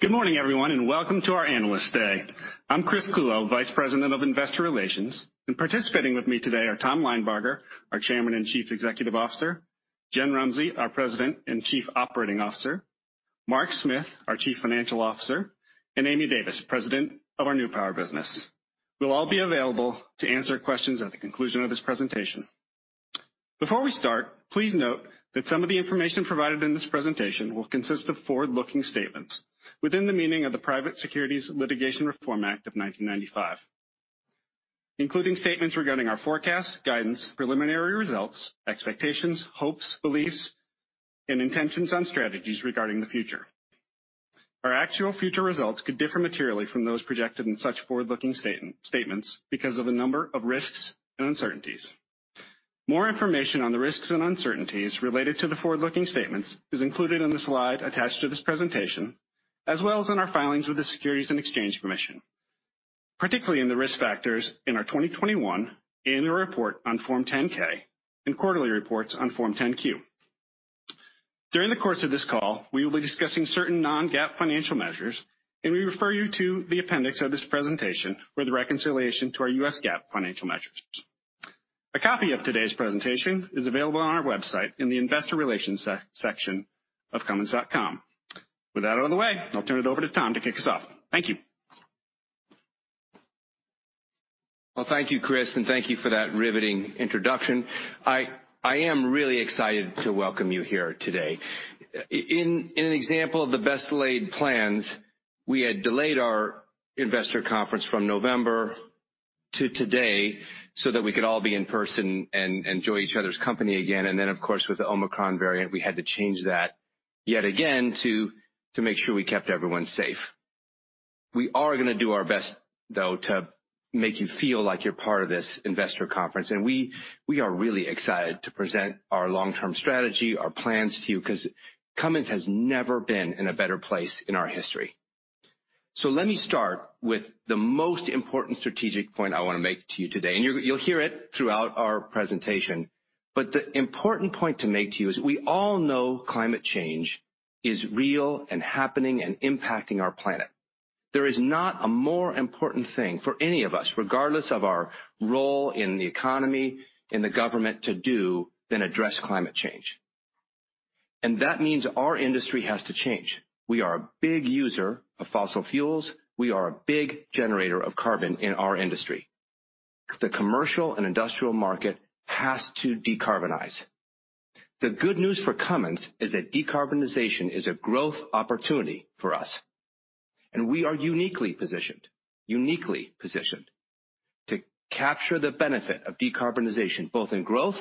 Good morning, everyone, and welcome to our Analyst Day. I'm Chris Clulow, Vice President of Investor Relations, and participating with me today are Tom Linebarger, our Chairman and Chief Executive Officer, Jen Rumsey, our President and Chief Operating Officer, Mark Smith, our Chief Financial Officer, and Amy Davis, President of our New Power business. We'll all be available to answer questions at the conclusion of this presentation. Before we start, please note that some of the information provided in this presentation will consist of forward-looking statements within the meaning of the Private Securities Litigation Reform Act of 1995, including statements regarding our forecast, guidance, preliminary results, expectations, hopes, beliefs, and intentions on strategies regarding the future. Our actual future results could differ materially from those projected in such forward-looking statements because of a number of risks and uncertainties. More information on the risks and uncertainties related to the forward-looking statements is included in the slide attached to this presentation, as well as in our filings with the Securities and Exchange Commission, particularly in the risk factors in our 2021 annual report on Form 10-K and quarterly reports on Form 10-Q. During the course of this call, we will be discussing certain non-GAAP financial measures, and we refer you to the appendix of this presentation for the reconciliation to our U.S. GAAP financial measures. A copy of today's presentation is available on our website in the Investor Relations section of cummins.com. With that out of the way, I'll turn it over to Tom to kick us off. Thank you. Well, thank you, Chris, and thank you for that riveting introduction. I am really excited to welcome you here today. In an example of the best laid plans, we had delayed our investor conference from November to today so that we could all be in person and enjoy each other's company again. Then, of course, with the Omicron variant, we had to change that yet again to make sure we kept everyone safe. We are gonna do our best, though, to make you feel like you're part of this investor conference, and we are really excited to present our long-term strategy, our plans to you, 'cause Cummins has never been in a better place in our history. Let me start with the most important strategic point I wanna make to you today, and you'll hear it throughout our presentation, but the important point to make to you is we all know climate change is real and happening and impacting our planet. There is not a more important thing for any of us, regardless of our role in the economy, in the government to do than address climate change, and that means our industry has to change. We are a big user of fossil fuels. We are a big generator of carbon in our industry. The commercial and industrial market has to decarbonize. The good news for Cummins is that decarbonization is a growth opportunity for us, and we are uniquely positioned to capture the benefit of decarbonization, both in growth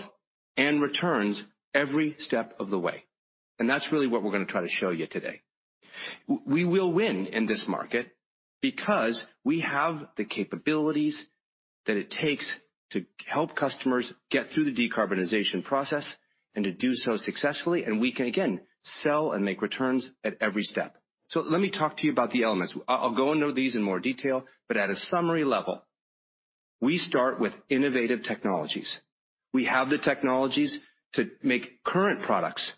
and returns every step of the way. That's really what we're gonna try to show you today. We will win in this market because we have the capabilities that it takes to help customers get through the decarbonization process and to do so successfully, and we can again, sell and make returns at every step. Let me talk to you about the elements. I'll go into these in more detail, but at a summary level, we start with innovative technologies. We have the technologies to make current products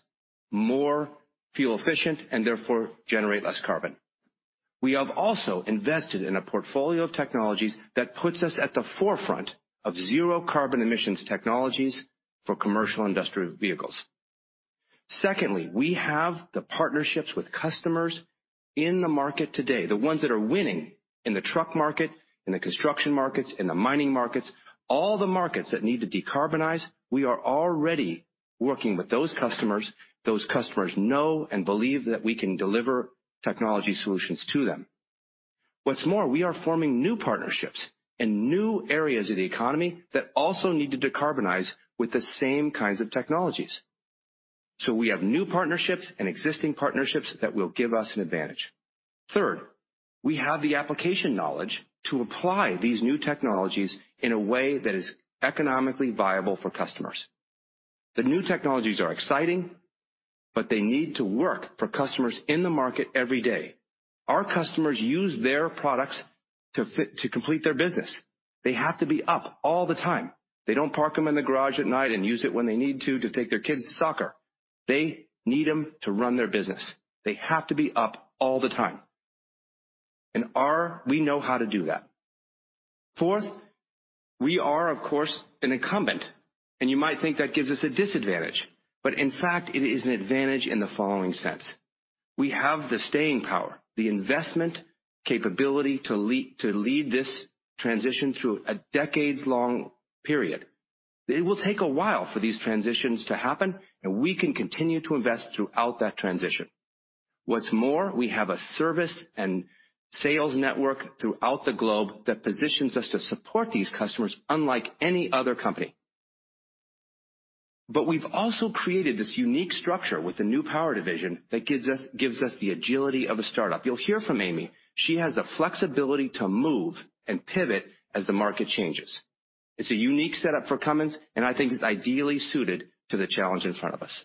more fuel efficient and therefore generate less carbon. We have also invested in a portfolio of technologies that puts us at the forefront of zero carbon emissions technologies for commercial industrial vehicles. Secondly, we have the partnerships with customers in the market today, the ones that are winning in the truck market, in the construction markets, in the mining markets, all the markets that need to decarbonize. We are already working with those customers. Those customers know and believe that we can deliver technology solutions to them. What's more, we are forming new partnerships in new areas of the economy that also need to decarbonize with the same kinds of technologies. We have new partnerships and existing partnerships that will give us an advantage. Third, we have the application knowledge to apply these new technologies in a way that is economically viable for customers. The new technologies are exciting, but they need to work for customers in the market every day. Our customers use their products to complete their business. They have to be up all the time. They don't park them in the garage at night and use it when they need to take their kids to soccer. They need them to run their business. They have to be up all the time. We know how to do that. Fourth, we are of course an incumbent, and you might think that gives us a disadvantage, but in fact it is an advantage in the following sense. We have the staying power, the investment capability to lead this transition through a decades-long period. It will take a while for these transitions to happen, and we can continue to invest throughout that transition. What's more, we have a service and sales network throughout the globe that positions us to support these customers unlike any other company. We've also created this unique structure with the New Power division that gives us the agility of a startup. You'll hear from Amy. She has the flexibility to move and pivot as the market changes. It's a unique setup for Cummins, and I think it's ideally suited to the challenge in front of us.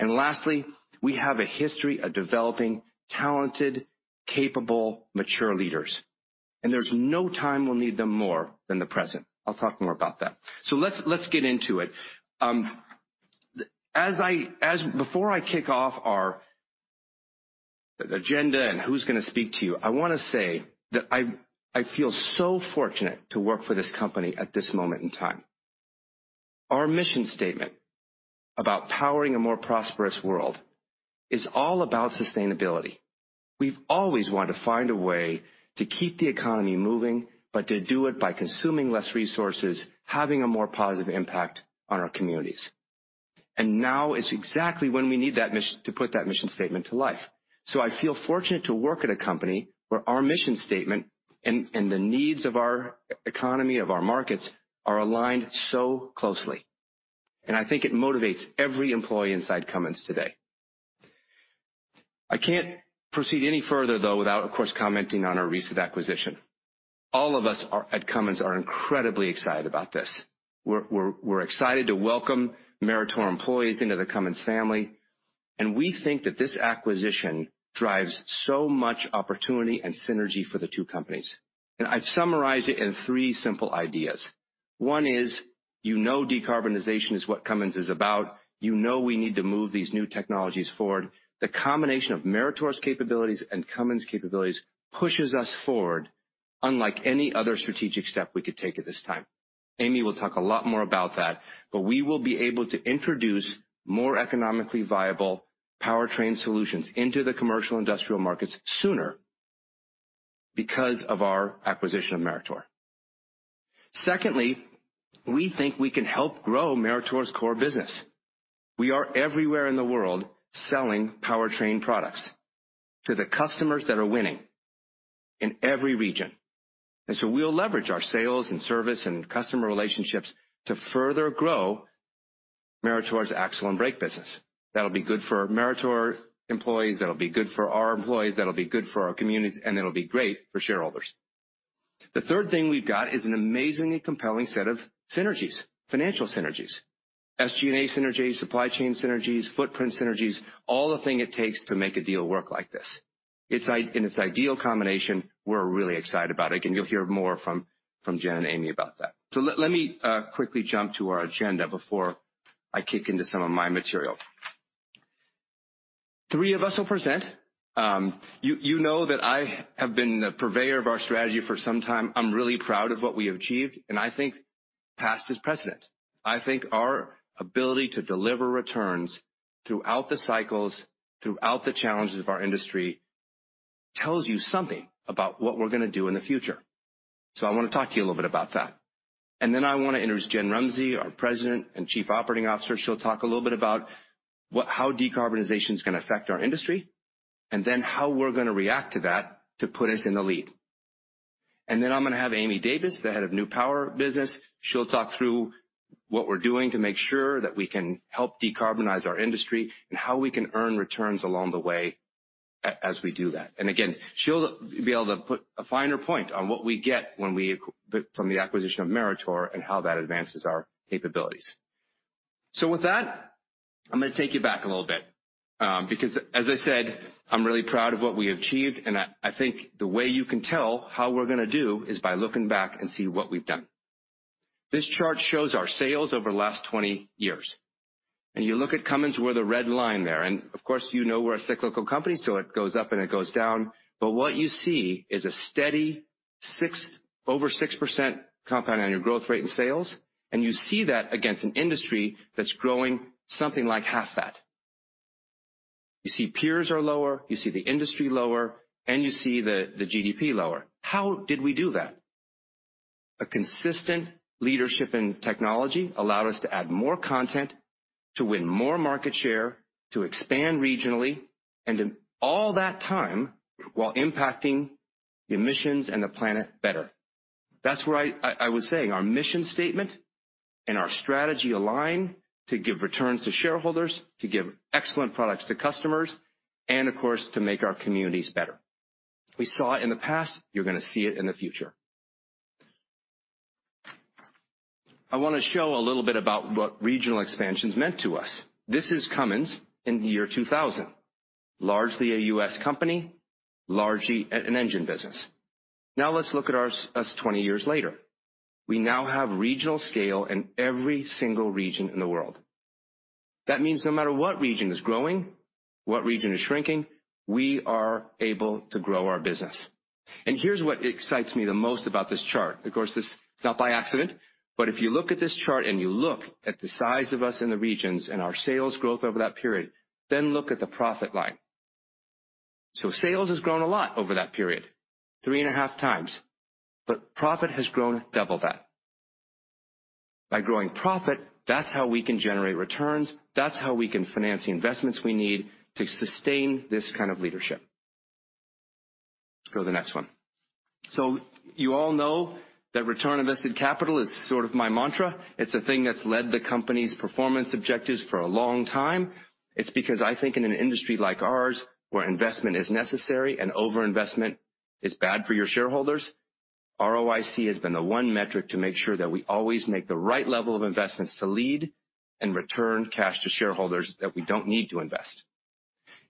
Lastly, we have a history of developing talented, capable, mature leaders, and there's no time we'll need them more than the present. I'll talk more about that. Let's get into it. Before I kick off our agenda and who's gonna speak to you, I wanna say that I feel so fortunate to work for this company at this moment in time. Our mission statement about powering a more prosperous world is all about sustainability. We've always wanted to find a way to keep the economy moving, but to do it by consuming less resources, having a more positive impact on our communities. Now is exactly when we need that to put that mission statement to life. I feel fortunate to work at a company where our mission statement and the needs of our economy, of our markets are aligned so closely, and I think it motivates every employee inside Cummins today. I can't proceed any further, though, without, of course, commenting on our recent acquisition. All of us at Cummins are incredibly excited about this. We're excited to welcome Meritor employees into the Cummins family, and we think that this acquisition drives so much opportunity and synergy for the two companies. I've summarized it in three simple ideas. One is, you know decarbonization is what Cummins is about. You know we need to move these new technologies forward. The combination of Meritor's capabilities and Cummins' capabilities pushes us forward unlike any other strategic step we could take at this time. Amy will talk a lot more about that, but we will be able to introduce more economically viable powertrain solutions into the commercial industrial markets sooner because of our acquisition of Meritor. Secondly, we think we can help grow Meritor's core business. We are everywhere in the world, selling powertrain products to the customers that are winning in every region. We'll leverage our sales and service and customer relationships to further grow Meritor's axle and brake business. That'll be good for Meritor employees, that'll be good for our employees, that'll be good for our communities, and it'll be great for shareholders. The third thing we've got is an amazingly compelling set of synergies, financial synergies, SG&A synergies, supply chain synergies, footprint synergies, all the things it takes to make a deal work like this. It's an ideal combination, we're really excited about it. Again, you'll hear more from Jen and Amy about that. Let me quickly jump to our agenda before I kick into some of my material. Three of us will present. You know that I have been the purveyor of our strategy for some time. I'm really proud of what we achieved, and I think past is precedent. I think our ability to deliver returns throughout the cycles, throughout the challenges of our industry tells you something about what we're gonna do in the future. I wanna talk to you a little bit about that. I wanna introduce Jen Rumsey, our President and Chief Operating Officer. She'll talk a little bit about how decarbonization is gonna affect our industry and then how we're gonna react to that to put us in the lead. I'm gonna have Amy Davis, the head of New Power business. She'll talk through what we're doing to make sure that we can help decarbonize our industry and how we can earn returns along the way as we do that. Again, she'll be able to put a finer point on what we get from the acquisition of Meritor and how that advances our capabilities. With that, I'm gonna take you back a little bit, because, as I said, I'm really proud of what we achieved, and I think the way you can tell how we're gonna do is by looking back and see what we've done. This chart shows our sales over the last 20 years. You look at Cummins, we're the red line there. Of course, you know we're a cyclical company, so it goes up and it goes down. What you see is a steady over 6% compound annual growth rate in sales, and you see that against an industry that's growing something like half that. You see peers are lower, you see the industry lower, and you see the GDP lower. How did we do that? A consistent leadership in technology allowed us to add more content, to win more market share, to expand regionally, and in all that time, while impacting emissions and the planet better. That's where I was saying our mission statement and our strategy align to give returns to shareholders, to give excellent products to customers and of course, to make our communities better. We saw it in the past, you're gonna see it in the future. I wanna show a little bit about what regional expansions meant to us. This is Cummins in the year 2000. Largely a U.S. company, largely an engine business. Now let's look at us 20 years later. We now have regional scale in every single region in the world. That means no matter what region is growing, what region is shrinking, we are able to grow our business. Here's what excites me the most about this chart. Of course, this is not by accident, but if you look at this chart and you look at the size of us in the regions and our sales growth over that period, then look at the profit line. Sales has grown a lot over that period, 3.5x. Profit has grown double that. By growing profit, that's how we can generate returns, that's how we can finance the investments we need to sustain this kind of leadership. Go to the next one. You all know that return on invested capital is sort of my mantra. It's a thing that's led the company's performance objectives for a long time. It's because I think in an industry like ours, where investment is necessary and overinvestment is bad for your shareholders, ROIC has been the one metric to make sure that we always make the right level of investments to lead and return cash to shareholders that we don't need to invest.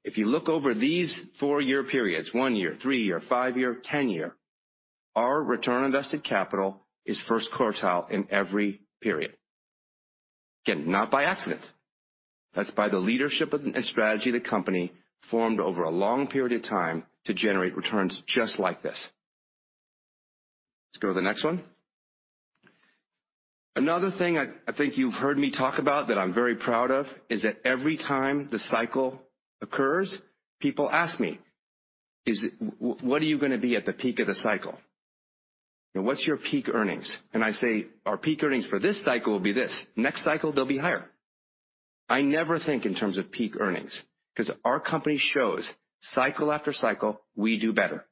If you look over these four-year periods, one-year, three-year, five-year, 10-year, our return on invested capital is first quartile in every period. Again, not by accident. That's by the leadership and strategy the company formed over a long period of time to generate returns just like this. Let's go to the next one. Another thing I think you've heard me talk about that I'm very proud of is that every time the cycle occurs, people ask me, "What are you gonna be at the peak of the cycle? What's your peak earnings?" And I say, "Our peak earnings for this cycle will be this. Next cycle, they'll be higher." I never think in terms of peak earnings 'cause our company shows cycle after cycle, we do better.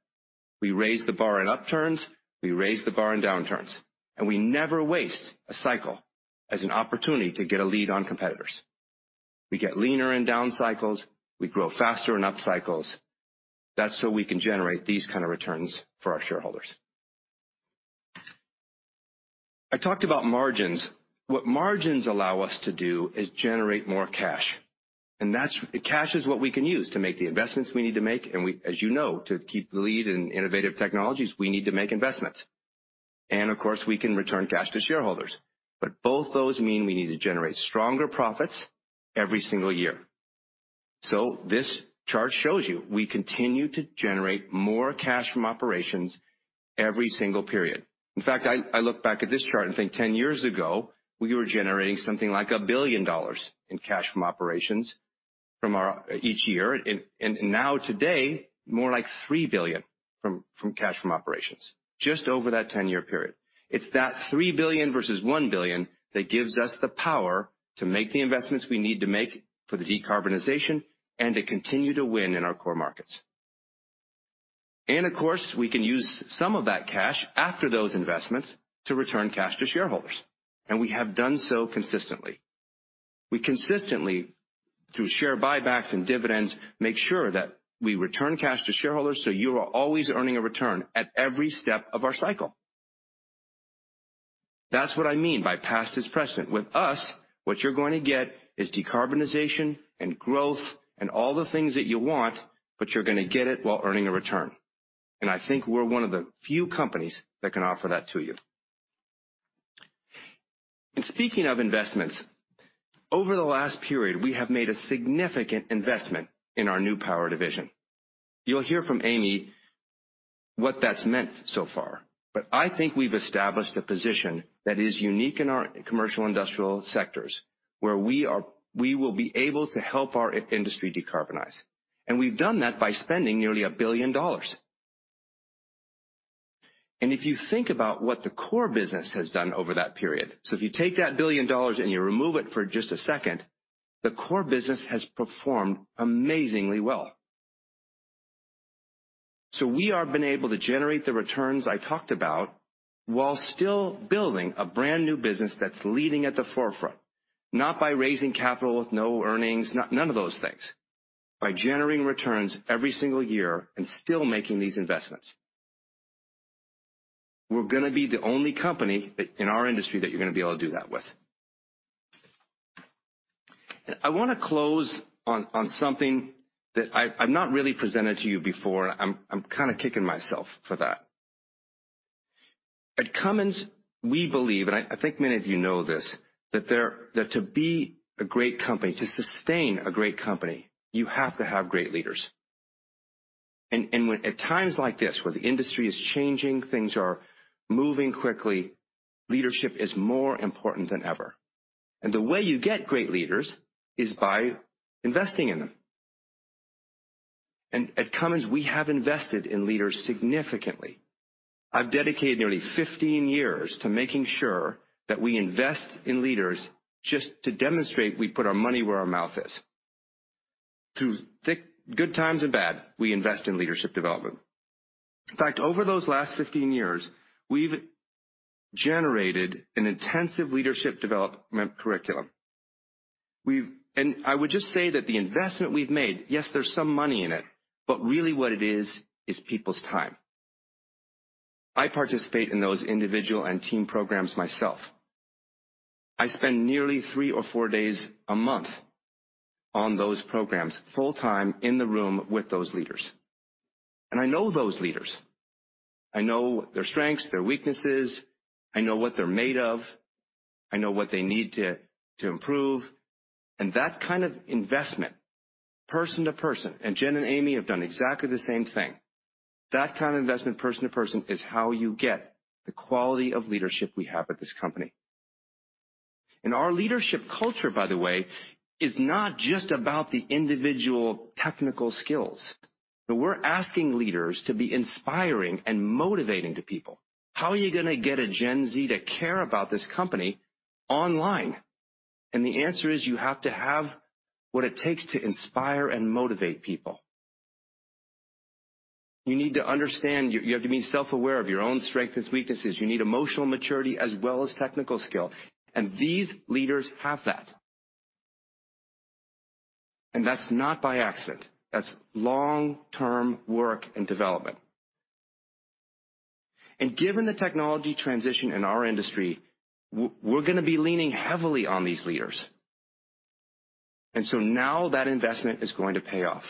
We raise the bar in upturns, we raise the bar in downturns, and we never waste a cycle as an opportunity to get a lead on competitors. We get leaner in down cycles. We grow faster in up cycles. That's so we can generate these kind of returns for our shareholders. I talked about margins. What margins allow us to do is generate more cash, and that's cash is what we can use to make the investments we need to make, and we, as you know, to keep the lead in innovative technologies, we need to make investments. Of course, we can return cash to shareholders. Both those mean we need to generate stronger profits every single year. This chart shows you we continue to generate more cash from operations every single period. In fact, I look back at this chart and think 10 years ago, we were generating something like $1 billion in cash from operations each year. Now today, more like $3 billion from cash from operations, just over that 10-year period. It's that $3 billion versus $1 billion that gives us the power to make the investments we need to make for the decarbonization and to continue to win in our core markets. Of course, we can use some of that cash after those investments to return cash to shareholders. We have done so consistently. We consistently, through share buybacks and dividends, make sure that we return cash to shareholders, so you are always earning a return at every step of our cycle. That's what I mean by past is precedent. With us, what you're going to get is decarbonization and growth and all the things that you want, but you're gonna get it while earning a return. I think we're one of the few companies that can offer that to you. Speaking of investments, over the last period, we have made a significant investment in our New Power division. You'll hear from Amy what that's meant so far. I think we've established a position that is unique in our commercial industrial sectors, where we will be able to help our industry decarbonize. We've done that by spending nearly $1 billion. If you think about what the core business has done over that period, so if you take that $1 billion and you remove it for just a second, the core business has performed amazingly well. We have been able to generate the returns I talked about while still building a brand new business that's leading at the forefront, not by raising capital with no earnings, none of those things, by generating returns every single year and still making these investments. We're gonna be the only company that in our industry that you're gonna be able to do that with. I wanna close on something that I've not really presented to you before. I'm kinda kicking myself for that. At Cummins, we believe, and I think many of you know this, that to be a great company, to sustain a great company, you have to have great leaders. At times like this, where the industry is changing, things are moving quickly, leadership is more important than ever. The way you get great leaders is by investing in them. At Cummins, we have invested in leaders significantly. I've dedicated nearly 15 years to making sure that we invest in leaders just to demonstrate we put our money where our mouth is. Through thick, good times and bad, we invest in leadership development. In fact, over those last 15 years, we've generated an intensive leadership development curriculum. I would just say that the investment we've made, yes, there's some money in it, but really what it is people's time. I participate in those individual and team programs myself. I spend nearly three or four days a month on those programs, full-time in the room with those leaders. I know those leaders. I know their strengths, their weaknesses. I know what they're made of. I know what they need to improve. That kind of investment, person to person, and Jen and Amy have done exactly the same thing. That kind of investment, person to person, is how you get the quality of leadership we have at this company. Our leadership culture, by the way, is not just about the individual technical skills, but we're asking leaders to be inspiring and motivating to people. How are you gonna get a Gen Z to care about this company online? The answer is you have to have what it takes to inspire and motivate people. You need to understand. You have to be self-aware of your own strengths and weaknesses. You need emotional maturity as well as technical skill. These leaders have that. That's not by accident. That's long-term work and development. Given the technology transition in our industry, we're gonna be leaning heavily on these leaders. Now that investment is going to pay off.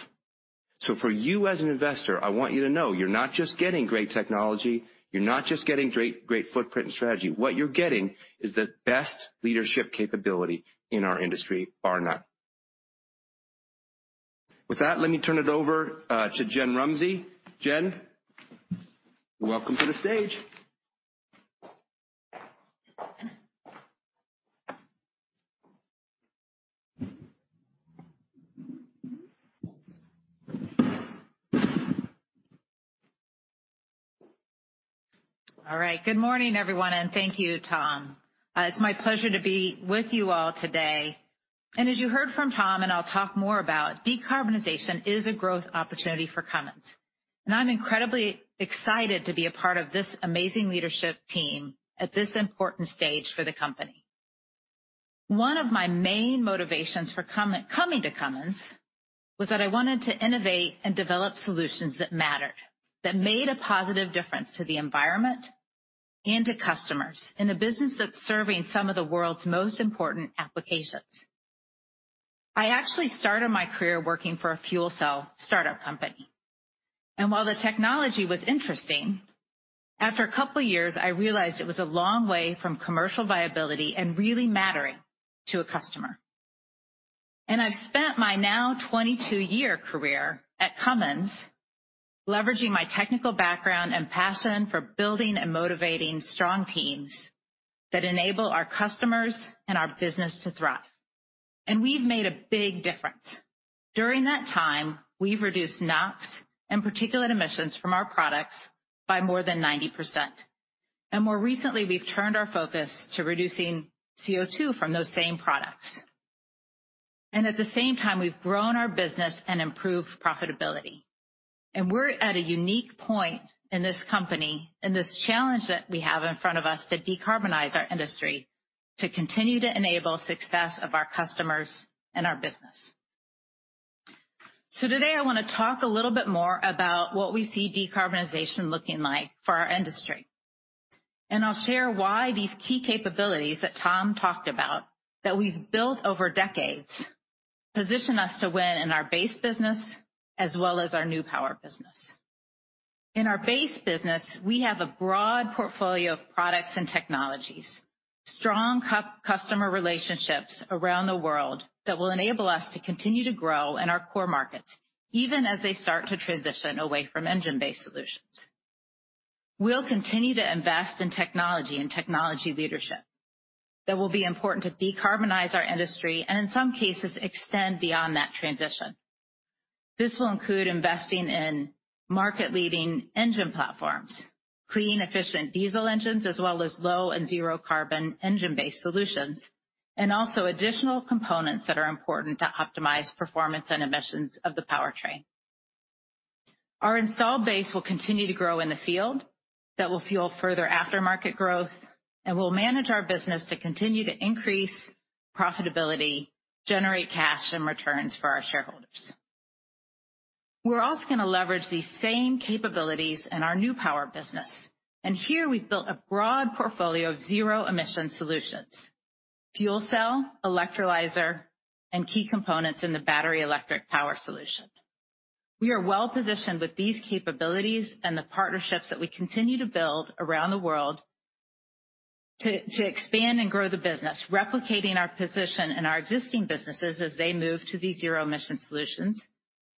For you as an investor, I want you to know you're not just getting great technology, you're not just getting great footprint and strategy, what you're getting is the best leadership capability in our industry, bar none. With that, let me turn it over to Jen Rumsey. Jen, welcome to the stage. All right. Good morning, everyone, and thank you, Tom. It's my pleasure to be with you all today. As you heard from Tom, and I'll talk more about, decarbonization is a growth opportunity for Cummins. I'm incredibly excited to be a part of this amazing leadership team at this important stage for the company. One of my main motivations for coming to Cummins was that I wanted to innovate and develop solutions that mattered, that made a positive difference to the environment and to customers in a business that's serving some of the world's most important applications. I actually started my career working for a fuel cell startup company. While the technology was interesting, after a couple years, I realized it was a long way from commercial viability and really mattering to a customer. I've spent my now 22-year career at Cummins leveraging my technical background and passion for building and motivating strong teams that enable our customers and our business to thrive. We've made a big difference. During that time, we've reduced NOx and particulate emissions from our products by more than 90%. More recently, we've turned our focus to reducing CO2 from those same products. At the same time, we've grown our business and improved profitability. We're at a unique point in this company and this challenge that we have in front of us to decarbonize our industry to continue to enable success of our customers and our business. Today I wanna talk a little bit more about what we see decarbonization looking like for our industry. I'll share why these key capabilities that Tom talked about, that we've built over decades, position us to win in our base business as well as our New Power business. In our base business, we have a broad portfolio of products and technologies, strong customer relationships around the world that will enable us to continue to grow in our core markets, even as they start to transition away from engine-based solutions. We'll continue to invest in technology and technology leadership that will be important to decarbonize our industry and in some cases extend beyond that transition. This will include investing in market-leading engine platforms, clean, efficient diesel engines, as well as low and zero carbon engine-based solutions, and also additional components that are important to optimize performance and emissions of the powertrain. Our install base will continue to grow in the field that will fuel further aftermarket growth, and we'll manage our business to continue to increase profitability, generate cash and returns for our shareholders. We're also gonna leverage these same capabilities in our New Power business. Here we've built a broad portfolio of zero-emission solutions, fuel cell, electrolyzer, and key components in the battery electric power solution. We are well-positioned with these capabilities and the partnerships that we continue to build around the world to expand and grow the business, replicating our position in our existing businesses as they move to these zero-emission solutions,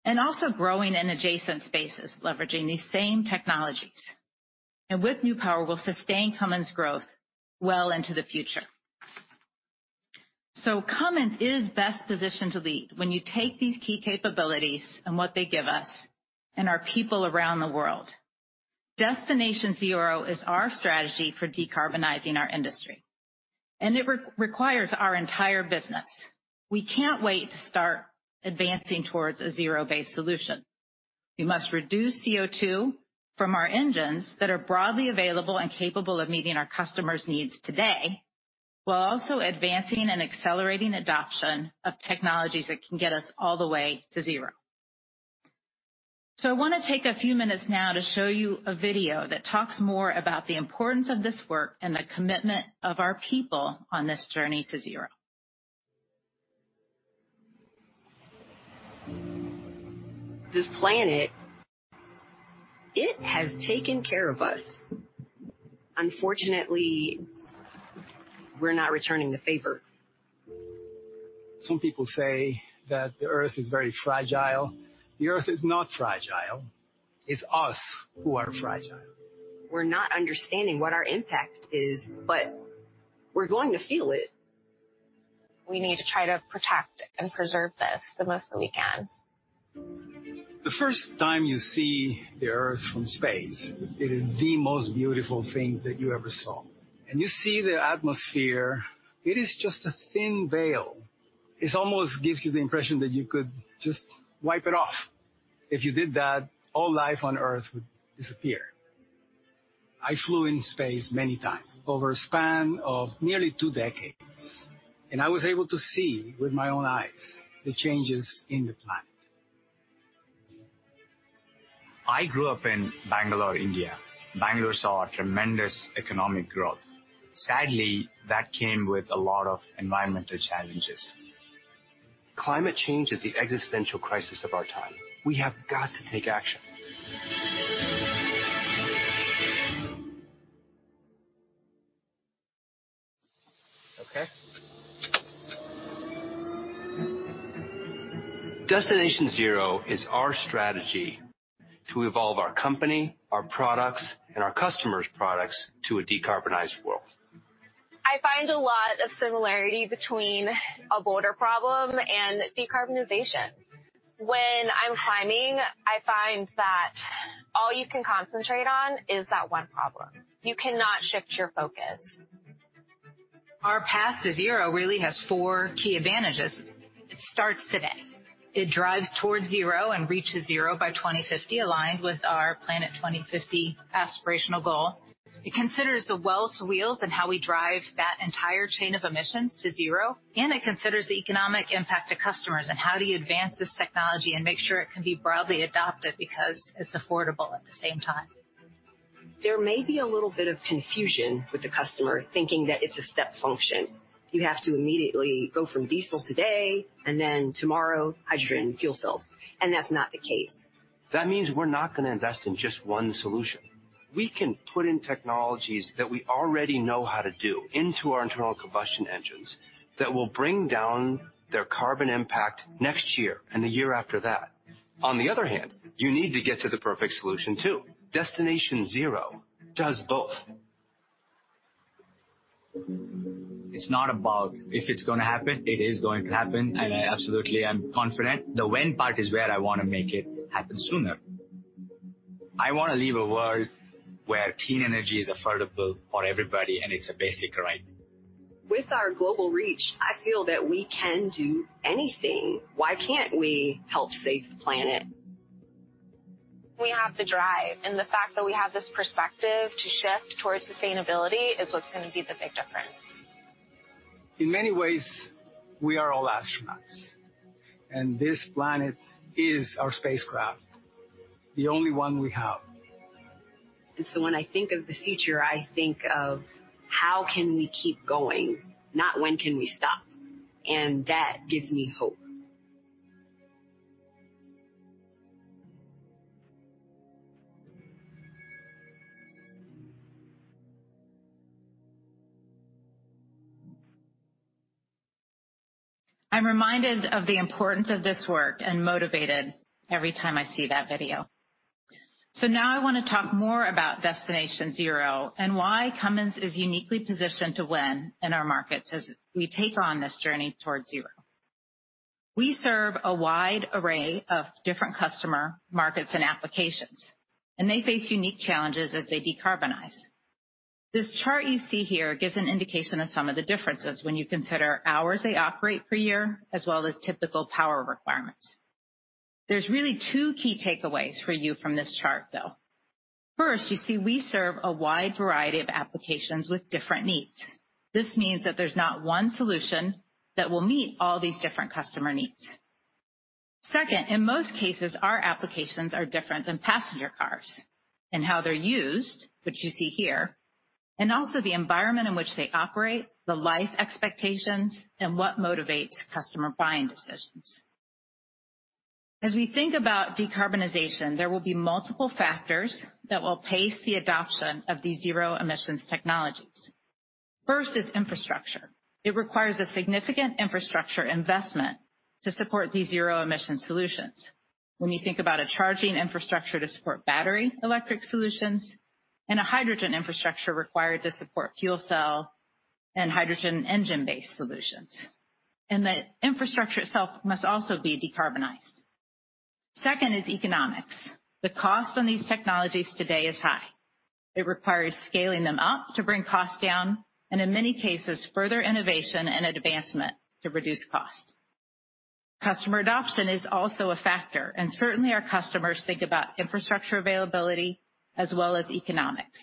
and also growing in adjacent spaces, leveraging these same technologies. With New Power, we'll sustain Cummins' growth well into the future. Cummins is best positioned to lead when you take these key capabilities and what they give us and our people around the world. Destination Zero is our strategy for decarbonizing our industry, and it requires our entire business. We can't wait to start advancing towards a zero-based solution. We must reduce CO2 from our engines that are broadly available and capable of meeting our customers' needs today, while also advancing and accelerating adoption of technologies that can get us all the way to zero. I wanna take a few minutes now to show you a video that talks more about the importance of this work and the commitment of our people on this journey to zero. This planet, it has taken care of us. Unfortunately, we're not returning the favor. Some people say that the Earth is very fragile. The Earth is not fragile. It's us who are fragile. We're not understanding what our impact is, but we're going to feel it. We need to try to protect and preserve this the most that we can. The first time you see the Earth from space, it is the most beautiful thing that you ever saw. You see the atmosphere, it is just a thin veil. It almost gives you the impression that you could just wipe it off. If you did that, all life on Earth would disappear. I flew in space many times over a span of nearly two decades, and I was able to see with my own eyes the changes in the planet. I grew up in Bengaluru, India. Bengaluru saw tremendous economic growth. Sadly, that came with a lot of environmental challenges. Climate change is the existential crisis of our time. We have got to take action. Okay. Destination Zero is our strategy to evolve our company, our products, and our customers' products to a decarbonized world. I find a lot of similarity between a boulder problem and decarbonization. When I'm climbing, I find that all you can concentrate on is that one problem. You cannot shift your focus. Our path to zero really has four key advantages. It starts today. It drives towards zero and reaches zero by 2050, aligned with our PLANET 2050 aspirational goal. It considers the well-to-wheels and how we drive that entire chain of emissions to zero. It considers the economic impact to customers and how do you advance this technology and make sure it can be broadly adopted because it's affordable at the same time. There may be a little bit of confusion with the customer thinking that it's a step function. You have to immediately go from diesel today and then tomorrow, hydrogen fuel cells, and that's not the case. That means we're not gonna invest in just one solution. We can put in technologies that we already know how to do into our internal combustion engines that will bring down their carbon impact next year and the year after that. On the other hand, you need to get to the perfect solution too. Destination Zero does both. It's not about if it's gonna happen, it is going to happen, and I absolutely am confident. The when part is where I wanna make it happen sooner. I wanna leave a world where clean energy is affordable for everybody, and it's a basic right. With our global reach, I feel that we can do anything. Why can't we help save the planet? We have the drive, and the fact that we have this perspective to shift towards sustainability is what's gonna be the big difference. In many ways, we are all astronauts. This planet is our spacecraft, the only one we have. When I think of the future, I think of how can we keep going, not when can we stop? That gives me hope. I'm reminded of the importance of this work and motivated every time I see that video. Now I wanna talk more about Destination Zero and why Cummins is uniquely positioned to win in our markets as we take on this journey towards zero. We serve a wide array of different customer markets and applications, and they face unique challenges as they decarbonize. This chart you see here gives an indication of some of the differences when you consider hours they operate per year as well as typical power requirements. There's really two key takeaways for you from this chart, though. First, you see we serve a wide variety of applications with different needs. This means that there's not one solution that will meet all these different customer needs. Second, in most cases, our applications are different than passenger cars in how they're used, which you see here, and also the environment in which they operate, the life expectations, and what motivates customer buying decisions. As we think about decarbonization, there will be multiple factors that will pace the adoption of these zero-emissions technologies. First is infrastructure. It requires a significant infrastructure investment to support these zero-emission solutions, when you think about a charging infrastructure to support battery electric solutions and a hydrogen infrastructure required to support fuel cell and hydrogen engine-based solutions. The infrastructure itself must also be decarbonized. Second is economics. The cost on these technologies today is high. It requires scaling them up to bring costs down, and in many cases, further innovation and advancement to reduce cost. Customer adoption is also a factor, and certainly, our customers think about infrastructure availability as well as economics.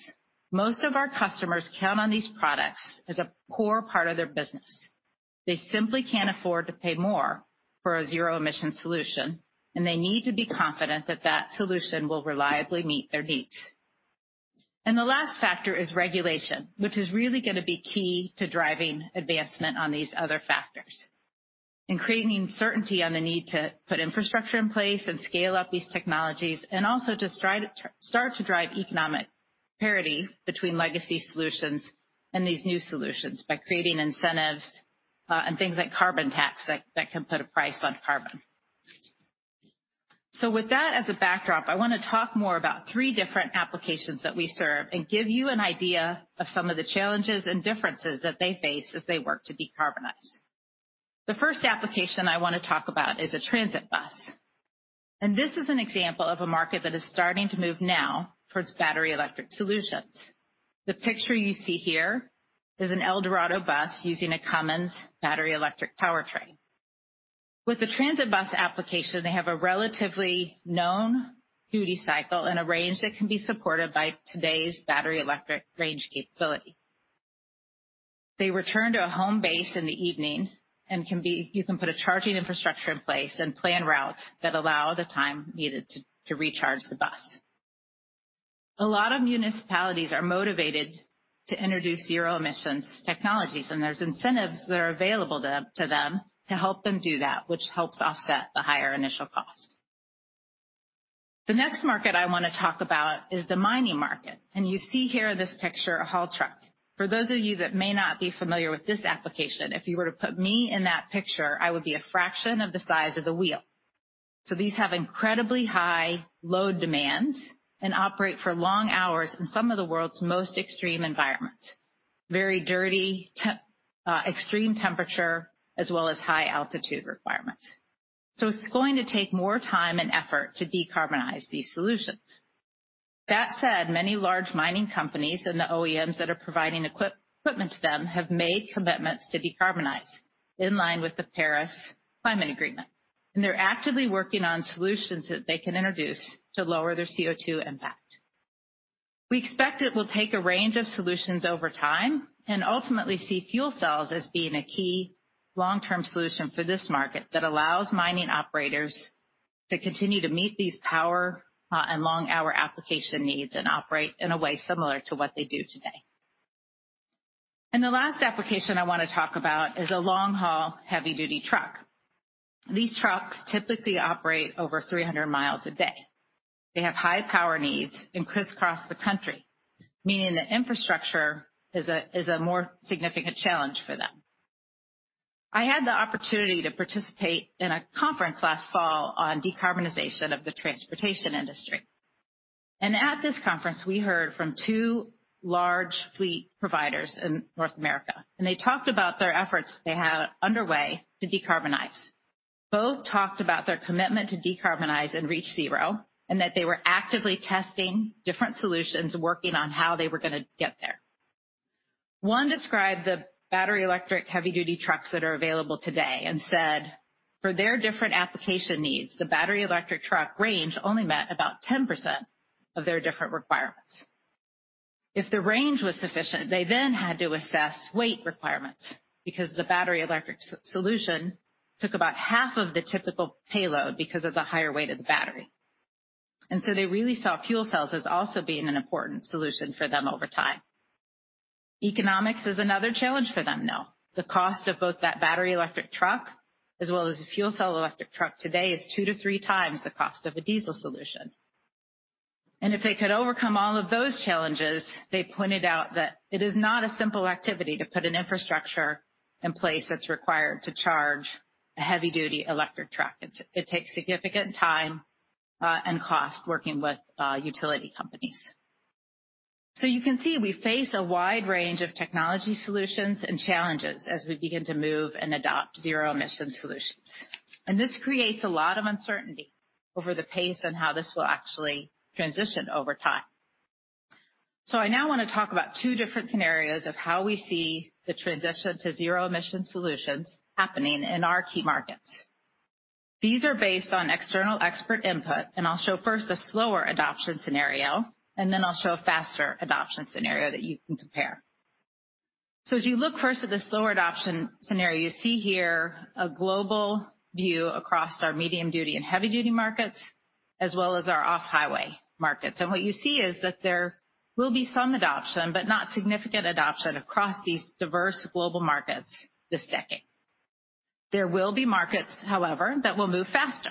Most of our customers count on these products as a core part of their business. They simply can't afford to pay more for a zero-emission solution, and they need to be confident that that solution will reliably meet their needs. The last factor is regulation, which is really gonna be key to driving advancement on these other factors and creating certainty on the need to put infrastructure in place and scale up these technologies and also to start to drive economic parity between legacy solutions and these new solutions by creating incentives, and things like carbon tax that can put a price on carbon. With that as a backdrop, I wanna talk more about three different applications that we serve and give you an idea of some of the challenges and differences that they face as they work to decarbonize. The first application I wanna talk about is a transit bus, and this is an example of a market that is starting to move now towards battery electric solutions. The picture you see here is an ElDorado bus using a Cummins battery electric powertrain. With the transit bus application, they have a relatively known duty cycle and a range that can be supported by today's battery electric range capability. They return to a home base in the evening and you can put a charging infrastructure in place and plan routes that allow the time needed to recharge the bus. A lot of municipalities are motivated to introduce zero emissions technologies, and there's incentives that are available to them to help them do that, which helps offset the higher initial cost. The next market I wanna talk about is the mining market. You see here in this picture a haul truck. For those of you that may not be familiar with this application, if you were to put me in that picture, I would be a fraction of the size of the wheel. These have incredibly high load demands and operate for long hours in some of the world's most extreme environments, very dirty, extreme temperature as well as high altitude requirements. It's going to take more time and effort to decarbonize these solutions. That said, many large mining companies and the OEMs that are providing equipment to them have made commitments to decarbonize in line with the Paris Agreement, and they're actively working on solutions that they can introduce to lower their CO2 impact. We expect it will take a range of solutions over time and ultimately see fuel cells as being a key long-term solution for this market that allows mining operators to continue to meet these power and long-hour application needs and operate in a way similar to what they do today. The last application I wanna talk about is a long-haul heavy-duty truck. These trucks typically operate over 300 miles a day. They have high power needs and crisscross the country, meaning the infrastructure is a more significant challenge for them. I had the opportunity to participate in a conference last fall on decarbonization of the transportation industry. At this conference we heard from two large fleet providers in North America, and they talked about their efforts they had underway to decarbonize. Both talked about their commitment to decarbonize and reach zero, and that they were actively testing different solutions, working on how they were gonna get there. One described the battery electric heavy duty trucks that are available today and said, for their different application needs, the battery electric truck range only met about 10% of their different requirements. If the range was sufficient, they then had to assess weight requirements because the battery electric so-solution took about half of the typical payload because of the higher weight of the battery. They really saw fuel cells as also being an important solution for them over time. Economics is another challenge for them, though. The cost of both that battery electric truck as well as a fuel cell electric truck today is 2-3x the cost of a diesel solution. If they could overcome all of those challenges, they pointed out that it is not a simple activity to put an infrastructure in place that's required to charge a heavy-duty electric truck. It takes significant time and cost working with utility companies. You can see we face a wide range of technology solutions and challenges as we begin to move and adopt zero-emission solutions. This creates a lot of uncertainty over the pace and how this will actually transition over time. I now wanna talk about two different scenarios of how we see the transition to zero-emission solutions happening in our key markets. These are based on external expert input, and I'll show first a slower adoption scenario, and then I'll show a faster adoption scenario that you can compare. As you look first at the slower adoption scenario, you see here a global view across our medium-duty and heavy-duty markets as well as our off-highway markets. What you see is that there will be some adoption, but not significant adoption across these diverse global markets this decade. There will be markets, however, that will move faster,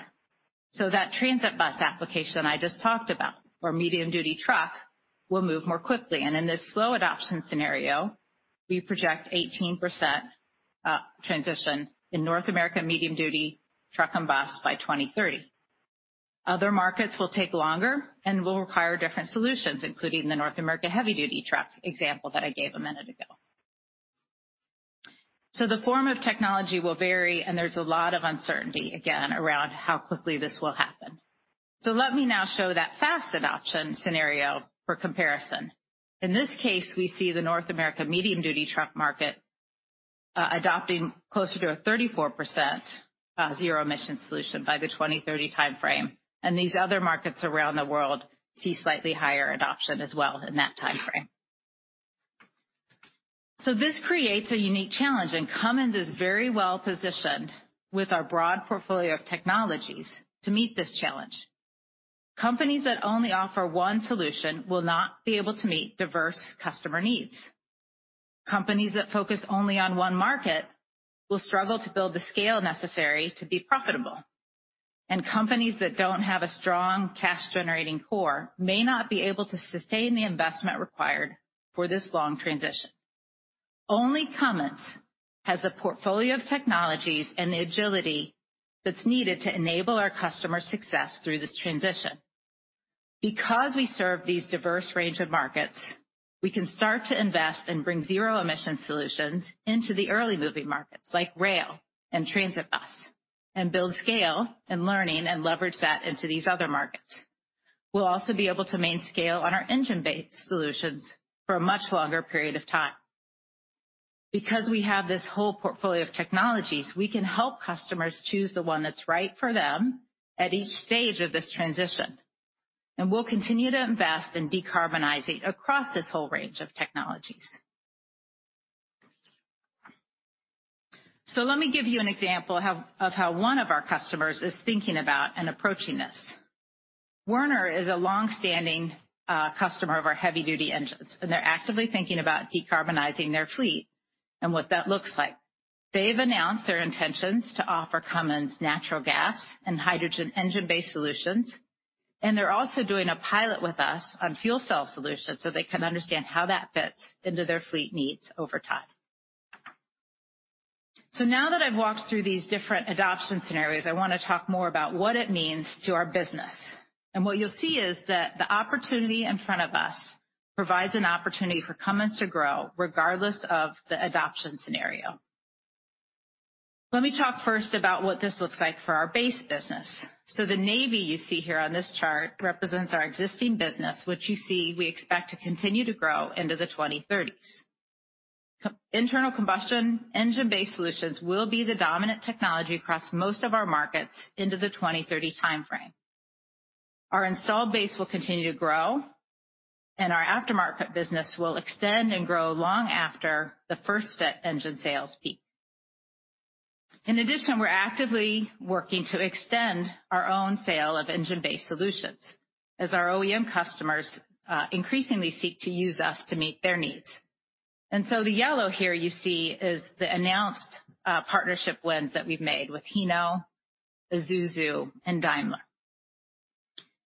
so that transit bus application I just talked about where medium-duty truck will move more quickly. In this slow adoption scenario, we project 18% transition in North America medium-duty truck and bus by 2030. Other markets will take longer and will require different solutions, including the North America heavy-duty truck example that I gave a minute ago. The form of technology will vary, and there's a lot of uncertainty again around how quickly this will happen. Let me now show that fast adoption scenario for comparison. In this case, we see the North America medium-duty truck market adopting closer to a 34% zero-emission solution by the 2030 timeframe. These other markets around the world see slightly higher adoption as well in that timeframe. This creates a unique challenge, and Cummins is very well positioned with our broad portfolio of technologies to meet this challenge. Companies that only offer one solution will not be able to meet diverse customer needs. Companies that focus only on one market will struggle to build the scale necessary to be profitable. Companies that don't have a strong cash-generating core may not be able to sustain the investment required for this long transition. Only Cummins has the portfolio of technologies and the agility that's needed to enable our customer success through this transition. Because we serve this diverse range of markets, we can start to invest and bring zero-emission solutions into the early-moving markets like rail and transit bus and build scale and learning and leverage that into these other markets. We'll also be able to maintain scale on our engine-based solutions for a much longer period of time. Because we have this whole portfolio of technologies, we can help customers choose the one that's right for them at each stage of this transition. We'll continue to invest in decarbonizing across this whole range of technologies. Let me give you an example of how one of our customers is thinking about and approaching this. Werner is a long-standing customer of our heavy-duty engines, and they're actively thinking about decarbonizing their fleet and what that looks like. They've announced their intentions to offer Cummins natural gas and hydrogen engine-based solutions, and they're also doing a pilot with us on fuel cell solutions so they can understand how that fits into their fleet needs over time. Now that I've walked through these different adoption scenarios, I wanna talk more about what it means to our business. What you'll see is that the opportunity in front of us provides an opportunity for Cummins to grow regardless of the adoption scenario. Let me talk first about what this looks like for our base business. The navy you see here on this chart represents our existing business, which you see we expect to continue to grow into the 2030s. Internal combustion engine-based solutions will be the dominant technology across most of our markets into the 2030 timeframe. Our installed base will continue to grow, and our aftermarket business will extend and grow long after the first engine sales peak. In addition, we're actively working to extend our own sale of engine-based solutions as our OEM customers increasingly seek to use us to meet their needs. The yellow here you see is the announced partnership wins that we've made with Hino, Isuzu, and Daimler.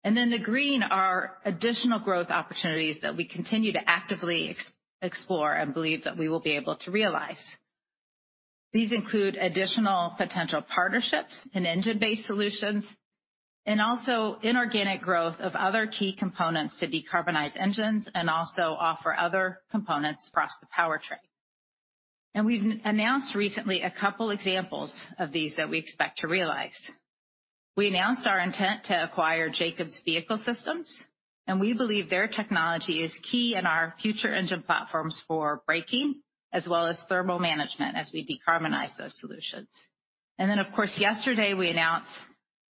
The green are additional growth opportunities that we continue to actively explore and believe that we will be able to realize. These include additional potential partnerships in engine-based solutions and also inorganic growth of other key components to decarbonize engines and also offer other components across the powertrain. We've announced recently a couple examples of these that we expect to realize. We announced our intent to acquire Jacobs Vehicle Systems, and we believe their technology is key in our future engine platforms for braking as well as thermal management as we decarbonize those solutions. Of course, yesterday, we announced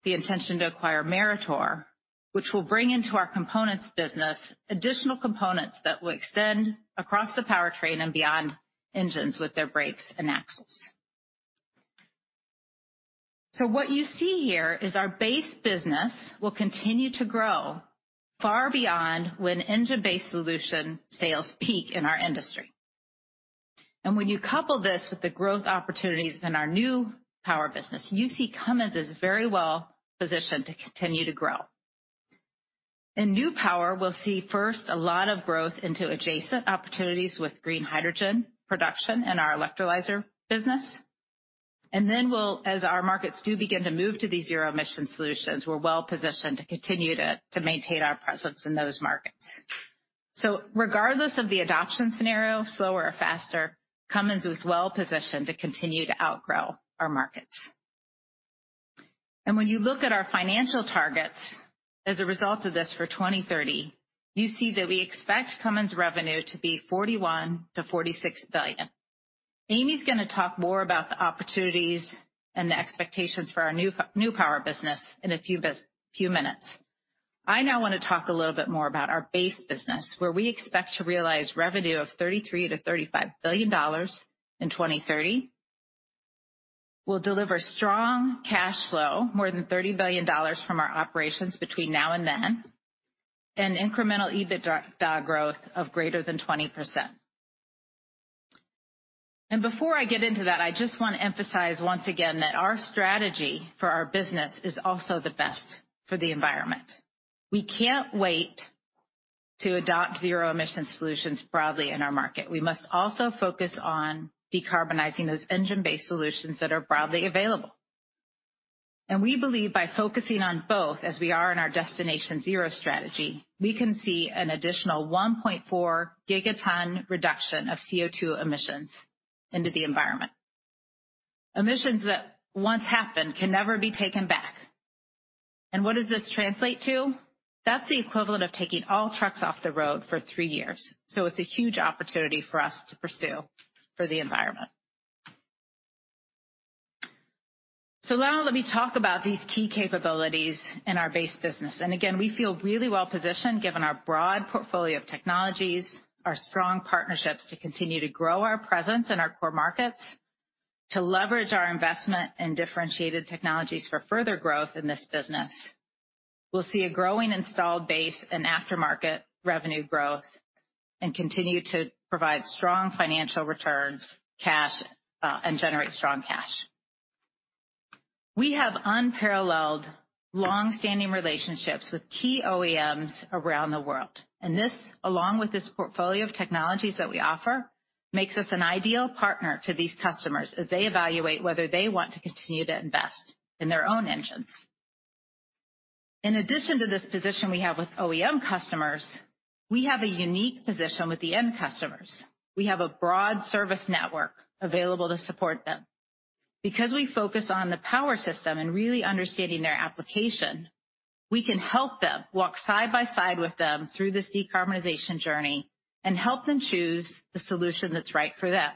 the intention to acquire Meritor, which will bring into our components business additional components that will extend across the powertrain and beyond engines with their brakes and axles. What you see here is our base business will continue to grow far beyond when engine-based solution sales peak in our industry. When you couple this with the growth opportunities in our new power business, you see Cummins is very well-positioned to continue to grow. In new power, we'll see first a lot of growth into adjacent opportunities with green hydrogen production and our electrolyzer business. As our markets do begin to move to these zero-emission solutions, we're well-positioned to continue to maintain our presence in those markets. Regardless of the adoption scenario, slower or faster, Cummins is well-positioned to continue to outgrow our markets. When you look at our financial targets as a result of this for 2030, you see that we expect Cummins revenue to be $41 billion-$46 billion. Amy's gonna talk more about the opportunities and the expectations for our new power business in a few minutes. I now wanna talk a little bit more about our base business, where we expect to realize revenue of $33 billion-$35 billion in 2030. We'll deliver strong cash flow, more than $30 billion from our operations between now and then, and incremental EBITDA growth of greater than 20%. Before I get into that, I just wanna emphasize once again that our strategy for our business is also the best for the environment. We can't wait to adopt zero-emission solutions broadly in our market. We must also focus on decarbonizing those engine-based solutions that are broadly available. We believe by focusing on both as we are in our Destination Zero strategy, we can see an additional 1.4 gigaton reduction of CO2 emissions into the environment. Emissions that once happen can never be taken back. What does this translate to? That's the equivalent of taking all trucks off the road for three years. It's a huge opportunity for us to pursue for the environment. Now let me talk about these key capabilities in our base business. Again, we feel really well-positioned given our broad portfolio of technologies, our strong partnerships to continue to grow our presence in our core markets, to leverage our investment in differentiated technologies for further growth in this business. We'll see a growing installed base and aftermarket revenue growth and continue to provide strong financial returns, cash, and generate strong cash. We have unparalleled long-standing relationships with key OEMs around the world. And this, along with this portfolio of technologies that we offer, makes us an ideal partner to these customers as they evaluate whether they want to continue to invest in their own engines. In addition to this position we have with OEM customers, we have a unique position with the end customers. We have a broad service network available to support them. Because we focus on the power system and really understanding their application, we can help them walk side by side with them through this decarbonization journey and help them choose the solution that's right for them.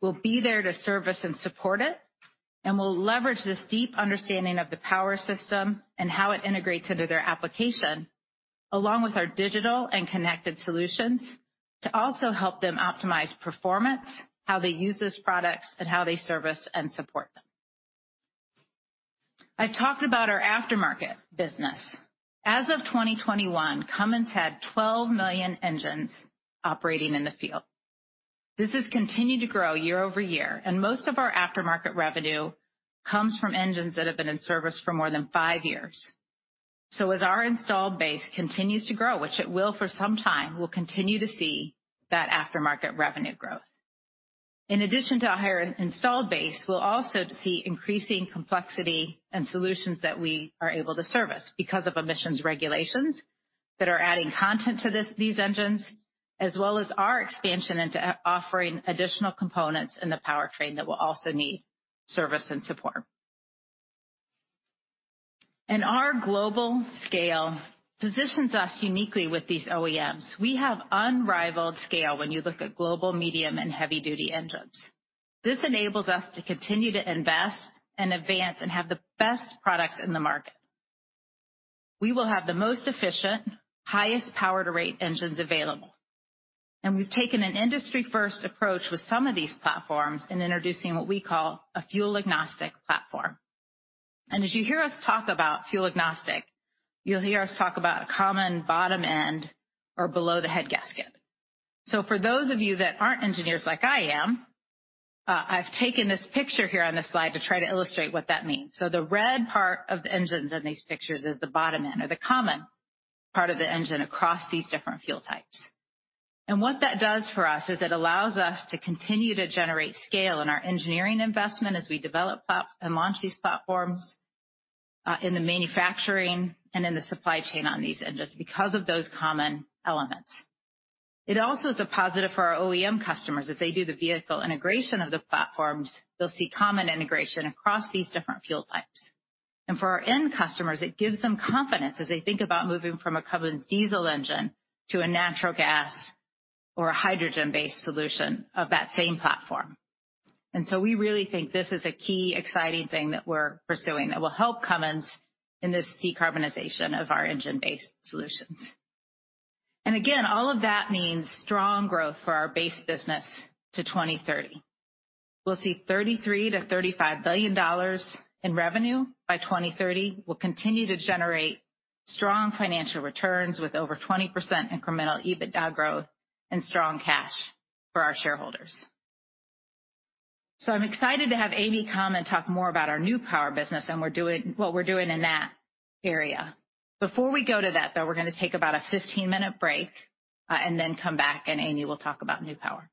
We'll be there to service and support it, and we'll leverage this deep understanding of the power system and how it integrates into their application, along with our digital and connected solutions, to also help them optimize performance, how they use these products, and how they service and support them. I've talked about our aftermarket business. As of 2021, Cummins had 12 million engines operating in the field. This has continued to grow year-over-year, and most of our aftermarket revenue comes from engines that have been in service for more than five years. As our installed base continues to grow, which it will for some time, we'll continue to see that aftermarket revenue growth. In addition to a higher installed base, we'll also see increasing complexity and solutions that we are able to service because of emissions regulations that are adding content to these engines, as well as our expansion into offering additional components in the powertrain that will also need service and support. Our global scale positions us uniquely with these OEMs. We have unrivaled scale when you look at global, medium, and heavy-duty engines. This enables us to continue to invest and advance and have the best products in the market. We will have the most efficient, highest power-to-rate engines available, and we've taken an industry-first approach with some of these platforms in introducing what we call a fuel agnostic platform. As you hear us talk about fuel agnostic, you'll hear us talk about a common bottom end or below the head gasket. For those of you that aren't engineers like I am, I've taken this picture here on this slide to try to illustrate what that means. The red part of the engines in these pictures is the bottom end or the common part of the engine across these different fuel types. What that does for us is it allows us to continue to generate scale in our engineering investment as we develop and launch these platforms in the manufacturing and in the supply chain on these engines because of those common elements. It also is a positive for our OEM customers. As they do the vehicle integration of the platforms, they'll see common integration across these different fuel types. For our end customers, it gives them confidence as they think about moving from a Cummins diesel engine to a natural gas or a hydrogen-based solution of that same platform. We really think this is a key, exciting thing that we're pursuing that will help Cummins in this decarbonization of our engine-based solutions. Again, all of that means strong growth for our base business to 2030. We'll see $33 billion-$35 billion in revenue by 2030. We'll continue to generate strong financial returns with over 20% incremental EBITDA growth and strong cash for our shareholders. I'm excited to have Amy come and talk more about our new power business and what we're doing in that area. Before we go to that, though, we're gonna take about a 15-minute break, and then come back and Amy will talk about New Power.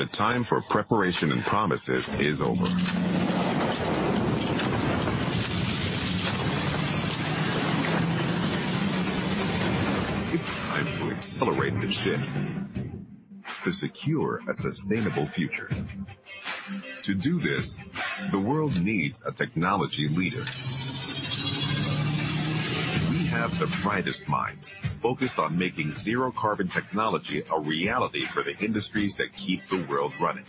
The time for preparation and promises is over. It's time to accelerate the shift to secure a sustainable future. To do this, the world needs a technology leader. We have the brightest minds focused on making zero carbon technology a reality for the industries that keep the world running.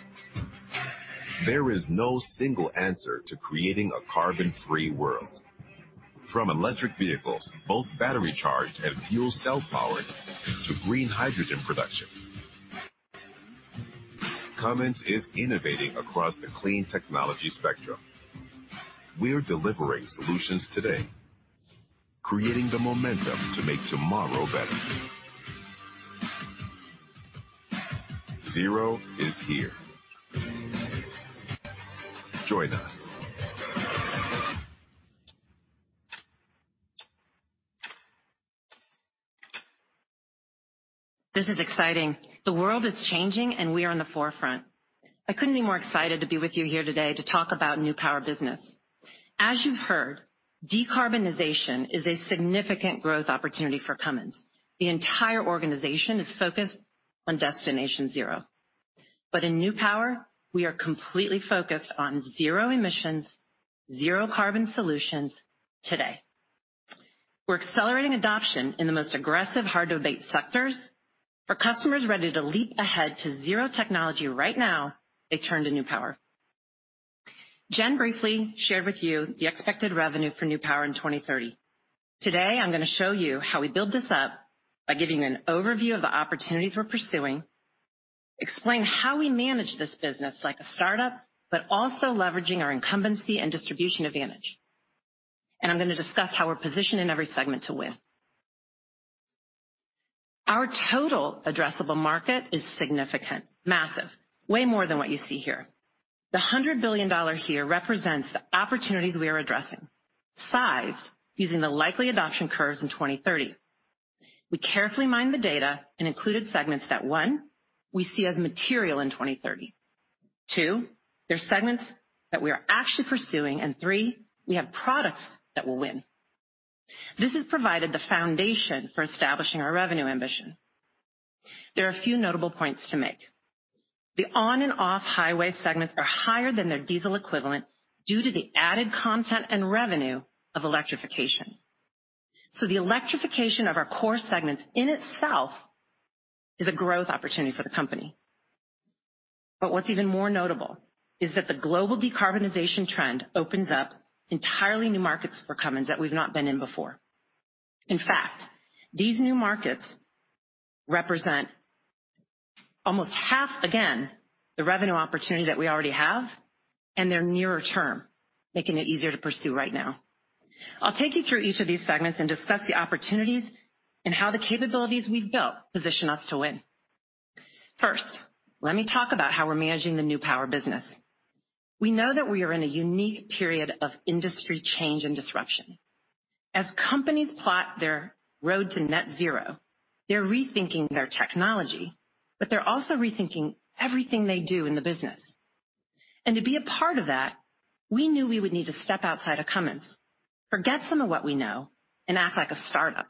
There is no single answer to creating a carbon-free world. From electric vehicles, both battery charged and fuel cell powered, to green hydrogen production, Cummins is innovating across the clean technology spectrum. We'redelivering solutions today, creating the momentum to make tomorrow better. Zero is here. Join us. This is exciting. The world is changing, and we are on the forefront. I couldn't be more excited to be with you here today to talk about New Power business. As you've heard, decarbonization is a significant growth opportunity for Cummins. The entire organization is focused on Destination Zero, but in New Power we are completely focused on zero emissions, zero carbon solutions today. We're accelerating adoption in the most aggressive hard to abate sectors. For customers ready to leap ahead to zero technology right now, they turn to New Power. Jen briefly shared with you the expected revenue for New Power in 2030. Today, I'm gonna show you how we build this up by giving an overview of the opportunities we're pursuing, explain how we manage this business like a start-up, but also leveraging our incumbency and distribution advantage. I'm gonna discuss how we're positioned in every segment to win. Our total addressable market is significant, massive, way more than what you see here. The $100 billion here represents the opportunities we are addressing, sized using the likely adoption curves in 2030. We carefully mined the data and included segments that, one, we see as material in 2030. Two, they're segments that we are actually pursuing. And three, we have products that will win. This has provided the foundation for establishing our revenue ambition. There are a few notable points to make. The on and off highway segments are higher than their diesel equivalent due to the added content and revenue of electrification. The electrification of our core segments in itself is a growth opportunity for the company. What's even more notable is that the global decarbonization trend opens up entirely new markets for Cummins that we've not been in before. In fact, these new markets represent almost half, again, the revenue opportunity that we already have, and they're nearer term, making it easier to pursue right now. I'll take you through each of these segments and discuss the opportunities and how the capabilities we've built position us to win. First, let me talk about how we're managing the New Power business. We know that we are in a unique period of industry change and disruption. As companies plot their road to net zero, they're rethinking their technology, but they're also rethinking everything they do in the business. To be a part of that, we knew we would need to step outside of Cummins, forget some of what we know, and act like a start-up,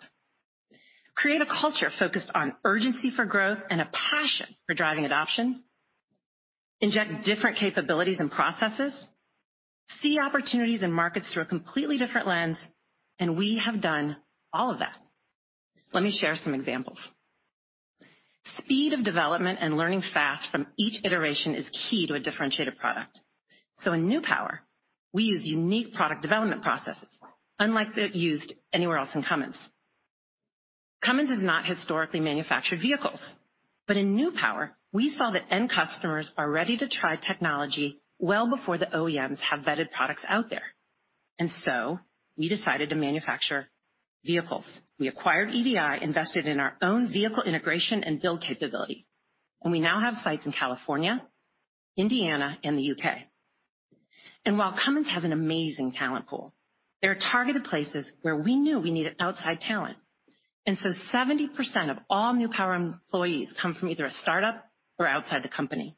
create a culture focused on urgency for growth and a passion for driving adoption, inject different capabilities and processes, see opportunities and markets through a completely different lens, and we have done all of that. Let me share some examples. Speed of development and learning fast from each iteration is key to a differentiated product. In New Power, we use unique product development processes, unlike that used anywhere else in Cummins. Cummins has not historically manufactured vehicles. In New Power, we saw that end customers are ready to try technology well before the OEMs have vetted products out there. We decided to manufacture vehicles. We acquired EDI, invested in our own vehicle integration and build capability. We now have sites in California, Indiana, and the U.K. While Cummins have an amazing talent pool, there are targeted places where we knew we needed outside talent. Seventy percent of all New Power employees come from either a start-up or outside the company.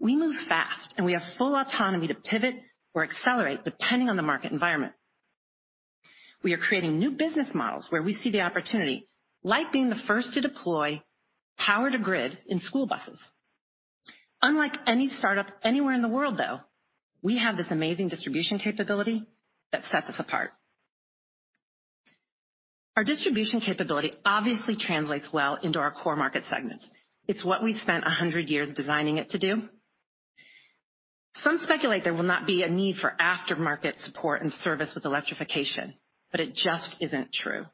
We move fast, and we have full autonomy to pivot or accelerate, depending on the market environment. We are creating new business models where we see the opportunity, like being the first to deploy power to grid in school buses. Unlike any start-up anywhere in the world, though, we have this amazing distribution capability that sets us apart. Our distribution capability obviously translates well into our core market segments. It's what we spent 100 years designing it to do. Some speculate there will not be a need for aftermarket support and service with electrification, but it just isn't true.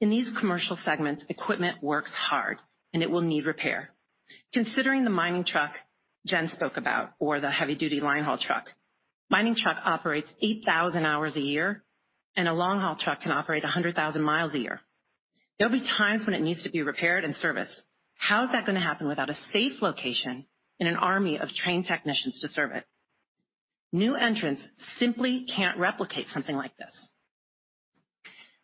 In these commercial segments, equipment works hard, and it will need repair. Considering the mining truck Jen spoke about or the heavy-duty line haul truck, mining truck operates 8,000 hours a year, and a long-haul truck can operate 100,000 miles a year. There'll be times when it needs to be repaired and serviced. How is that gonna happen without a safe location and an army of trained technicians to serve it? New entrants simply can't replicate something like this.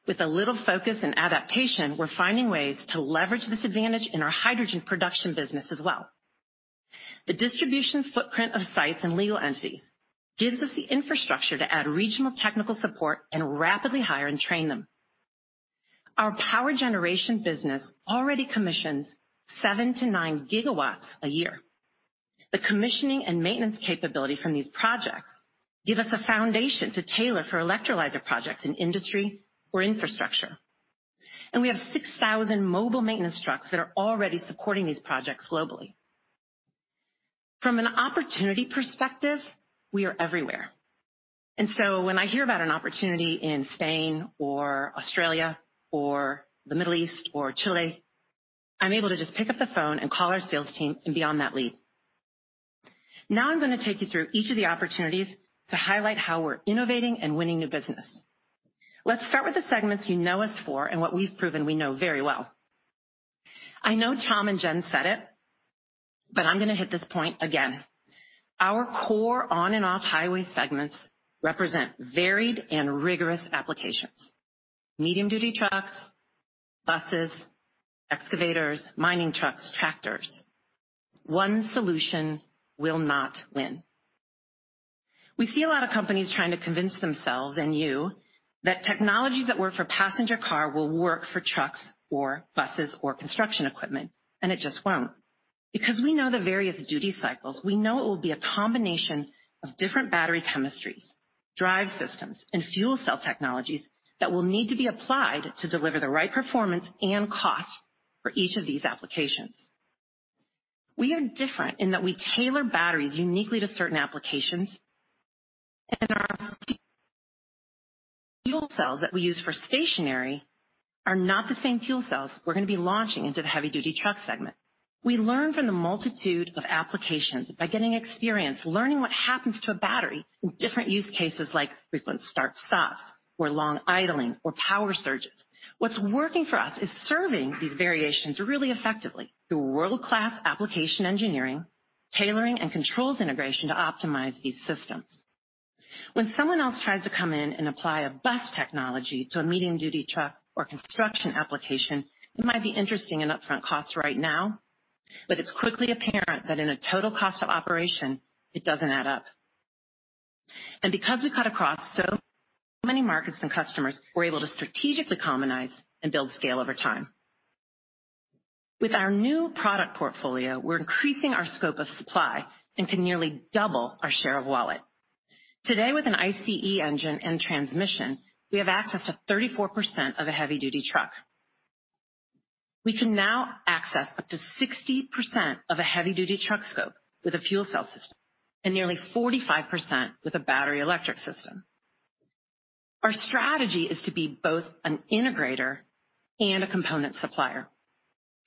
With a little focus and adaptation, we're finding ways to leverage this advantage in our hydrogen production business as well. The distribution footprint of sites and legal entities gives us the infrastructure to add regional technical support and rapidly hire and train them. Our power generation business already commissions 7-9 GW a year. The commissioning and maintenance capability from these projects give us a foundation to tailor for electrolyzer projects in industry or infrastructure. We have 6,000 mobile maintenance trucks that are already supporting these projects globally. From an opportunity perspective, we are everywhere. When I hear about an opportunity in Spain or Australia or the Middle East or Chile, I'm able to just pick up the phone and call our sales team and be on that lead. Now I'm gonna take you through each of the opportunities to highlight how we're innovating and winning new business. Let's start with the segments you know us for and what we've proven we know very well. I know Tom and Jen said it. I'm gonna hit this point again. Our core on and off highway segments represent varied and rigorous applications. Medium-duty trucks, buses, excavators, mining trucks, tractors. One solution will not win. We see a lot of companies trying to convince themselves and you that technologies that work for passenger car will work for trucks or buses or construction equipment, and it just won't. Because we know the various duty cycles, we know it will be a combination of different battery chemistries, drive systems, and fuel cell technologies that will need to be applied to deliver the right performance and cost for each of these applications. We are different in that we tailor batteries uniquely to certain applications, and our fuel cells that we use for stationary are not the same fuel cells we're gonna be launching into the heavy-duty truck segment. We learn from the multitude of applications by getting experience, learning what happens to a battery in different use cases like frequent start stops or long idling or power surges. What's working for us is serving these variations really effectively through world-class application engineering, tailoring, and controls integration to optimize these systems. When someone else tries to come in and apply a bus technology to a medium-duty truck or construction application, it might be interesting in upfront costs right now, but it's quickly apparent that in a total cost of operation, it doesn't add up. Because we cut across so many markets and customers, we're able to strategically commonize and build scale over time. With our new product portfolio, we're increasing our scope of supply and can nearly double our share of wallet. Today, with an ICE engine and transmission, we have access to 34% of a heavy-duty truck. We can now access up to 60% of a heavy-duty truck scope with a fuel cell system and nearly 45% with a battery electric system. Our strategy is to be both an integrator and a component supplier.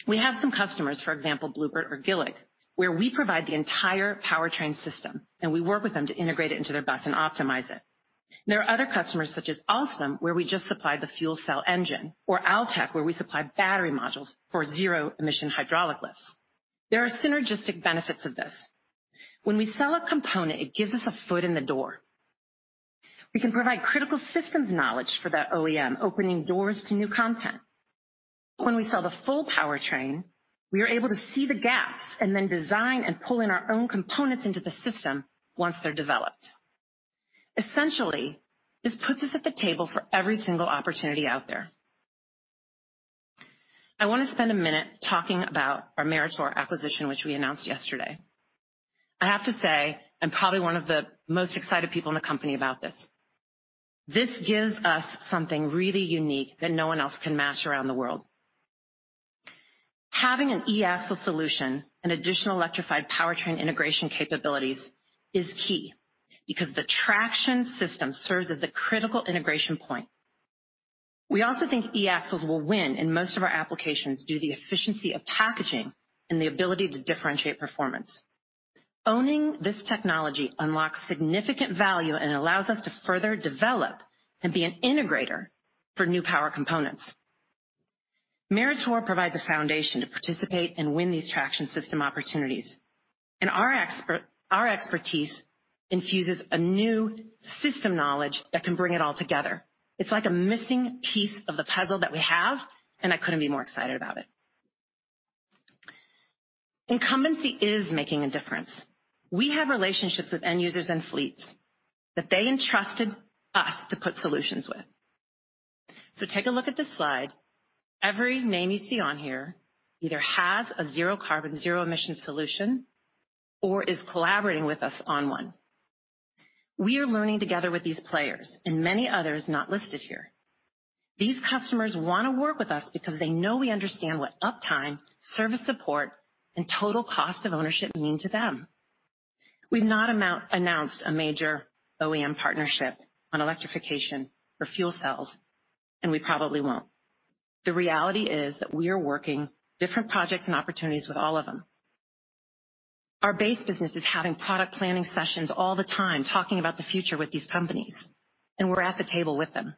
We have some customers, for example, Blue Bird or GILLIG, where we provide the entire powertrain system, and we work with them to integrate it into their bus and optimize it. There are other customers such as Alstom, where we just supply the fuel cell engine or Altec, where we supply battery modules for zero-emission hydraulic lifts. There are synergistic benefits of this. When we sell a component, it gives us a foot in the door. We can provide critical systems knowledge for that OEM, opening doors to new content. When we sell the full powertrain, we are able to see the gaps and then design and pull in our own components into the system once they're developed. Essentially, this puts us at the table for every single opportunity out there. I wanna spend a minute talking about our Meritor acquisition, which we announced yesterday. I have to say, I'm probably one of the most excited people in the company about this. This gives us something really unique that no one else can match around the world. Having an e-axle solution and additional electrified powertrain integration capabilities is key because the traction system serves as the critical integration point. We also think e-axles will win in most of our applications due to the efficiency of packaging and the ability to differentiate performance. Owning this technology unlocks significant value and allows us to further develop and be an integrator for new power components. Meritor provides a foundation to participate and win these traction system opportunities, and our expertise infuses a new system knowledge that can bring it all together. It's like a missing piece of the puzzle that we have, and I couldn't be more excited about it. Incumbency is making a difference. We have relationships with end users and fleets that they entrusted us to put solutions with. Take a look at this slide. Every name you see on here either has a zero carbon, zero-emission solution or is collaborating with us on one. We are learning together with these players and many others not listed here. These customers wanna work with us because they know we understand what uptime, service support, and total cost of ownership mean to them. We've not announced a major OEM partnership on electrification for fuel cells, and we probably won't. The reality is that we are working different projects and opportunities with all of them. Our base business is having product planning sessions all the time talking about the future with these companies, and we're at the table with them.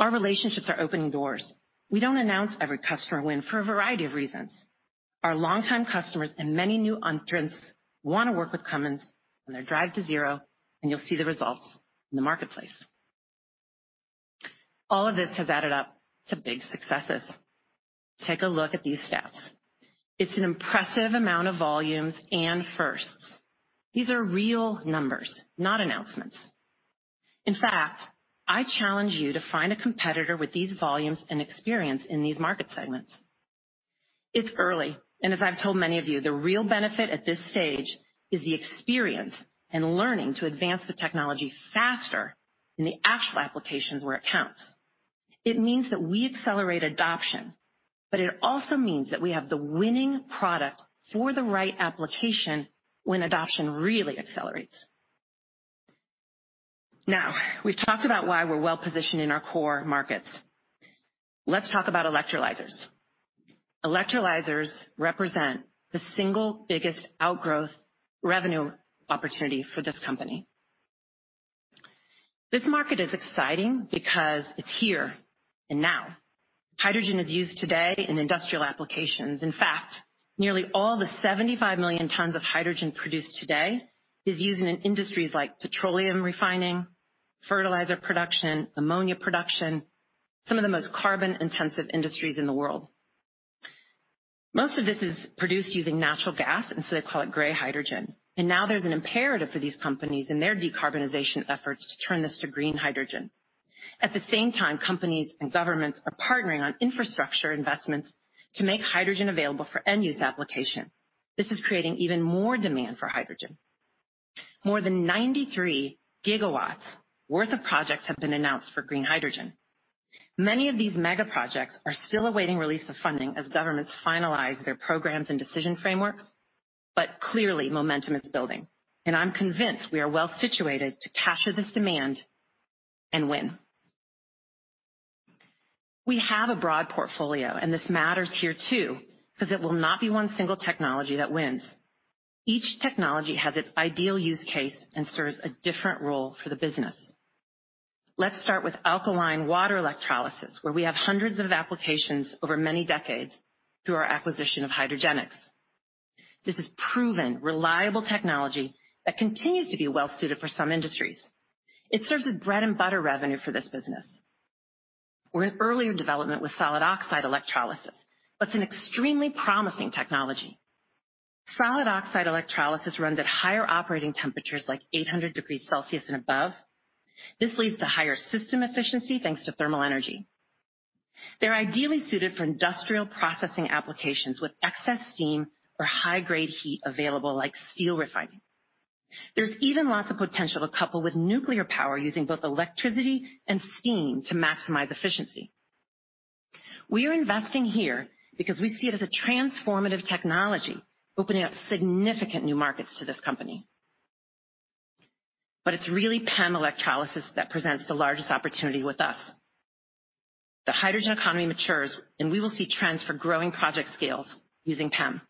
Our relationships are opening doors. We don't announce every customer win for a variety of reasons. Our longtime customers and many new entrants wanna work with Cummins on their drive to zero, and you'll see the results in the marketplace. All of this has added up to big successes. Take a look at these stats. It's an impressive amount of volumes and firsts. These are real numbers, not announcements. In fact, I challenge you to find a competitor with these volumes and experience in these market segments. It's early, and as I've told many of you, the real benefit at this stage is the experience and learning to advance the technology faster in the actual applications where it counts. It means that we accelerate adoption, but it also means that we have the winning product for the right application when adoption really accelerates. Now, we've talked about why we're well positioned in our core markets. Let's talk about electrolyzers. Electrolyzers represent the single biggest outgrowth revenue opportunity for this company. This market is exciting because it's here and now. Hydrogen is used today in industrial applications. In fact, nearly all the 75 million tons of hydrogen produced today is used in industries like petroleum refining, fertilizer production, ammonia production, some of the most carbon intensive industries in the world. Most of this is produced using natural gas, and so they call it gray hydrogen. Now there's an imperative for these companies in their decarbonization efforts to turn this to green hydrogen. At the same time, companies and governments are partnering on infrastructure investments to make hydrogen available for end-use application. This is creating even more demand for hydrogen. More than 93 GW worth of projects have been announced for green hydrogen. Many of these mega projects are still awaiting release of funding as governments finalize their programs and decision frameworks. Clearly, momentum is building, and I'm convinced we are well situated to capture this demand and win. We have a broad portfolio, and this matters here too, 'cause it will not be one single technology that wins. Each technology has its ideal use case and serves a different role for the business. Let's start with alkaline water electrolysis, where we have hundreds of applications over many decades through our acquisition of Hydrogenics. This is proven, reliable technology that continues to be well suited for some industries. It serves as bread and butter revenue for this business. We're in earlier development with solid oxide electrolysis, but it's an extremely promising technology. Solid oxide electrolysis runs at higher operating temperatures, like 800 degrees Celsius and above. This leads to higher system efficiency thanks to thermal energy. They're ideally suited for industrial processing applications with excess steam or high-grade heat available, like steel refining. There's even lots of potential to couple with nuclear power using both electricity and steam to maximize efficiency. We are investing here because we see it as a transformative technology, opening up significant new markets to this company. It's really PEM electrolysis that presents the largest opportunity with us. The hydrogen economy matures, and we will see trends for growing project scales using PEM.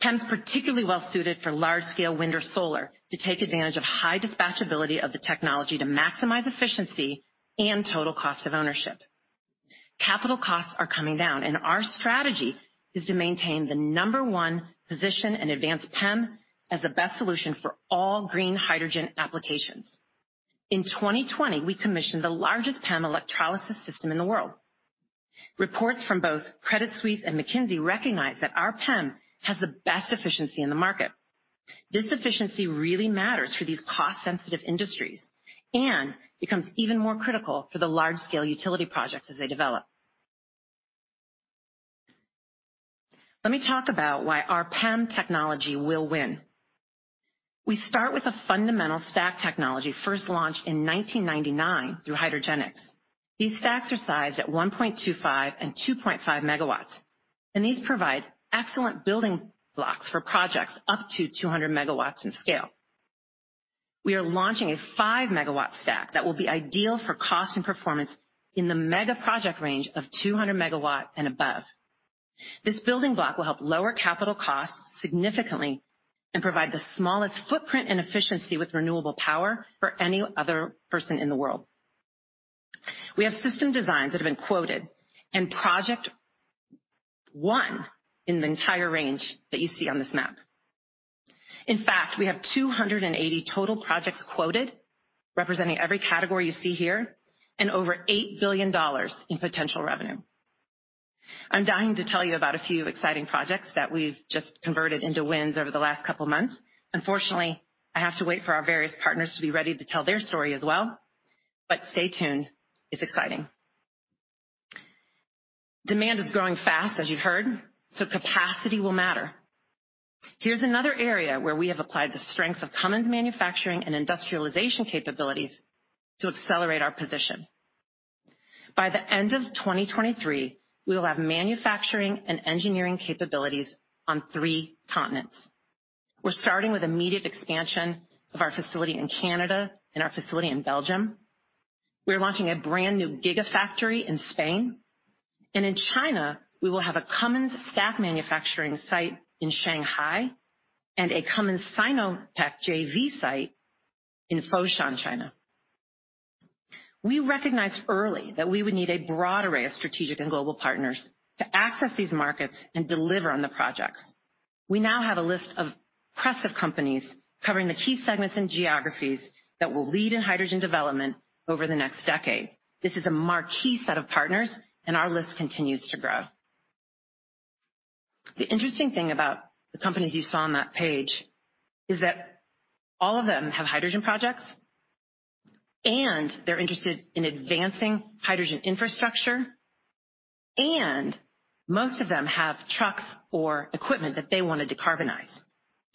PEM is particularly well suited for large-scale wind or solar to take advantage of high dispatchability of the technology to maximize efficiency and total cost of ownership. Capital costs are coming down and our strategy is to maintain the number one position in advanced PEM as the best solution for all green hydrogen applications. In 2020, we commissioned the largest PEM electrolysis system in the world. Reports from both Credit Suisse and McKinsey recognize that our PEM has the best efficiency in the market. This efficiency really matters for these cost-sensitive industries and becomes even more critical for the large-scale utility projects as they develop. Let me talk about why our PEM technology will win. We start with a fundamental stack technology first launched in 1999 through Hydrogenics. These stacks are sized at 1.25 and 2.5 MW, and these provide excellent building blocks for projects up to 200 MW in scale. We are launching a 5 MW stack that will be ideal for cost and performance in the mega project range of 200 MW and above. This building block will help lower capital costs significantly and provide the smallest footprint and efficiency with renewable power for any other person in the world. We have system designs that have been quoted and projects won in the entire range that you see on this map. In fact, we have 280 total projects quoted representing every category you see here and over $8 billion in potential revenue. I'm dying to tell you about a few exciting projects that we've just converted into wins over the last couple of months. Unfortunately, I have to wait for our various partners to be ready to tell their story as well, but stay tuned. It's exciting. Demand is growing fast, as you've heard, so capacity will matter. Here's another area where we have applied the strengths of Cummins manufacturing and industrialization capabilities to accelerate our position. By the end of 2023, we will have manufacturing and engineering capabilities on three continents. We're starting with immediate expansion of our facility in Canada and our facility in Belgium. We're launching a brand new gigafactory in Spain. In China, we will have a Cummins staff manufacturing site in Shanghai and a Cummins Sinotruk JV site in Foshan, China. We recognized early that we would need a broad array of strategic and global partners to access these markets and deliver on the projects. We now have a list of impressive companies covering the key segments and geographies that will lead in hydrogen development over the next decade. This is a marquee set of partners and our list continues to grow. The interesting thing about the companies you saw on that page is that all of them have hydrogen projects, and they're interested in advancing hydrogen infrastructure, and most of them have trucks or equipment that they want to decarbonize.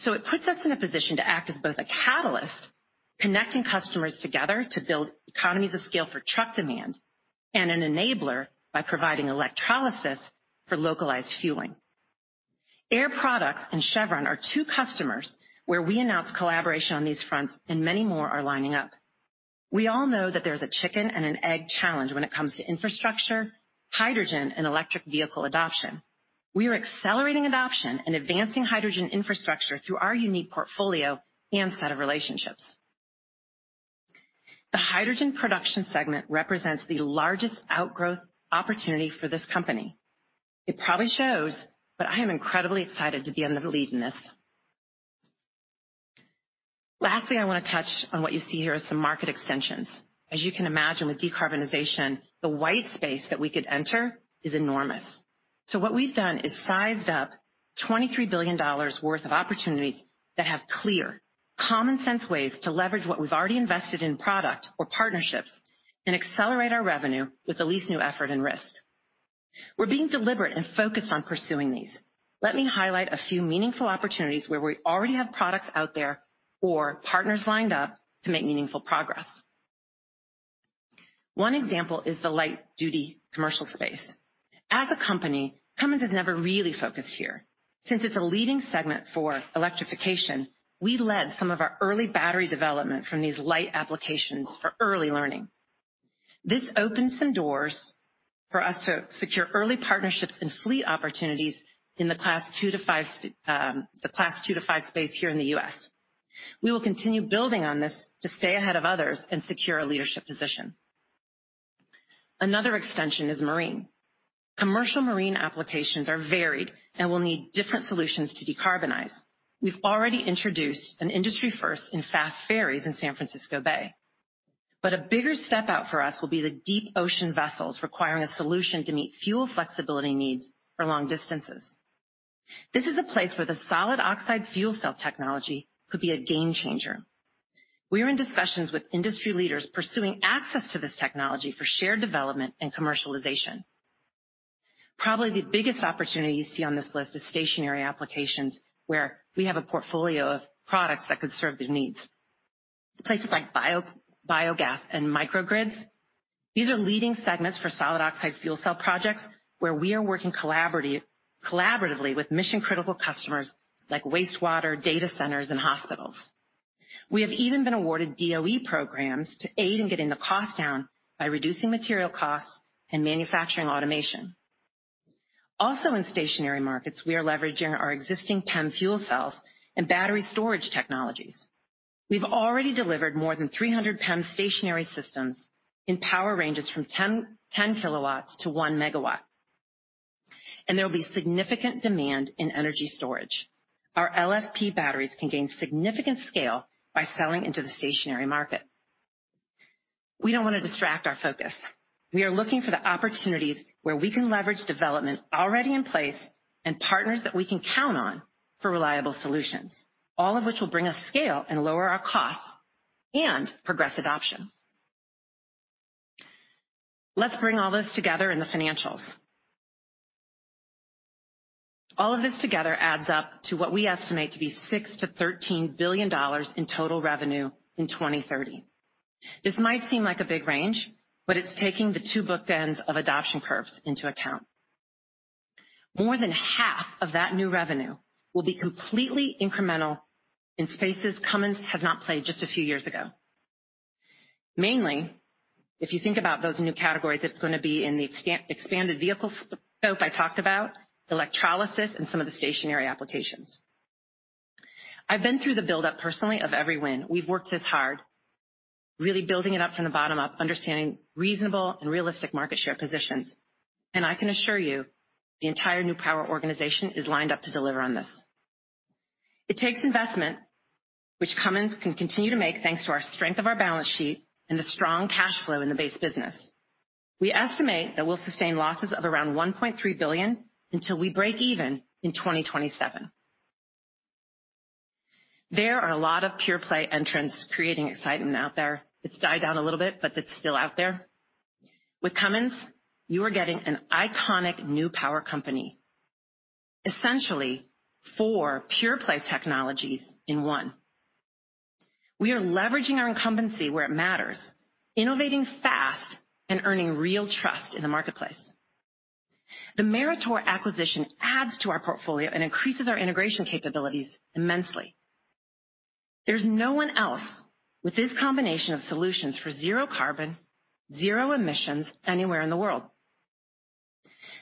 It puts us in a position to act as both a catalyst, connecting customers together to build economies of scale for truck demand, and an enabler by providing electrolysis for localized fueling. Air Products and Chevron are two customers where we announced collaboration on these fronts and many more are lining up. We all know that there's a chicken and an egg challenge when it comes to infrastructure, hydrogen and electric vehicle adoption. We are accelerating adoption and advancing hydrogen infrastructure through our unique portfolio and set of relationships. The hydrogen production segment represents the largest outgrowth opportunity for this company. It probably shows, but I am incredibly excited to be on the lead in this. Lastly, I want to touch on what you see here as some market extensions. As you can imagine with decarbonization, the white space that we could enter is enormous. What we've done is sized up $23 billion worth of opportunities that have clear, common sense ways to leverage what we've already invested in product or partnerships and accelerate our revenue with the least new effort and risk. We're being deliberate and focused on pursuing these. Let me highlight a few meaningful opportunities where we already have products out there or partners lined up to make meaningful progress. One example is the light duty commercial space. As a company, Cummins has never really focused here. Since it's a leading segment for electrification, we led some of our early battery development from these light applications for early learning. This opens some doors for us to secure early partnerships and fleet opportunities in the class 2 to 5 space here in the U.S. We will continue building on this to stay ahead of others and secure a leadership position. Another extension is marine. Commercial marine applications are varied and will need different solutions to decarbonize. We've already introduced an industry first in fast ferries in San Francisco Bay. A bigger step out for us will be the deep ocean vessels requiring a solution to meet fuel flexibility needs for long distances. This is a place where the solid oxide fuel cell technology could be a game changer. We are in discussions with industry leaders pursuing access to this technology for shared development and commercialization. Probably the biggest opportunity you see on this list is stationary applications, where we have a portfolio of products that could serve these needs. Places like bio, biogas and microgrids, these are leading segments for solid oxide fuel cell projects where we are working collaboratively with mission-critical customers like wastewater, data centers and hospitals. We have even been awarded DOE programs to aid in getting the cost down by reducing material costs and manufacturing automation. Also in stationary markets, we are leveraging our existing PEM fuel cells and battery storage technologies. We've already delivered more than 300 PEM stationary systems in power ranges from 10 kW to 1 MW. There will be significant demand in energy storage. Our LFP batteries can gain significant scale by selling into the stationary market. We don't wanna distract our focus. We are looking for the opportunities where we can leverage development already in place and partners that we can count on for reliable solutions, all of which will bring us scale and lower our costs and progress adoption. Let's bring all this together in the financials. All of this together adds up to what we estimate to be $6 billion-$13 billion in total revenue in 2030. This might seem like a big range, but it's taking the two bookends of adoption curves into account. More than half of that new revenue will be completely incremental in spaces Cummins has not played just a few years ago. Mainly, if you think about those new categories, it's gonna be in the expanded vehicle scope I talked about, electrolysis and some of the stationary applications. I've been through the buildup personally of every win. We've worked this hard, really building it up from the bottom up, understanding reasonable and realistic market share positions. I can assure you, the entire new power organization is lined up to deliver on this. It takes investment which Cummins can continue to make thanks to our strength of our balance sheet and the strong cash flow in the base business. We estimate that we'll sustain losses of around $1.3 billion until we break even in 2027. There are a lot of pure-play entrants creating excitement out there. It's died down a little bit, but it's still out there. With Cummins, you are getting an iconic New Power company, essentially four pure-play technologies in one. We are leveraging our incumbency where it matters, innovating fast and earning real trust in the marketplace. The Meritor acquisition adds to our portfolio and increases our integration capabilities immensely. There's no one else with this combination of solutions for zero carbon, zero emissions anywhere in the world.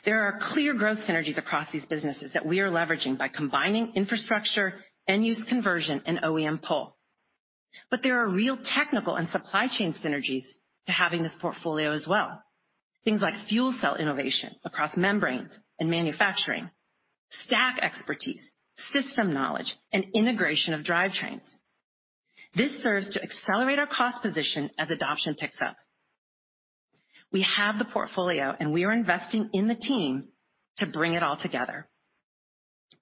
There are clear growth synergies across these businesses that we are leveraging by combining infrastructure, end-use conversion, and OEM pull. There are real technical and supply chain synergies to having this portfolio as well. Things like fuel cell innovation across membranes and manufacturing, stack expertise, system knowledge, and integration of drivetrains. This serves to accelerate our cost position as adoption picks up. We have the portfolio, and we are investing in the team to bring it all together.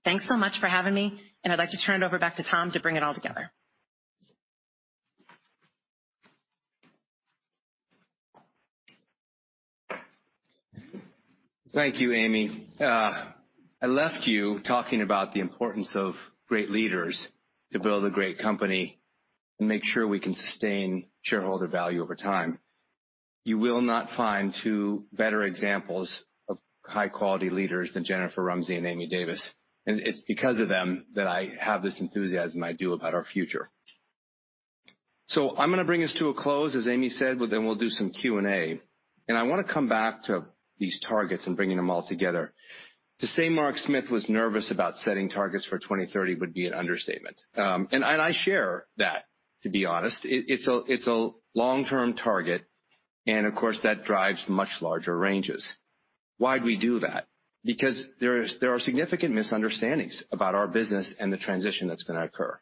Thanks so much for having me, and I'd like to turn it over back to Tom to bring it all together. Thank you, Amy. I left you talking about the importance of great leaders to build a great company and make sure we can sustain shareholder value over time. You will not find two better examples of high-quality leaders than Jennifer Rumsey and Amy Davis. It's because of them that I have this enthusiasm I do about our future. I'm gonna bring us to a close, as Amy said, but then we'll do some Q&A. I wanna come back to these targets and bringing them all together. To say Mark Smith was nervous about setting targets for 2030 would be an understatement. I share that, to be honest. It's a long-term target, and of course, that drives much larger ranges. Why'd we do that? Because there are significant misunderstandings about our business and the transition that's gonna occur.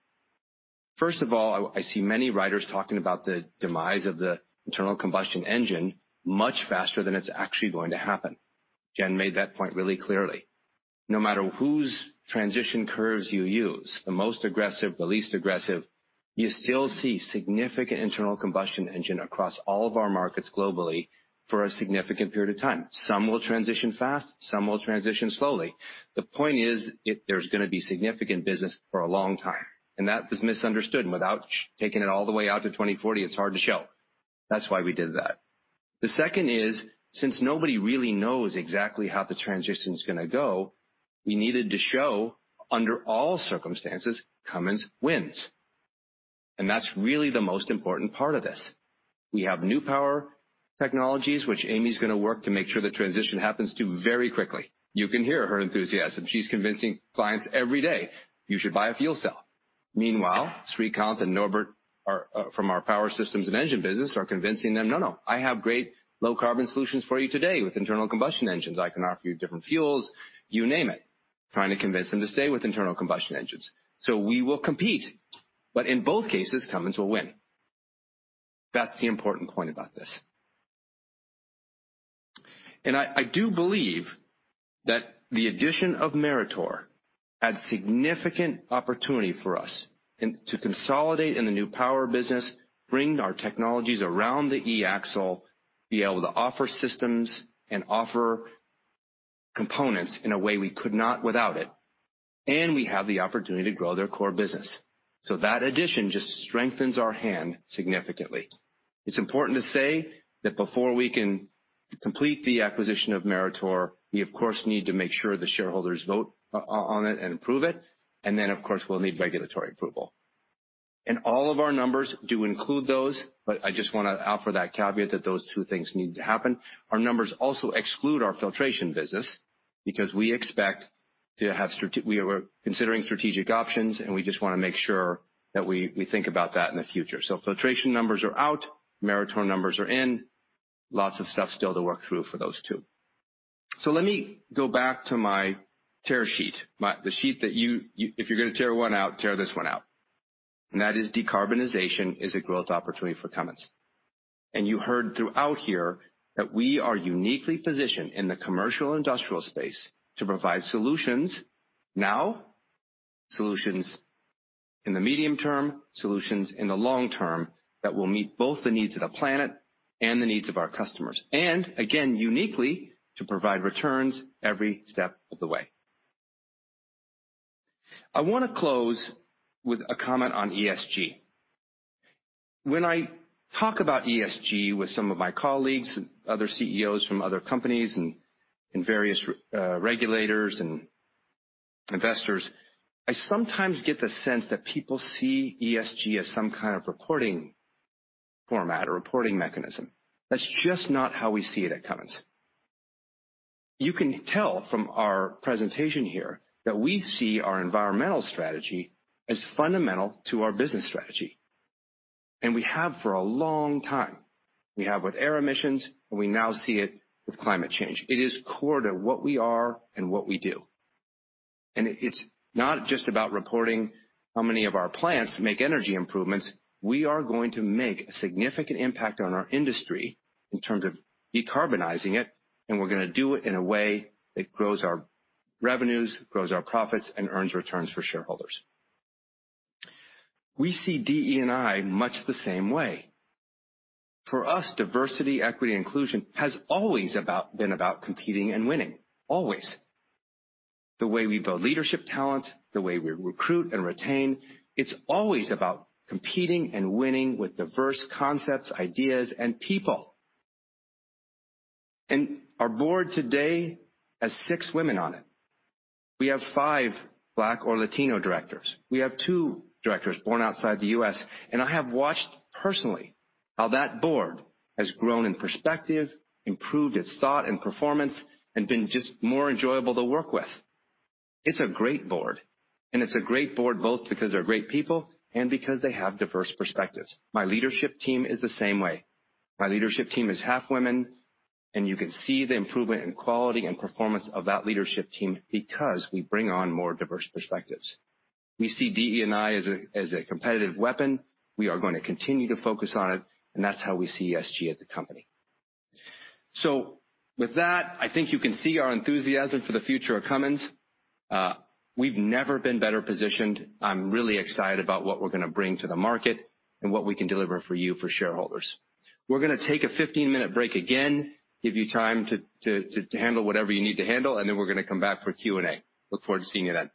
First of all, I see many writers talking about the demise of the internal combustion engine much faster than it's actually going to happen. Jen made that point really clearly. No matter whose transition curves you use, the most aggressive, the least aggressive, you still see significant internal combustion engine across all of our markets globally for a significant period of time. Some will transition fast, some will transition slowly. The point is, there's gonna be significant business for a long time, and that was misunderstood. Without taking it all the way out to 2040, it's hard to show. That's why we did that. The second is, since nobody really knows exactly how the transition's gonna go, we needed to show under all circumstances, Cummins wins. That's really the most important part of this. We have New Power technologies, which Amy's gonna work to make sure the transition happens to very quickly. You can hear her enthusiasm. She's convincing clients every day, "You should buy a fuel cell." Meanwhile, Srikanth and Norbert are from our power systems and engine business are convincing them, "No, no, I have great low carbon solutions for you today with internal combustion engines. I can offer you different fuels," you name it, trying to convince them to stay with internal combustion engines. We will compete, but in both cases, Cummins will win. That's the important point about this. I do believe that the addition of Meritor adds significant opportunity for us in to consolidate in the New Power business, bring our technologies around the e-axle, be able to offer systems and offer components in a way we could not without it, and we have the opportunity to grow their core business. That addition just strengthens our hand significantly. It's important to say that before we can complete the acquisition of Meritor, we of course need to make sure the shareholders vote on it and approve it, and then, of course, we'll need regulatory approval. All of our numbers do include those, but I just wanna offer that caveat that those two things need to happen. Our numbers also exclude our filtration business because we are considering strategic options, and we just wanna make sure that we think about that in the future. Filtration numbers are out, Meritor numbers are in. Lots of stuff still to work through for those two. Let me go back to my tear sheet. The sheet that you... If you're gonna tear one out, tear this one out. That is decarbonization is a growth opportunity for Cummins. You heard throughout here that we are uniquely positioned in the commercial industrial space to provide solutions now, solutions in the medium term, solutions in the long term, that will meet both the needs of the planet and the needs of our customers. Again, uniquely, to provide returns every step of the way. I wanna close with a comment on ESG. When I talk about ESG with some of my colleagues and other CEOs from other companies and various regulators and investors, I sometimes get the sense that people see ESG as some kind of reporting format or reporting mechanism. That's just not how we see it at Cummins. You can tell from our presentation here that we see our environmental strategy as fundamental to our business strategy, and we have for a long time. We have with air emissions, and we now see it with climate change. It is core to what we are and what we do. It's not just about reporting how many of our plants make energy improvements. We are going to make a significant impact on our industry in terms of decarbonizing it, and we're gonna do it in a way that grows our revenues, grows our profits, and earns returns for shareholders. We see DE&I much the same way. For us, diversity, equity, and inclusion has always been about competing and winning. Always. The way we build leadership talent, the way we recruit and retain, it's always about competing and winning with diverse concepts, ideas, and people. Our board today has six women on it. We have five Black or Latino directors. We have two directors born outside the U.S. I have watched personally how that board has grown in perspective, improved its thought and performance, and been just more enjoyable to work with. It's a great board, and it's a great board both because they're great people and because they have diverse perspectives. My leadership team is the same way. My leadership team is half women, and you can see the improvement in quality and performance of that leadership team because we bring on more diverse perspectives. We see DE&I as a competitive weapon. We are gonna continue to focus on it, and that's how we see ESG at the company. With that, I think you can see our enthusiasm for the future of Cummins. We've never been better positioned. I'm really excited about what we're gonna bring to the market and what we can deliver for you, shareholders. We're gonna take a 15-minute break again, give you time to handle whatever you need to handle, and then we're gonna come back for Q&A. I look forward to seeing you then.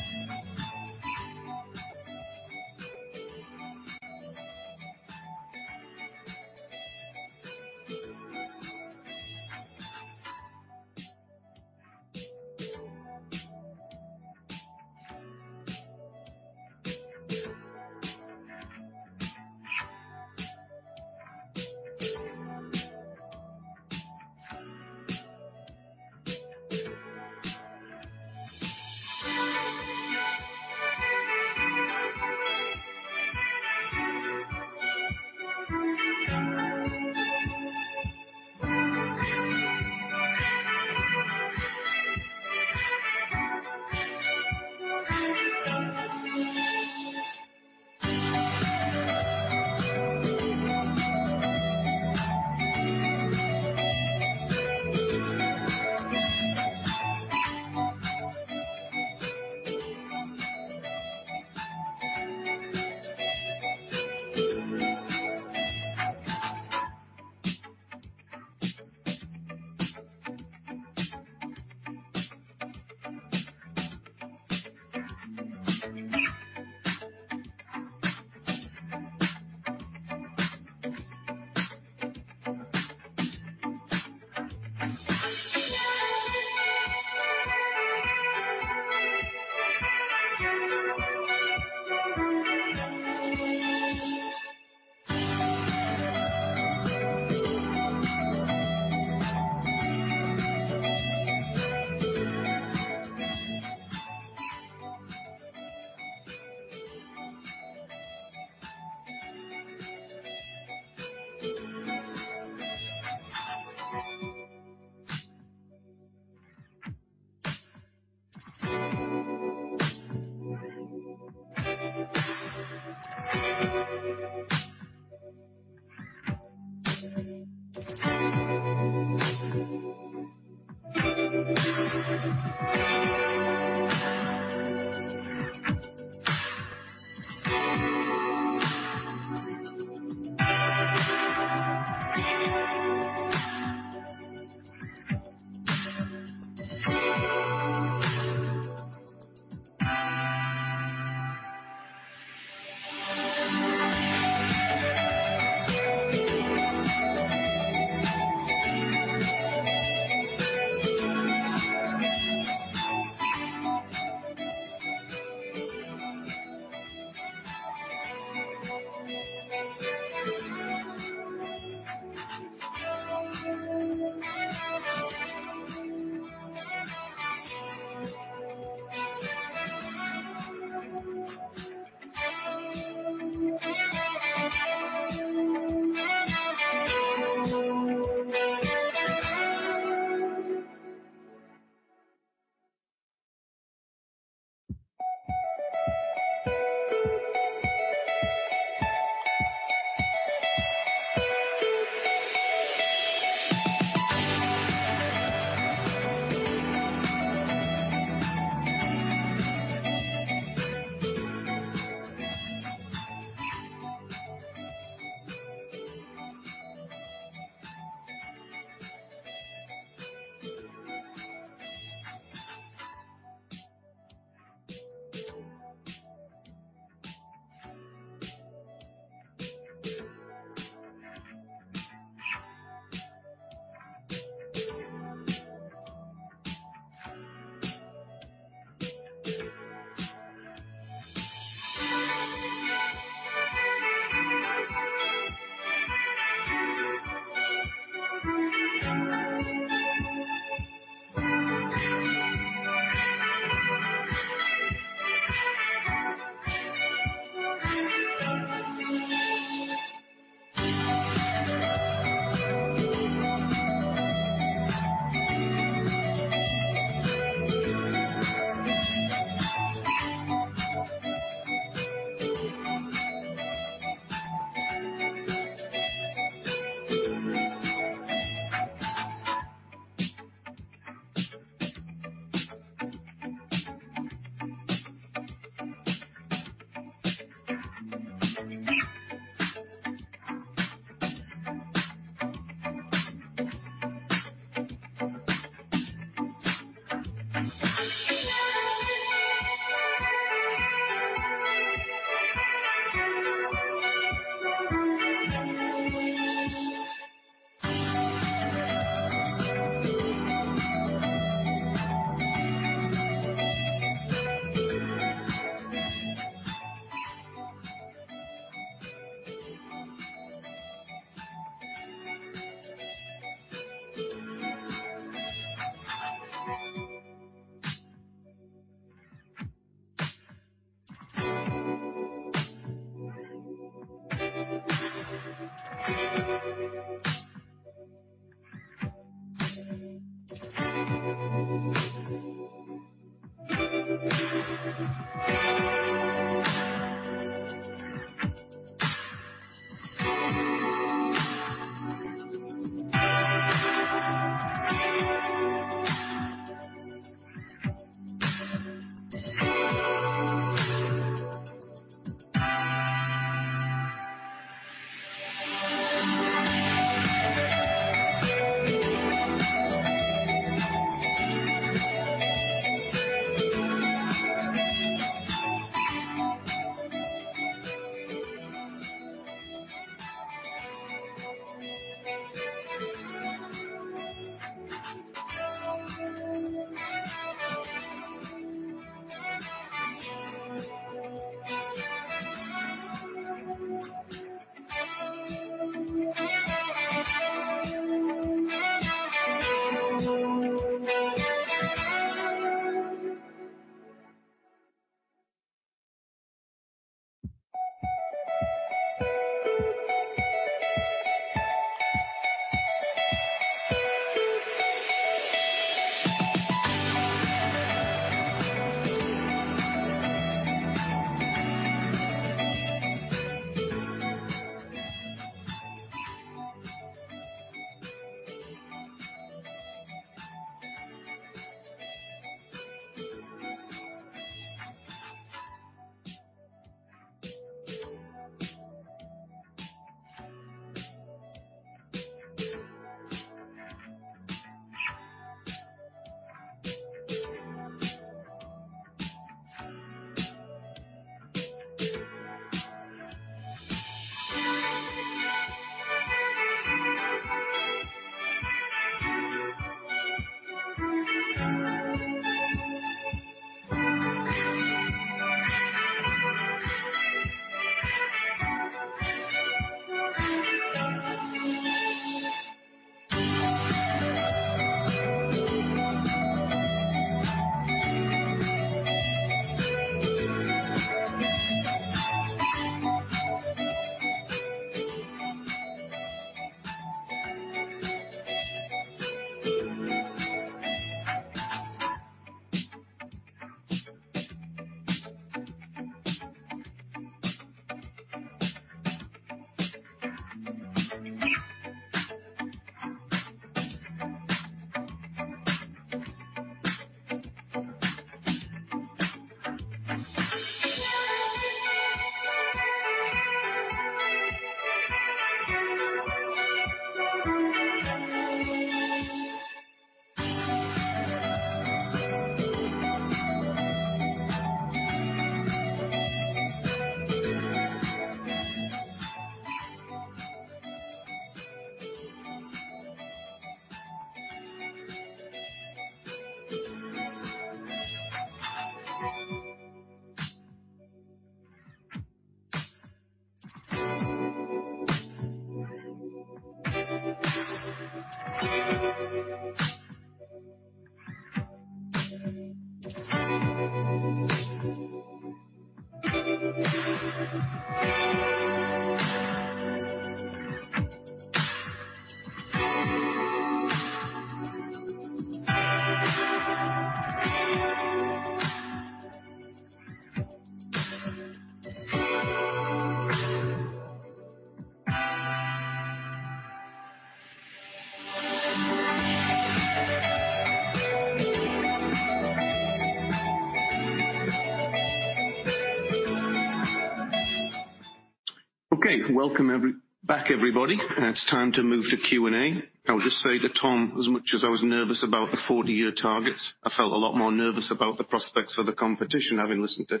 Okay, welcome back everybody. It's time to move to Q&A. I'll just say to Tom, as much as I was nervous about the 40-year targets, I felt a lot more nervous about the prospects for the competition, having listened to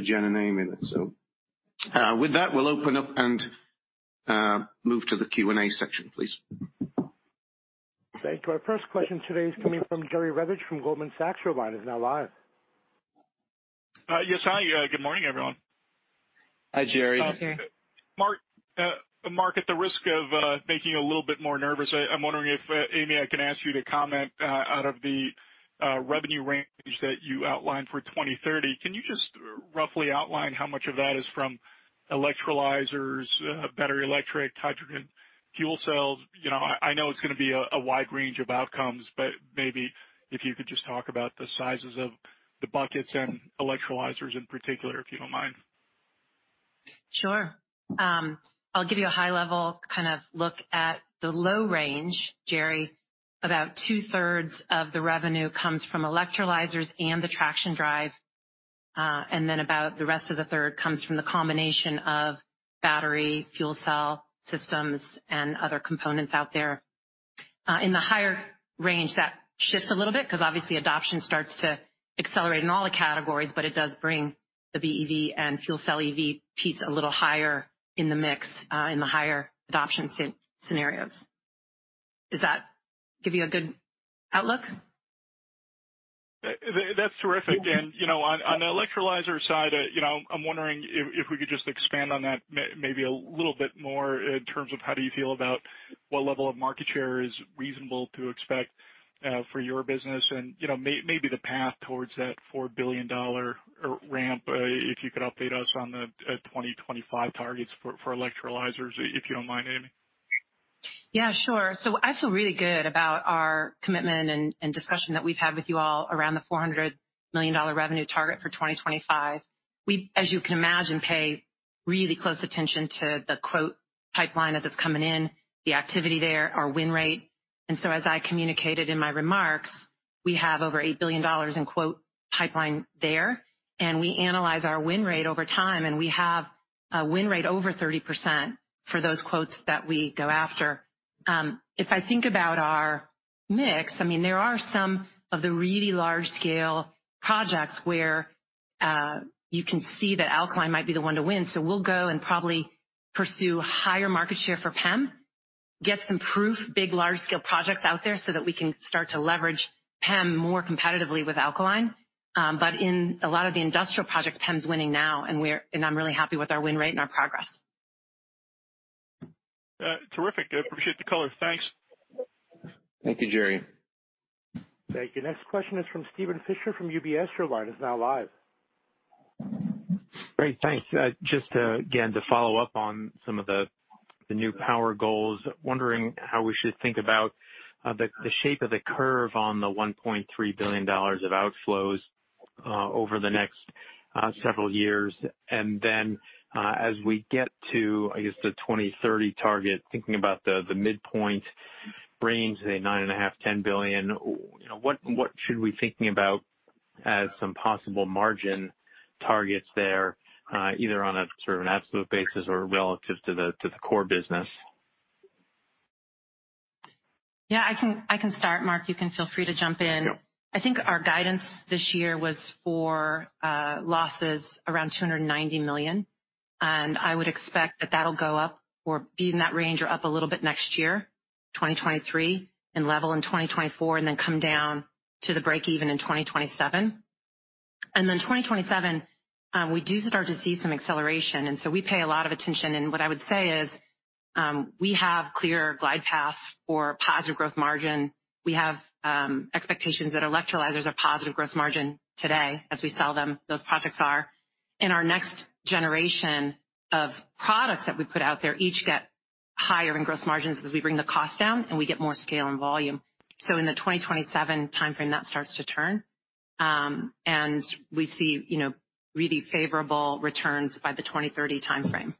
Jen and Amy. With that, we'll open up and move to the Q&A section, please. Thank you. Our first question today is coming from Jerry Revich from Goldman Sachs. Your line is now live. Yes. Hi. Good morning, everyone. Hi, Jerry. Hi, Jerry. Mark, at the risk of making you a little bit more nervous, I'm wondering if, Amy, I can ask you to comment out of the revenue range that you outlined for 2030, can you just roughly outline how much of that is from electrolyzers, battery electric, hydrogen fuel cells? You know, I know it's gonna be a wide range of outcomes, but maybe if you could just talk about the sizes of the buckets and electrolyzers in particular, if you don't mind. Sure. I'll give you a high level kind of look at the low range, Jerry. About two-thirds of the revenue comes from electrolyzers and the traction drive, and then about the rest of the third comes from the combination of battery, fuel cell systems and other components out there. In the higher range, that shifts a little bit because obviously adoption starts to accelerate in all the categories, but it does bring the BEV and fuel cell EV piece a little higher in the mix, in the higher adoption scenarios. Does that give you a good outlook? That's terrific. You know, on the electrolyzer side, you know, I'm wondering if we could just expand on that maybe a little bit more in terms of how do you feel about what level of market share is reasonable to expect for your business and, you know, maybe the path towards that $4 billion ramp, if you could update us on the 2025 targets for electrolyzers, if you don't mind, Amy. Yeah, sure. I feel really good about our commitment and discussion that we've had with you all around the $400 million revenue target for 2025. We, as you can imagine, pay really close attention to the quote pipeline as it's coming in, the activity there, our win rate. As I communicated in my remarks, we have over $8 billion in quote pipeline there, and we analyze our win rate over time, and we have a win rate over 30% for those quotes that we go after. If I think about our mix, I mean, there are some of the really large-scale projects where you can see that alkaline might be the one to win. We'll go and probably pursue higher market share for PEM, get some proof, big, large scale projects out there so that we can start to leverage PEM more competitively with alkaline. But in a lot of the industrial projects, PEM is winning now, and I'm really happy with our win rate and our progress. Terrific. I appreciate the color. Thanks. Thank you, Jerry. Thank you. Next question is from Steven Fisher, from UBS. Your line is now live. Great. Thanks. Just again to follow up on some of the New Power goals. Wondering how we should think about the shape of the curve on the $1.3 billion of outflows over the next several years. As we get to, I guess the 2030 target, thinking about the midpoint range, say $9.5 billion-$10 billion, you know, what should we be thinking about as some possible margin targets there, either on a sort of an absolute basis or relative to the core business? Yeah, I can start. Mark, you can feel free to jump in. Yep. I think our guidance this year was for losses around $290 million, and I would expect that that'll go up or be in that range or up a little bit next year, 2023, and level in 2024, and then come down to the breakeven in 2027. 2027, we do start to see some acceleration, and so we pay a lot of attention. What I would say is, we have clear glide paths for positive gross margin. We have expectations that electrolyzers are positive gross margin today as we sell them, those projects are. In our next generation of products that we put out there, each get higher in gross margins as we bring the cost down and we get more scale and volume. in the 2027 timeframe, that starts to turn, and we see, you know, really favorable returns by the 2030 timeframe.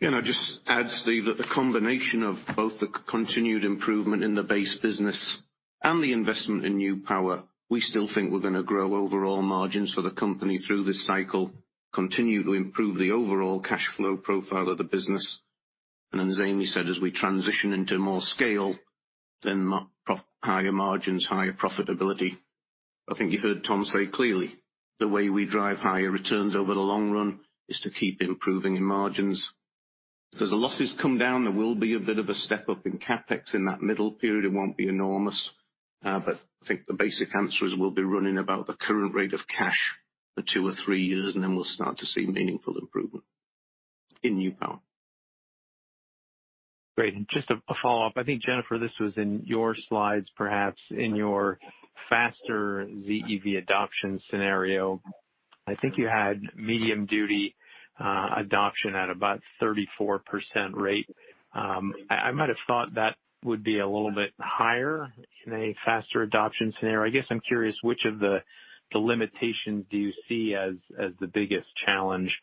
Yeah, I'll just add, Steve, that the combination of both the continued improvement in the base business and the investment in New Power, we still think we're gonna grow overall margins for the company through this cycle, continue to improve the overall cash flow profile of the business. As Amy said, as we transition into more scale, then higher margins, higher profitability. I think you heard Tom say clearly, the way we drive higher returns over the long run is to keep improving in margins. As the losses come down, there will be a bit of a step-up in CapEx in that middle period. It won't be enormous, but I think the basic answer is we'll be running about the current rate of cash for two or three years, and then we'll start to see meaningful improvement in New Power. Great. Just a follow-up. I think, Jennifer, this was in your slides, perhaps in your faster ZEV adoption scenario. I think you had medium-duty adoption at about 34% rate. I might have thought that would be a little bit higher in a faster adoption scenario. I guess I'm curious, which of the limitations do you see as the biggest challenge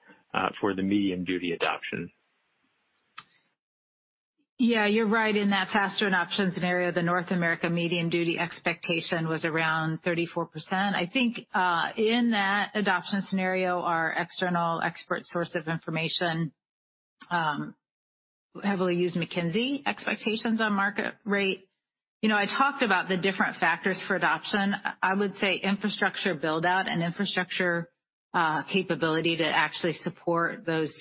for the medium duty adoption? Yeah, you're right. In that faster adoption scenario, the North America medium-duty expectation was around 34%. I think in that adoption scenario, our external expert source of information heavily used McKinsey expectations on market rate. You know, I talked about the different factors for adoption. I would say infrastructure build-out and infrastructure capability to actually support those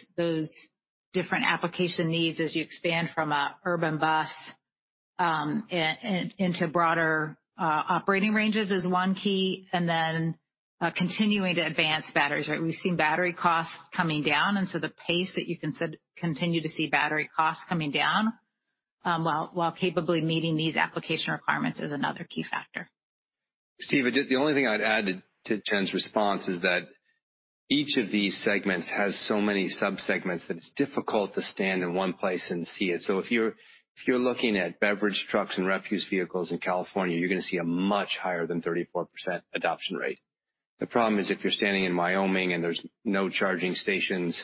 different application needs as you expand from an urban bus into broader operating ranges is one key, and then continuing to advance batteries, right? We've seen battery costs coming down, and so the pace that you can continue to see battery costs coming down while capably meeting these application requirements is another key factor. Steve, the only thing I'd add to Jen's response is that each of these segments has so many sub-segments that it's difficult to stand in one place and see it. If you're looking at beverage trucks and refuse vehicles in California, you're gonna see a much higher than 34% adoption rate. The problem is, if you're standing in Wyoming and there's no charging stations,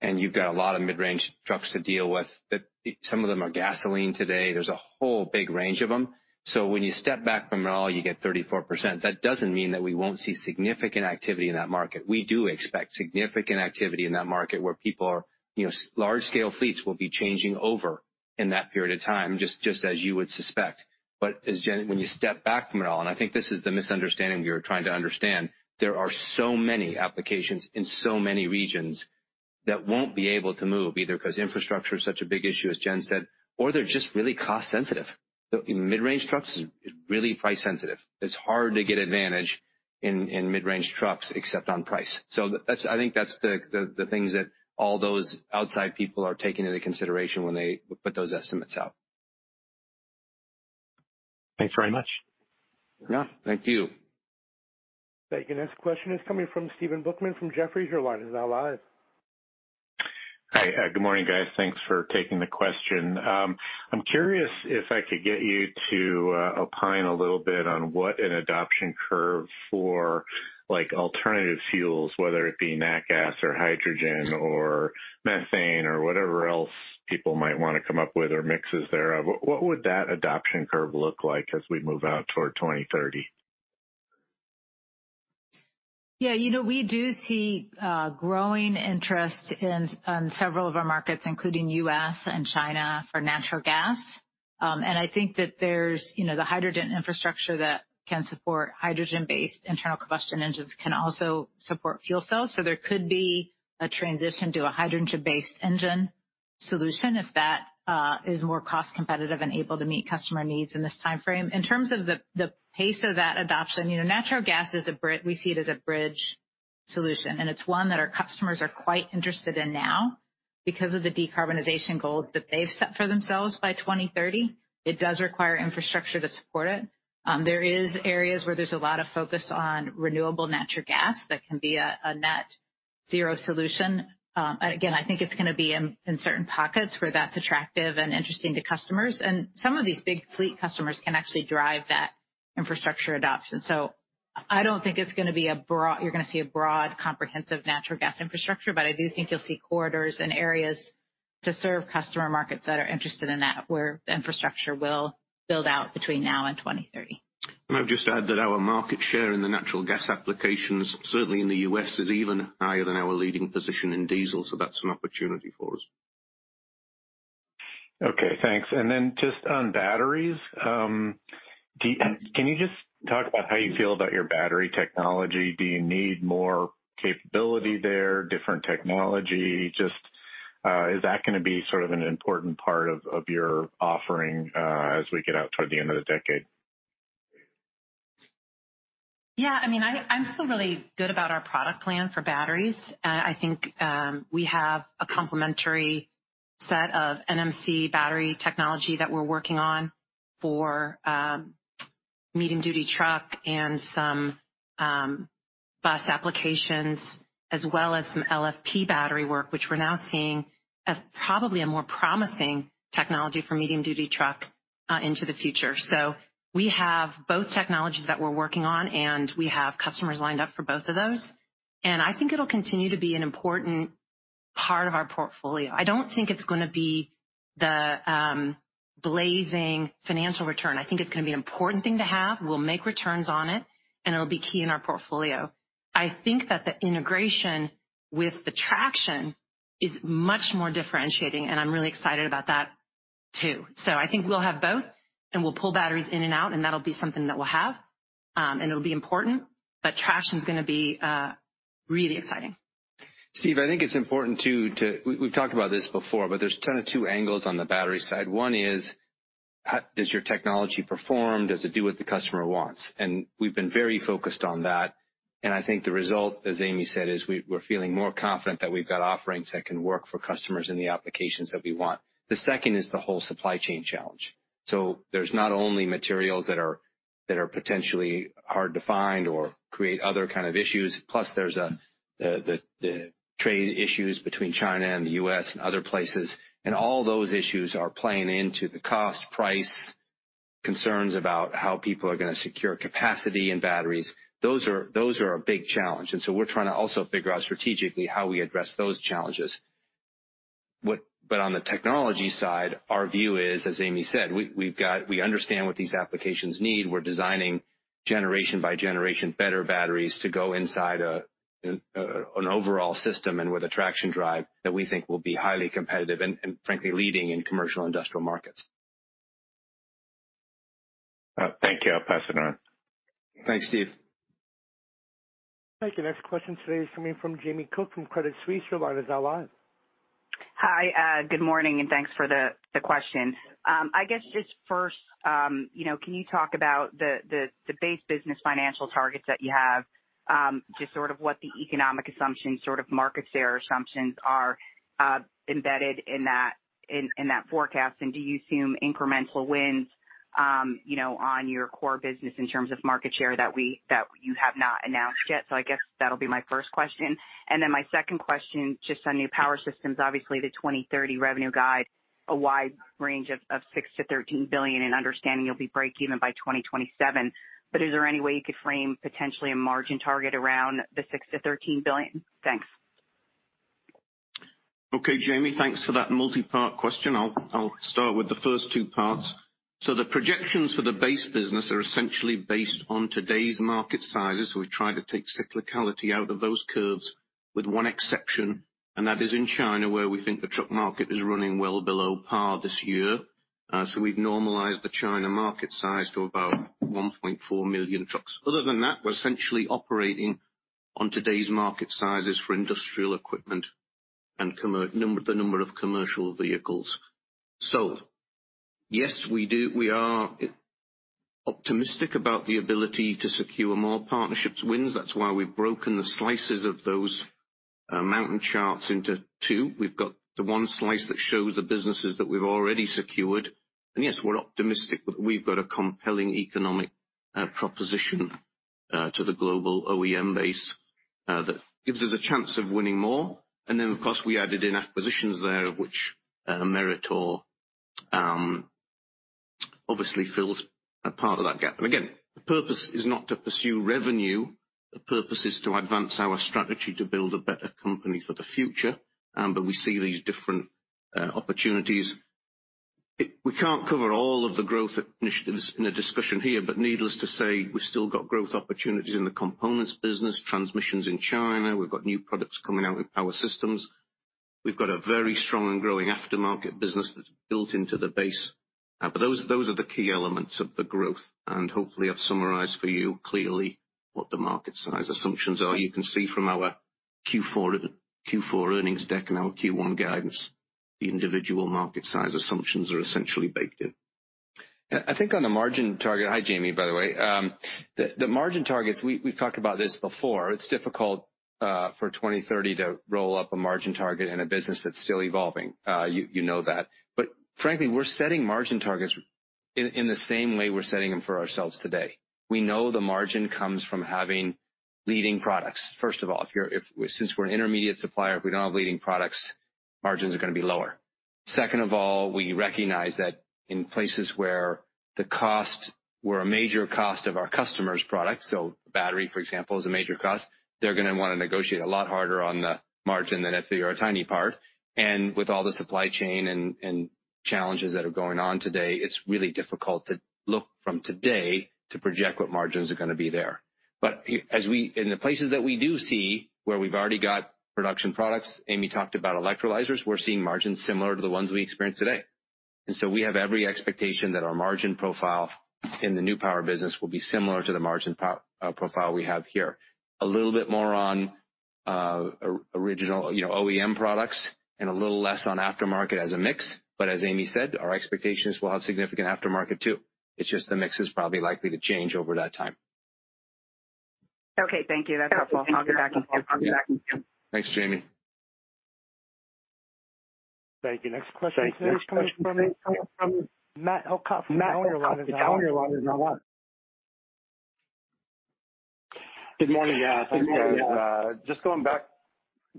and you've got a lot of mid-range trucks to deal with that some of them are gasoline today, there's a whole big range of them. When you step back from it all, you get 34%. That doesn't mean that we won't see significant activity in that market. We do expect significant activity in that market where people are, you know, large scale fleets will be changing over in that period of time, just as you would suspect. As Jen, when you step back from it all, and I think this is the misunderstanding we are trying to understand, there are so many applications in so many regions that won't be able to move either 'cause infrastructure is such a big issue, as Jen said, or they're just really cost sensitive. The mid-range trucks is really price sensitive. It's hard to get advantage in mid-range trucks except on price. I think that's the things that all those outside people are taking into consideration when they put those estimates out. Thanks very much. Yeah, thank you. The next question is coming from Stephen Volkmann from Jefferies. Your line is now live. Hi. Good morning, guys. Thanks for taking the question. I'm curious if I could get you to opine a little bit on what an adoption curve for like alternative fuels, whether it be nat gas or hydrogen or methane or whatever else people might wanna come up with or mixes thereof. What would that adoption curve look like as we move out toward 2030? Yeah, you know, we do see growing interest in several of our markets, including U.S. and China for natural gas. I think that there's, you know, the hydrogen infrastructure that can support hydrogen-based internal combustion engines can also support fuel cells. There could be a transition to a hydrogen-based engine solution if that is more cost competitive and able to meet customer needs in this timeframe. In terms of the pace of that adoption, you know, natural gas is a bridge solution, and it's one that our customers are quite interested in now because of the decarbonization goals that they've set for themselves by 2030. It does require infrastructure to support it. There are areas where there's a lot of focus on renewable natural gas that can be a net zero solution. Again, I think it's gonna be in certain pockets where that's attractive and interesting to customers. Some of these big fleet customers can actually drive that infrastructure adoption. I don't think you're gonna see a broad comprehensive natural gas infrastructure, but I do think you'll see corridors and areas to serve customer markets that are interested in that, where the infrastructure will build out between now and 2030. I'll just add that our market share in the natural gas applications, certainly in the U.S., is even higher than our leading position in diesel, so that's an opportunity for us. Okay, thanks. Then just on batteries, can you just talk about how you feel about your battery technology? Do you need more capability there, different technology? Just, is that gonna be sort of an important part of your offering, as we get out toward the end of the decade? Yeah, I mean, I'm still really good about our product plan for batteries. I think we have a complementary set of NMC battery technology that we're working on for medium-duty truck and some bus applications as well as some LFP battery work, which we're now seeing as probably a more promising technology for medium-duty truck into the future. We have both technologies that we're working on, and we have customers lined up for both of those. I think it'll continue to be an important part of our portfolio. I don't think it's gonna be the blazing financial return. I think it's gonna be an important thing to have. We'll make returns on it, and it'll be key in our portfolio. I think that the integration with the traction is much more differentiating, and I'm really excited about that too. I think we'll have both, and we'll pull batteries in and out, and that'll be something that we'll have, and it'll be important, but traction's gonna be really exciting. Steve, I think it's important to. We've talked about this before, but there's kinda two angles on the battery side. One is how does your technology perform? Does it do what the customer wants? We've been very focused on that, and I think the result, as Amy said, is we're feeling more confident that we've got offerings that can work for customers in the applications that we want. The second is the whole supply chain challenge. There's not only materials that are potentially hard to find or create other kind of issues, plus there's the trade issues between China and the U.S. and other places. All those issues are playing into the cost, price, concerns about how people are gonna secure capacity in batteries. Those are a big challenge. We're trying to also figure out strategically how we address those challenges. On the technology side, our view is, as Amy said, we understand what these applications need. We're designing generation by generation better batteries to go inside an overall system and with a traction drive that we think will be highly competitive and frankly leading in commercial industrial markets. Thank you. I'll pass it on. Thanks, Steve. Thank you. Next question today is coming from Jamie Cook from Credit Suisse. Your line is now live. Hi, good morning, and thanks for the question. I guess just first, you know, can you talk about the base business financial targets that you have, just sort of what the economic assumptions, sort of market share assumptions are, embedded in that forecast. Do you assume incremental wins, you know, on your core business in terms of market share that you have not announced yet? I guess that'll be my first question. Then my second question, just on new power systems, obviously the 2030 revenue guide, a wide range of $6 billion-$13 billion and understanding you'll be breakeven by 2027. Is there any way you could frame potentially a margin target around the $6 billion-$13 billion? Thanks. Okay, Jamie. Thanks for that multi-part question. I'll start with the first two parts. The projections for the base business are essentially based on today's market sizes. We've tried to take cyclicality out of those curves with one exception, and that is in China, where we think the truck market is running well below par this year. We've normalized the China market size to about 1.4 million trucks. Other than that, we're essentially operating on today's market sizes for industrial equipment and the number of commercial vehicles. Yes, we do. We are optimistic about the ability to secure more partnerships wins. That's why we've broken the slices of those mountain charts into two. We've got the one slice that shows the businesses that we've already secured. Yes, we're optimistic that we've got a compelling economic proposition to the global OEM base that gives us a chance of winning more. Then, of course, we added in acquisitions there, of which Meritor obviously fills a part of that gap. Again, the purpose is not to pursue revenue. The purpose is to advance our strategy to build a better company for the future. We see these different opportunities. We can't cover all of the growth initiatives in a discussion here, but needless to say, we've still got growth opportunities in the components business, transmissions in China. We've got new products coming out in power systems. We've got a very strong and growing aftermarket business that's built into the base. Those are the key elements of the growth. Hopefully, I've summarized for you clearly what the market size assumptions are. You can see from our Q4 earnings deck and our Q1 guidance, the individual market size assumptions are essentially baked in. I think on the margin target. Hi, Jamie, by the way. The margin targets, we've talked about this before. It's difficult for 2030 to roll up a margin target in a business that's still evolving. You know that. Frankly, we're setting margin targets in the same way we're setting them for ourselves today. We know the margin comes from having leading products. First of all, since we're an intermediate supplier, if we don't have leading products, margins are gonna be lower. Second of all, we recognize that in places where the costs were a major cost of our customers' products, so battery, for example, is a major cost, they're gonna wanna negotiate a lot harder on the margin than if we are a tiny part. With all the supply chain and challenges that are going on today, it's really difficult to look from today to project what margins are gonna be there. But in the places that we do see where we've already got production products, Amy talked about electrolyzers, we're seeing margins similar to the ones we experience today. We have every expectation that our margin profile in the new power business will be similar to the margin profile we have here. A little bit more on OEM products and a little less on aftermarket as a mix. But as Amy said, our expectations, we'll have significant aftermarket too. It's just the mix is probably likely to change over that time. Okay, thank you. That's helpful. I'll get back in queue. Thanks, Jamie. Thank you. Next question today is coming from Matt Elkott from Cowen. Your line is now live. Good morning, guys. Good morning. Just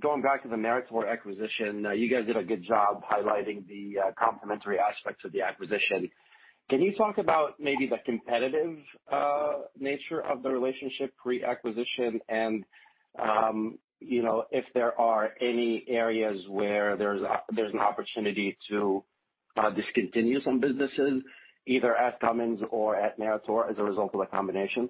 going back to the Meritor acquisition. You guys did a good job highlighting the complementary aspects of the acquisition. Can you talk about maybe the competitive nature of the relationship pre-acquisition and, you know, if there are any areas where there's an opportunity to discontinue some businesses either at Cummins or at Meritor as a result of the combination?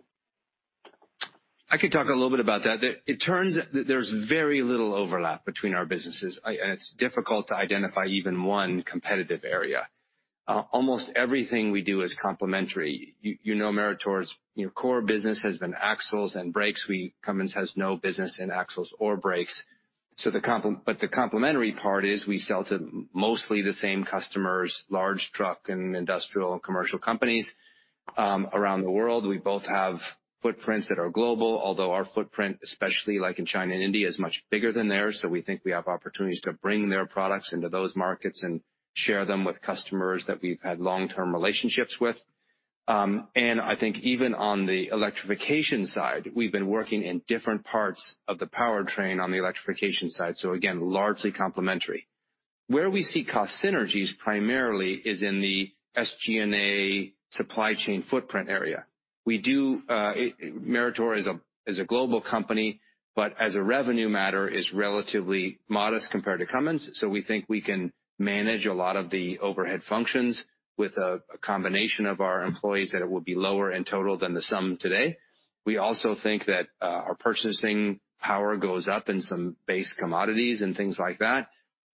I could talk a little bit about that. It turns out that there's very little overlap between our businesses. It's difficult to identify even one competitive area. Almost everything we do is complementary. You know, Meritor's core business has been axles and brakes. Cummins has no business in axles or brakes. But the complementary part is we sell to mostly the same customers, large truck and industrial and commercial companies, around the world. We both have footprints that are global, although our footprint, especially like in China and India, is much bigger than theirs. We think we have opportunities to bring their products into those markets and share them with customers that we've had long-term relationships with. I think even on the electrification side, we've been working in different parts of the powertrain on the electrification side, so again, largely complementary. Where we see cost synergies primarily is in the SG&A supply chain footprint area. We do, Meritor is a global company, but as a revenue matter is relatively modest compared to Cummins. So we think we can manage a lot of the overhead functions with a combination of our employees that it will be lower in total than the sum today. We also think that, our purchasing power goes up in some base commodities and things like that.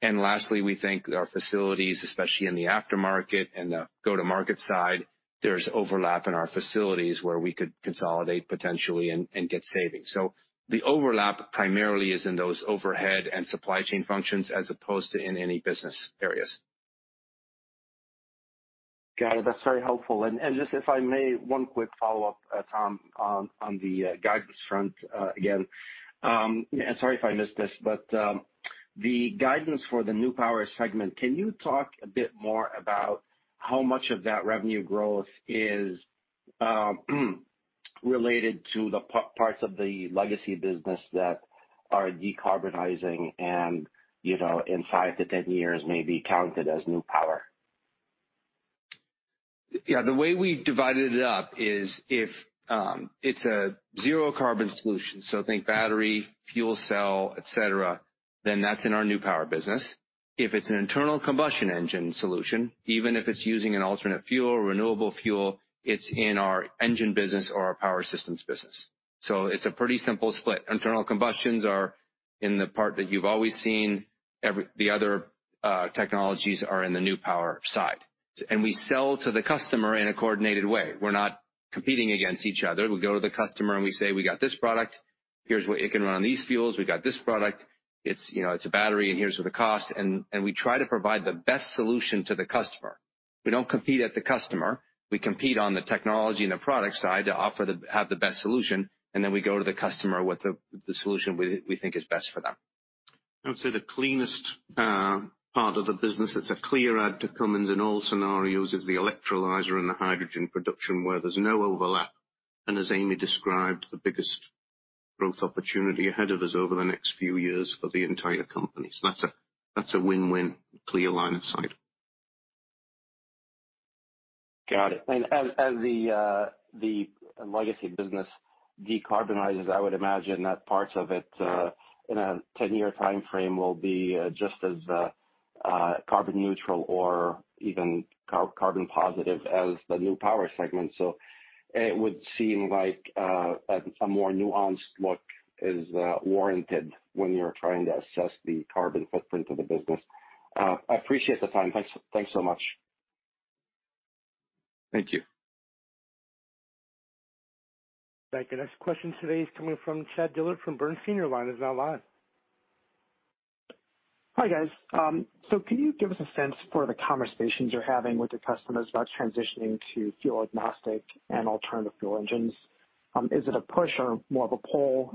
Lastly, we think our facilities, especially in the aftermarket and the go-to-market side, there's overlap in our facilities where we could consolidate potentially and get savings. The overlap primarily is in those overhead and supply chain functions as opposed to in any business areas. Got it. That's very helpful. And just if I may, one quick follow-up, Tom, on the guidance front, again. Sorry if I missed this, but the guidance for the New Power segment, can you talk a bit more about how much of that revenue growth is related to the parts of the legacy business that are decarbonizing and, you know, in five to ten years may be counted as New Power? Yeah. The way we've divided it up is if it's a zero carbon solution, so think battery, fuel cell, et cetera, then that's in our New Power business. If it's an internal combustion engine solution, even if it's using an alternate fuel or renewable fuel, it's in our engine business or our power systems business. It's a pretty simple split. Internal combustions are in the part that you've always seen. The other technologies are in the New Power side. We sell to the customer in a coordinated way. We're not competing against each other. We go to the customer, and we say, "We got this product. Here's what it can run on these fuels. We got this product. It's, you know, it's a battery, and here's what the cost." We try to provide the best solution to the customer. We don't compete at the customer. We compete on the technology and the product side to have the best solution, and then we go to the customer with the solution we think is best for them. I would say the cleanest part of the business that's a clear add to Cummins in all scenarios is the electrolyzer and the hydrogen production, where there's no overlap, and as Amy described, the biggest growth opportunity ahead of us over the next few years for the entire company. That's a win-win, clear line of sight. Got it. As the legacy business decarbonizes, I would imagine that parts of it in a ten-year timeframe will be just as carbon neutral or even carbon positive as the new power segment. It would seem like a more nuanced look is warranted when you're trying to assess the carbon footprint of the business. I appreciate the time. Thanks so much. Thank you. Thank you. Next question today is coming from Chad Dillard from Bernstein. Your line is now live. Hi, guys. Can you give us a sense for the conversations you're having with the customers about transitioning to fuel agnostic and alternative fuel engines? Is it a push or more of a pull?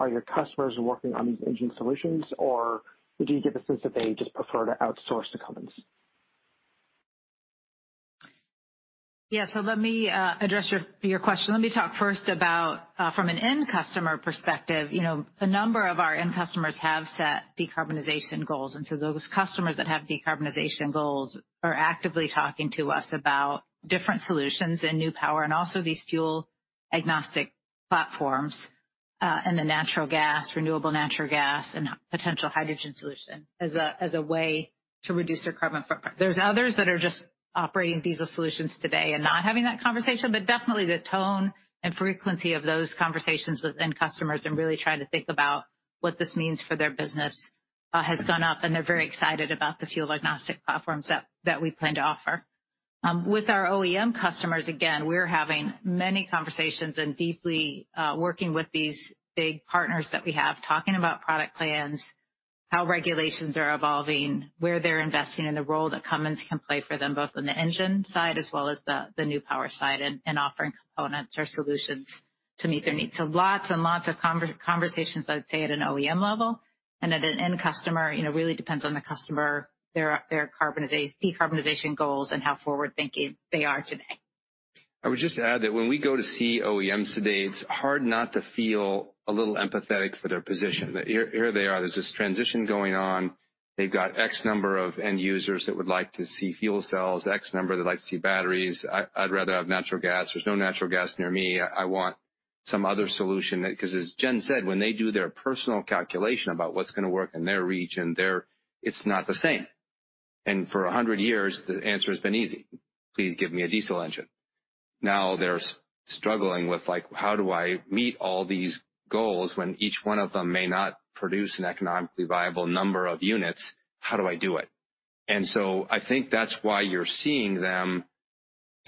Are your customers working on these engine solutions, or do you get the sense that they just prefer to outsource to Cummins? Yeah. Let me address your question. Let me talk first about from an end customer perspective. You know, a number of our end customers have set decarbonization goals, and those customers that have decarbonization goals are actively talking to us about different solutions and New Power and also these fuel agnostic platforms and the natural gas, renewable natural gas, and potential hydrogen solution as a way to reduce their carbon footprint. There's others that are just operating diesel solutions today and not having that conversation, but definitely the tone and frequency of those conversations with end customers and really trying to think about what this means for their business has gone up, and they're very excited about the fuel agnostic platforms that we plan to offer. With our OEM customers, again, we're having many conversations and deeply working with these big partners that we have, talking about product plans, how regulations are evolving, where they're investing, and the role that Cummins can play for them, both on the engine side as well as the New Power side and offering components or solutions. To meet their needs. Lots and lots of conversations, I'd say, at an OEM level and at an end customer, you know, really depends on the customer, their decarbonization goals and how forward-thinking they are today. I would just add that when we go to see OEMs today, it's hard not to feel a little empathetic for their position. That here they are, there's this transition going on. They've got X number of end users that would like to see fuel cells, X number that like to see batteries. I'd rather have natural gas. There's no natural gas near me. I want some other solution that 'cause as Jen said, when they do their personal calculation about what's gonna work in their region, their, it's not the same. For 100 years, the answer has been easy: "Please give me a diesel engine." Now they're struggling with, like, how do I meet all these goals when each one of them may not produce an economically viable number of units? How do I do it? I think that's why you're seeing them,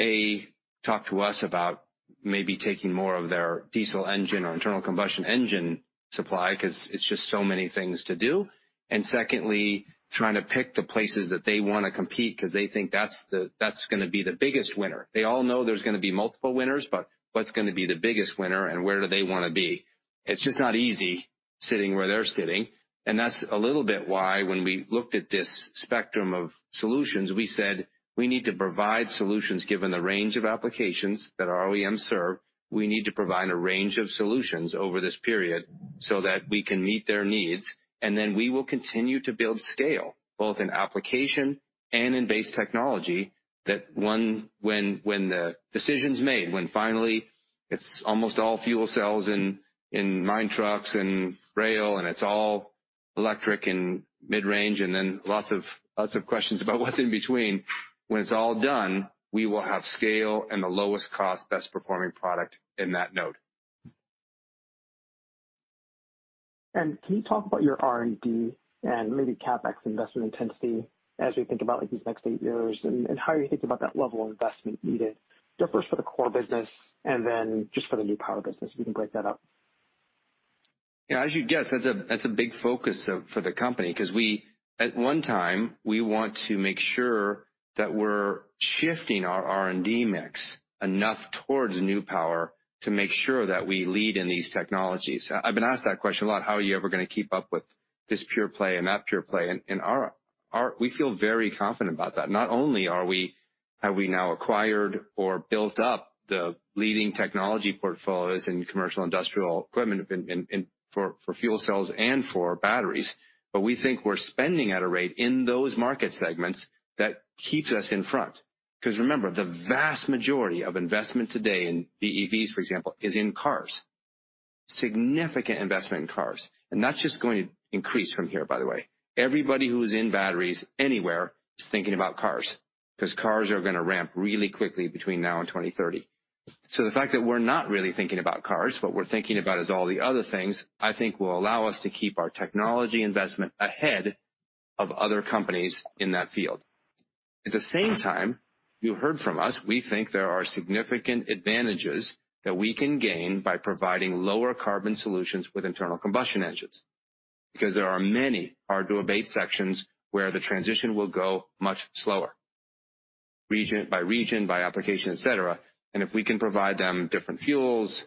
A, talk to us about maybe taking more of their diesel engine or internal combustion engine supply, 'cause it's just so many things to do. Secondly, trying to pick the places that they wanna compete because they think that's gonna be the biggest winner. They all know there's gonna be multiple winners, but what's gonna be the biggest winner and where do they wanna be? It's just not easy sitting where they're sitting, and that's a little bit why when we looked at this spectrum of solutions, we said we need to provide solutions given the range of applications that our OEMs serve. We need to provide a range of solutions over this period so that we can meet their needs, and then we will continue to build scale, both in application and in base technology, when the decision's made, when finally it's almost all fuel cells in mine trucks and rail, and it's all electric and mid-range, and then lots of questions about what's in between. When it's all done, we will have scale and the lowest cost, best performing product in that note. Can you talk about your R&D and maybe CapEx investment intensity as we think about, like, these next eight years and how you think about that level of investment needed, just first for the core business and then just for the New Power business, if you can break that up. Yeah, as you'd guess, that's a big focus for the company 'cause at one time, we want to make sure that we're shifting our R&D mix enough towards new power to make sure that we lead in these technologies. I've been asked that question a lot, how are you ever gonna keep up with this pure play and that pure play? Our we feel very confident about that. Not only have we now acquired or built up the leading technology portfolios in commercial industrial equipment in for fuel cells and for batteries, but we think we're spending at a rate in those market segments that keeps us in front. 'Cause remember, the vast majority of investment today in BEVs, for example, is in cars. Significant investment in cars, and that's just going to increase from here, by the way. Everybody who's in batteries anywhere is thinking about cars, 'cause cars are gonna ramp really quickly between now and 2030. The fact that we're not really thinking about cars, what we're thinking about is all the other things, I think will allow us to keep our technology investment ahead of other companies in that field. At the same time, you heard from us, we think there are significant advantages that we can gain by providing lower carbon solutions with internal combustion engines. Because there are many hard-to-abate sections where the transition will go much slower, region by region, by application, et cetera. If we can provide them different fuels,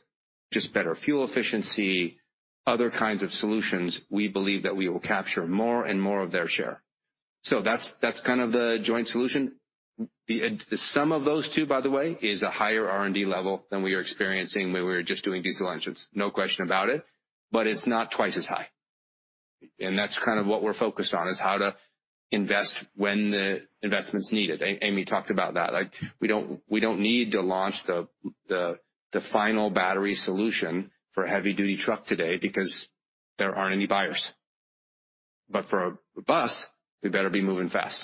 just better fuel efficiency, other kinds of solutions, we believe that we will capture more and more of their share. That's kind of the joint solution. The sum of those two, by the way, is a higher R&D level than we were experiencing when we were just doing diesel engines. No question about it, but it's not twice as high. That's kind of what we're focused on, is how to invest when the investment's needed. Amy talked about that. Like, we don't need to launch the final battery solution for a heavy-duty truck today because there aren't any buyers. For a bus, we better be moving fast.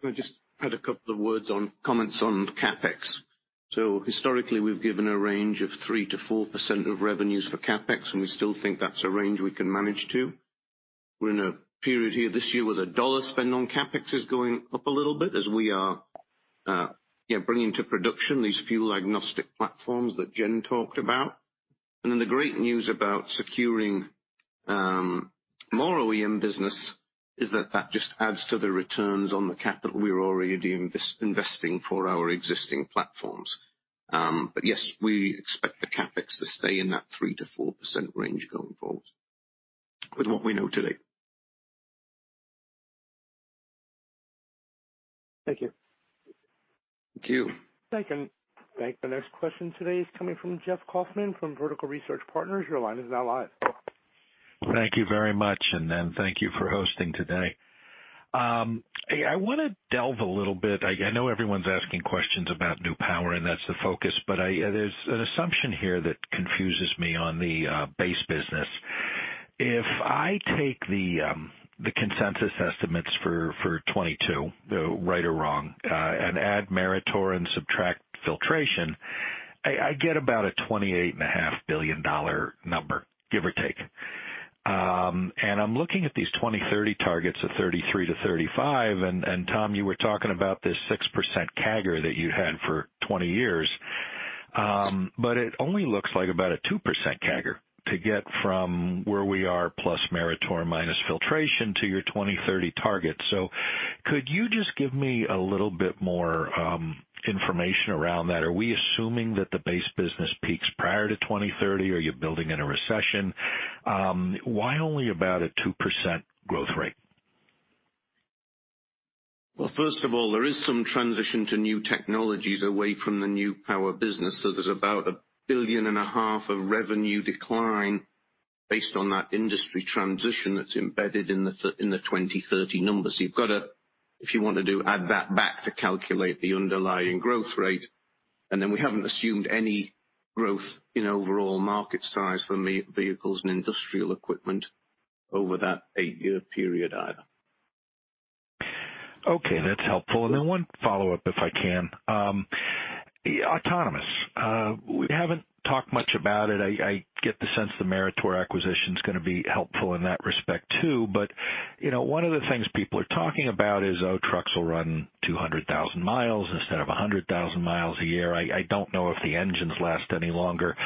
Can I just add a couple of words on comments on CapEx? Historically, we've given a range of 3%-4% of revenues for CapEx, and we still think that's a range we can manage to. We're in a period here this year where the dollar spend on CapEx is going up a little bit as we are bringing to production these fuel agnostic platforms that Jen talked about. Then the great news about securing more OEM business is that that just adds to the returns on the capital we're already investing for our existing platforms. Yes, we expect the CapEx to stay in that 3%-4% range going forward with what we know today. Thank you. Thank you. Thank you. Thank you. The next question today is coming from Jeff Kauffman from Vertical Research Partners. Your line is now live. Thank you very much, and then thank you for hosting today. I wanna delve a little bit. I know everyone's asking questions about New Power, and that's the focus, but there's an assumption here that confuses me on the base business. If I take the consensus estimates for 2022, right or wrong, and add Meritor and subtract filtration, I get about a $28.5 billion number, give or take. I'm looking at these 2030 targets of $33 billion-$35 billion, and Tom, you were talking about this 6% CAGR that you'd had for 20 years. But it only looks like about a 2% CAGR to get from where we are plus Meritor minus filtration to your 2030 target. Could you just give me a little bit more information around that? Are we assuming that the base business peaks prior to 2030? Are you building in a recession? Why only about a 2% growth rate? Well, first of all, there is some transition to new technologies away from the New Power business. There's about $1.5 billion of revenue decline based on that industry transition that's embedded in the 2030 numbers. You've got to, if you want to do, add that back to calculate the underlying growth rate. We haven't assumed any growth in overall market size for medium- and heavy-duty vehicles and industrial equipment over that eight-year period either. Okay, that's helpful. One follow-up, if I can. Autonomous. We haven't talked much about it. I get the sense the Meritor acquisition is gonna be helpful in that respect, too. You know, one of the things people are talking about is, oh, trucks will run 200,000 miles instead of 100,000 miles a year. I don't know if the engines last any longer.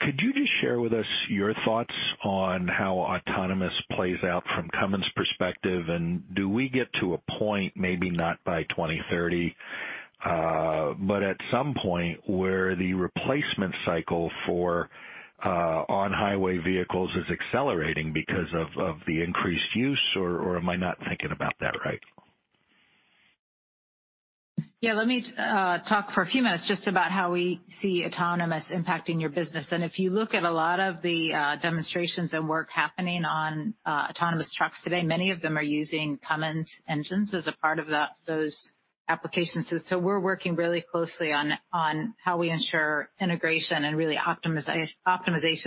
Could you just share with us your thoughts on how autonomous plays out from Cummins perspective? Do we get to a point, maybe not by 2030, but at some point where the replacement cycle for on-highway vehicles is accelerating because of the increased use, or am I not thinking about that right? Yeah. Let me talk for a few minutes just about how we see autonomous impacting your business. If you look at a lot of the demonstrations and work happening on autonomous trucks today, many of them are using Cummins engines as a part of those applications. We're working really closely on how we ensure integration and really optimization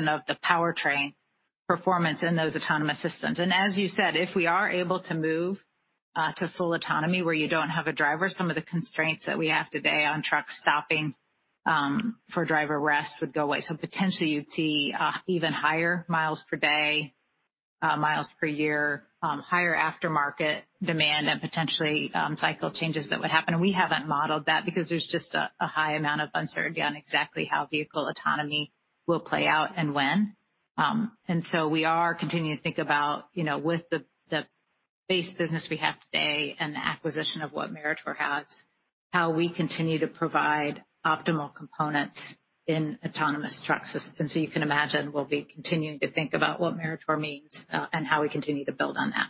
of the powertrain performance in those autonomous systems. As you said, if we are able to move to full autonomy where you don't have a driver, some of the constraints that we have today on truck stopping for driver rest would go away. Potentially you'd see even higher miles per day, miles per year, higher aftermarket demand and potentially cycle changes that would happen. We haven't modeled that because there's just a high amount of uncertainty on exactly how vehicle autonomy will play out and when. We are continuing to think about, you know, with the base business we have today and the acquisition of what Meritor has, how we continue to provide optimal components in autonomous truck systems. You can imagine we'll be continuing to think about what Meritor means, and how we continue to build on that.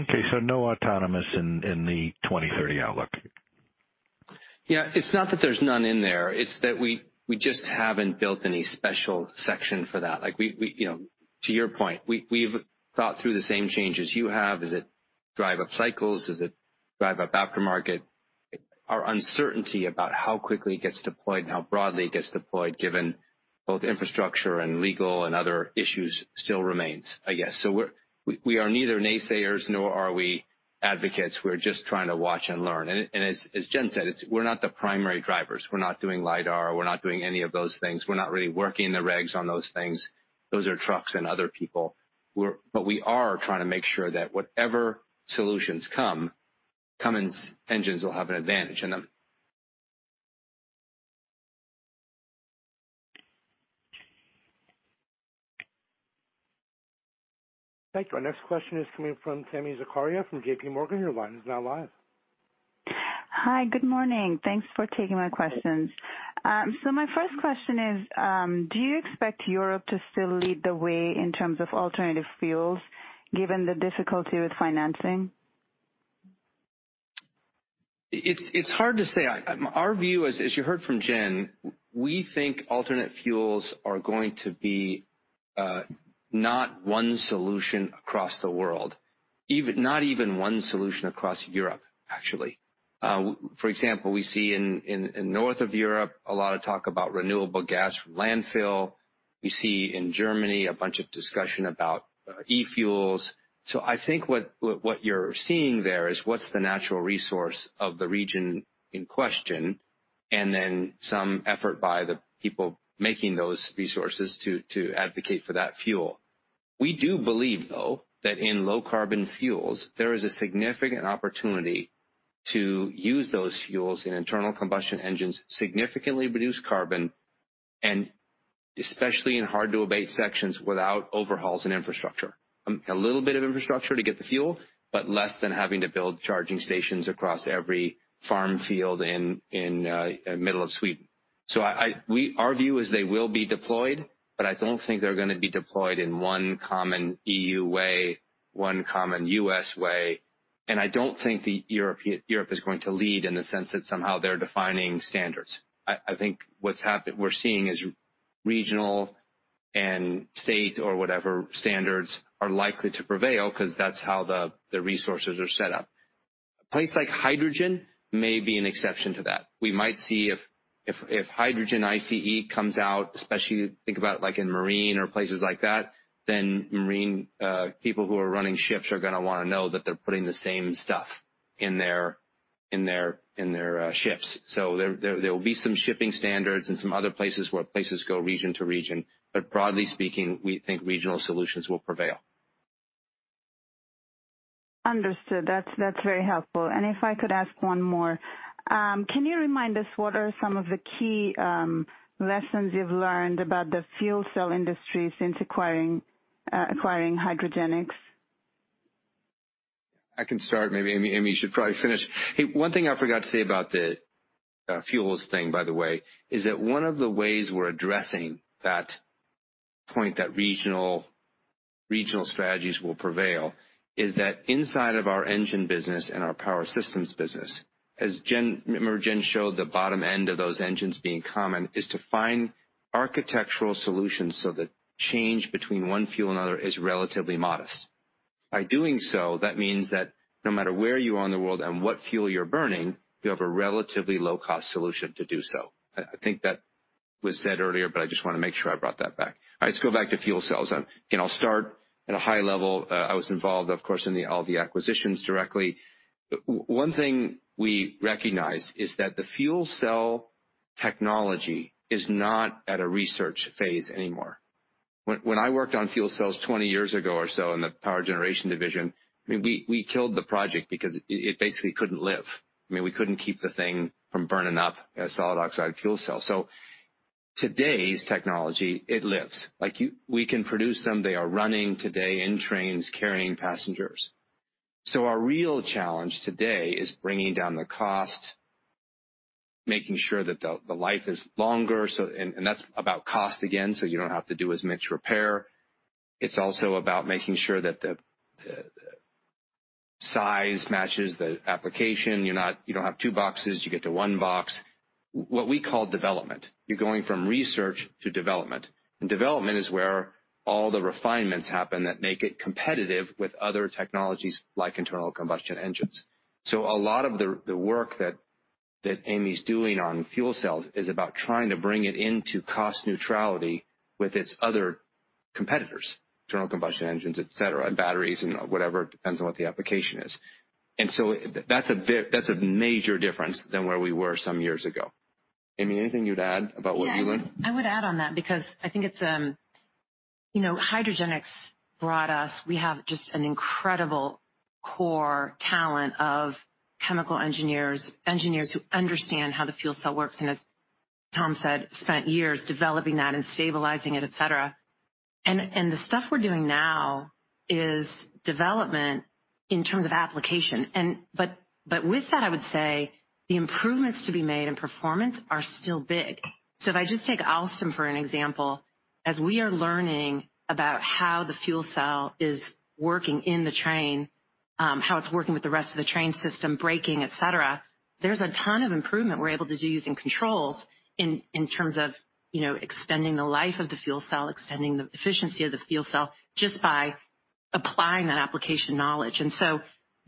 Okay. No autonomous in the 2030 outlook. Yeah. It's not that there's none in there, it's that we just haven't built any special section for that. Like we, you know, to your point, we've thought through the same changes you have. Does it drive up cycles? Does it drive up aftermarket? Our uncertainty about how quickly it gets deployed and how broadly it gets deployed, given both infrastructure and legal and other issues still remains, I guess. We're neither naysayers nor are we advocates. We're just trying to watch and learn. As Jen said, it's, we're not the primary drivers. We're not doing lidar, we're not doing any of those things. We're not really working the regs on those things. Those are trucks and other people. But we are trying to make sure that whatever solutions come, Cummins engines will have an advantage in them. Thank you. Our next question is coming from Tami Zakaria from JPMorgan. Your line is now live. Hi. Good morning. Thanks for taking my questions. My first question is, do you expect Europe to still lead the way in terms of alternative fuels, given the difficulty with financing? It's hard to say. Our view is, as you heard from Jen, we think alternate fuels are going to be not one solution across the world, not even one solution across Europe, actually. For example, we see in north of Europe a lot of talk about renewable gas from landfill. We see in Germany a bunch of discussion about e-fuels. I think what you're seeing there is what's the natural resource of the region in question, and then some effort by the people making those resources to advocate for that fuel. We do believe, though, that in low carbon fuels, there is a significant opportunity to use those fuels in internal combustion engines, significantly reduce carbon, and especially in hard to abate sections without overhauls and infrastructure. A little bit of infrastructure to get the fuel, but less than having to build charging stations across every farm field in middle of Sweden. Our view is they will be deployed, but I don't think they're gonna be deployed in one common E.U. way, one common U.S. way. I don't think Europe is going to lead in the sense that somehow they're defining standards. I think what we're seeing is regional and state or whatever standards are likely to prevail because that's how the resources are set up. A place like hydrogen may be an exception to that. We might see if hydrogen ICE comes out, especially think about like in marine or places like that, then people who are running ships are gonna wanna know that they're putting the same stuff in their ships. There will be some shipping standards and some other places where places go region to region. Broadly speaking, we think regional solutions will prevail. Understood. That's very helpful. If I could ask one more. Can you remind us what are some of the key lessons you've learned about the fuel cell industry since acquiring Hydrogenics? I can start. Maybe Amy, you should probably finish. Hey, one thing I forgot to say about the fuels thing, by the way, is that one of the ways we're addressing that point that regional strategies will prevail is that inside of our engine business and our power systems business, as Jen, remember Jen showed the bottom end of those engines being common, is to find architectural solutions so that change between one fuel another is relatively modest. By doing so, that means that no matter where you are in the world and what fuel you're burning, you have a relatively low cost solution to do so. I think that was said earlier, but I just wanna make sure I brought that back. All right, let's go back to fuel cells then. Again, I'll start at a high level. I was involved of course, in all of the acquisitions directly. One thing we recognize is that the fuel cell technology is not at a research phase anymore. When I worked on fuel cells 20 years ago or so in the power generation division, I mean, we killed the project because it basically couldn't live. I mean, we couldn't keep the thing from burning up a solid oxide fuel cell. Today's technology, it lives. Like, we can produce them. They are running today in trains, carrying passengers. Our real challenge today is bringing down the cost, making sure that the life is longer. That's about cost again, so you don't have to do as much repair. It's also about making sure that the size matches the application. You don't have two boxes. You get to one box, what we call development. You're going from research to development. Development is where all the refinements happen that make it competitive with other technologies like internal combustion engines. A lot of the work that Amy's doing on fuel cells is about trying to bring it into cost neutrality with its other competitors, internal combustion engines, et cetera, batteries and whatever, depends on what the application is. That's a major difference than where we were some years ago. Amy, anything you'd add about what you learn? Yeah. I would add on that because I think it's, you know, Hydrogenics brought us. We have just an incredible core talent of chemical engineers who understand how the fuel cell works, and as Tom said, spent years developing that and stabilizing it, et cetera. The stuff we're doing now is development in terms of application. With that, I would say the improvements to be made in performance are still big. If I just take Alstom for an example, as we are learning about how the fuel cell is working in the train, how it's working with the rest of the train system, braking, et cetera, there's a ton of improvement we're able to do using controls in terms of, you know, extending the life of the fuel cell, extending the efficiency of the fuel cell, just by applying that application knowledge.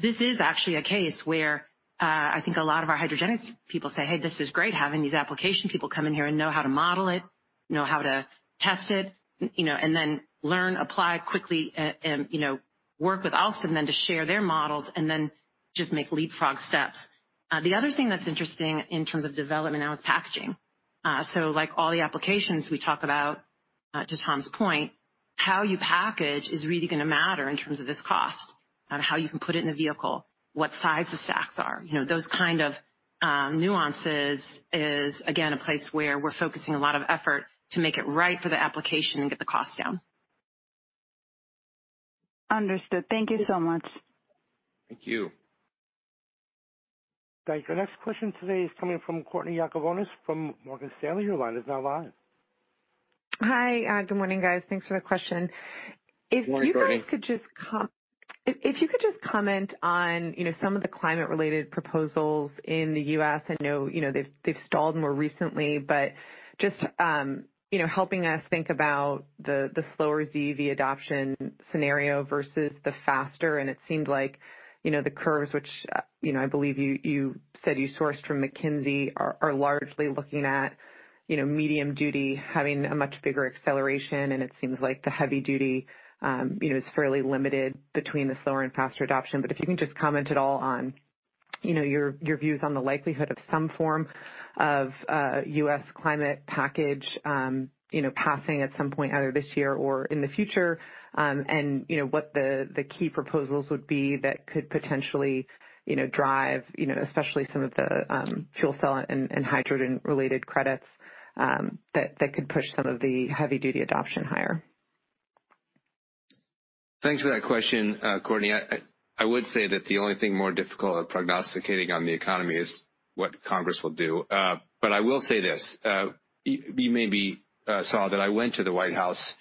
This is actually a case where, I think a lot of our Hydrogenics people say, "Hey, this is great having these application people come in here and know how to model it, know how to test it, you know, and then learn, apply quickly, and, you know, work with Alstom, then to share their models, and then just make leapfrog steps." The other thing that's interesting in terms of development now is packaging. So like all the applications we talk about, to Tom's point, how you package is really gonna matter in terms of this cost, on how you can put it in a vehicle, what size the stacks are. You know, those kind of nuances is, again, a place where we're focusing a lot of effort to make it right for the application and get the cost down. Understood. Thank you so much. Thank you. Thank you. Next question today is coming from Courtney Yakavonis from Morgan Stanley. Your line is now live. Hi, good morning, guys. Thanks for the question. Good morning, Courtney. If you could just comment on, you know, some of the climate related proposals in the U.S. I know, you know, they've stalled more recently, but just, you know, helping us think about the slower ZEV adoption scenario versus the faster, and it seemed like, you know, the curves, which, you know, I believe you said you sourced from McKinsey are largely looking at, you know, medium duty having a much bigger acceleration, and it seems like the heavy duty, you know, is fairly limited between the slower and faster adoption. If you can just comment at all on, you know, your views on the likelihood of some form of U.S. climate package, you know, passing at some point either this year or in the future. You know, what the key proposals would be that could potentially, you know, drive, you know, especially some of the fuel cell and hydrogen related credits that could push some of the heavy duty adoption higher. Thanks for that question, Courtney. I would say that the only thing more difficult than prognosticating on the economy is what Congress will do. I will say this, you maybe saw that I went to the White House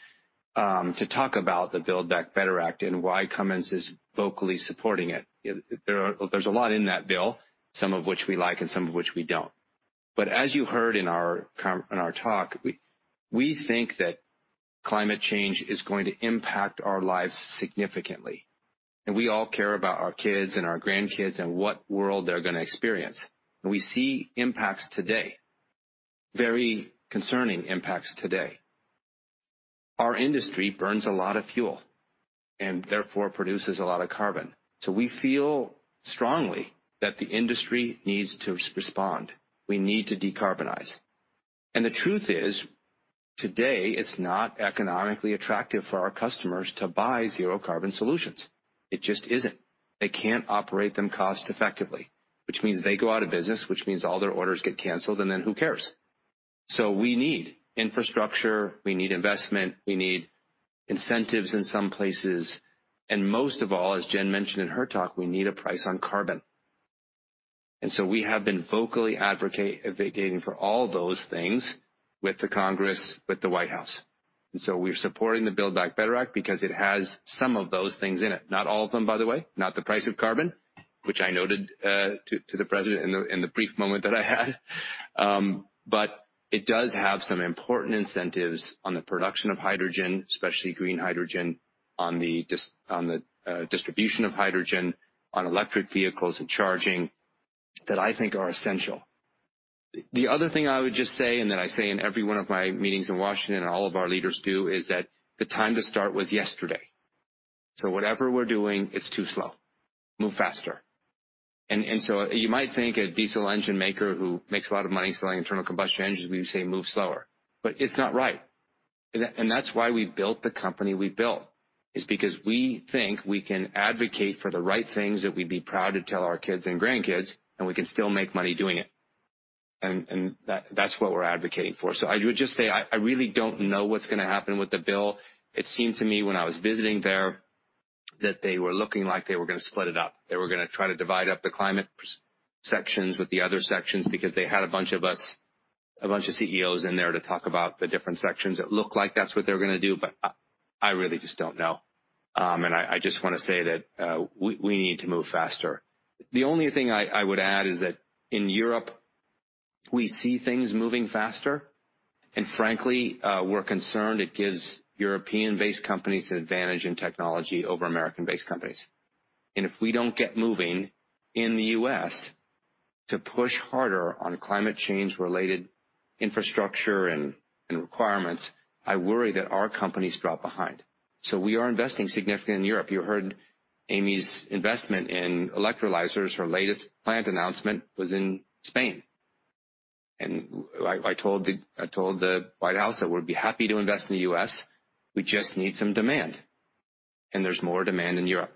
to talk about the Build Back Better Act and why Cummins is vocally supporting it. There's a lot in that bill, some of which we like and some of which we don't. As you heard in our talk, we think that climate change is going to impact our lives significantly. We all care about our kids and our grandkids and what world they're gonna experience. We see impacts today, very concerning impacts today. Our industry burns a lot of fuel and therefore produces a lot of carbon. We feel strongly that the industry needs to respond. We need to decarbonize. The truth is, today, it's not economically attractive for our customers to buy zero carbon solutions. It just isn't. They can't operate them cost effectively, which means they go out of business, which means all their orders get canceled, and then who cares? We need infrastructure, we need investment, we need incentives in some places. Most of all, as Jen mentioned in her talk, we need a price on carbon. We have been vocally advocating for all those things with Congress, with the White House. We're supporting the Build Back Better Act because it has some of those things in it, not all of them, by the way, not the price of carbon, which I noted to the President in the brief moment that I had. It does have some important incentives on the production of hydrogen, especially green hydrogen, on the distribution of hydrogen, on electric vehicles and charging that I think are essential. The other thing I would just say, and that I say in every one of my meetings in Washington, and all of our leaders do, is that the time to start was yesterday. Whatever we're doing, it's too slow. Move faster. You might think a diesel engine maker who makes a lot of money selling internal combustion engines, we say move slower, but it's not right. That's why we built the company we built. It's because we think we can advocate for the right things that we'd be proud to tell our kids and grandkids, and we can still make money doing it. That's what we're advocating for. I would just say, I really don't know what's gonna happen with the bill. It seemed to me when I was visiting there that they were looking like they were gonna split it up. They were gonna try to divide up the climate sections with the other sections because they had a bunch of us, a bunch of CEOs in there to talk about the different sections. It looked like that's what they're gonna do, but I really just don't know. I just wanna say that we need to move faster. The only thing I would add is that in Europe, we see things moving faster, and frankly, we're concerned it gives European-based companies an advantage in technology over American-based companies. If we don't get moving in the U.S. to push harder on climate change-related infrastructure and requirements, I worry that our companies drop behind. We are investing significantly in Europe. You heard Amy's investment in electrolyzers. Her latest plant announcement was in Spain. I told the White House that we'd be happy to invest in the U.S., we just need some demand. There's more demand in Europe.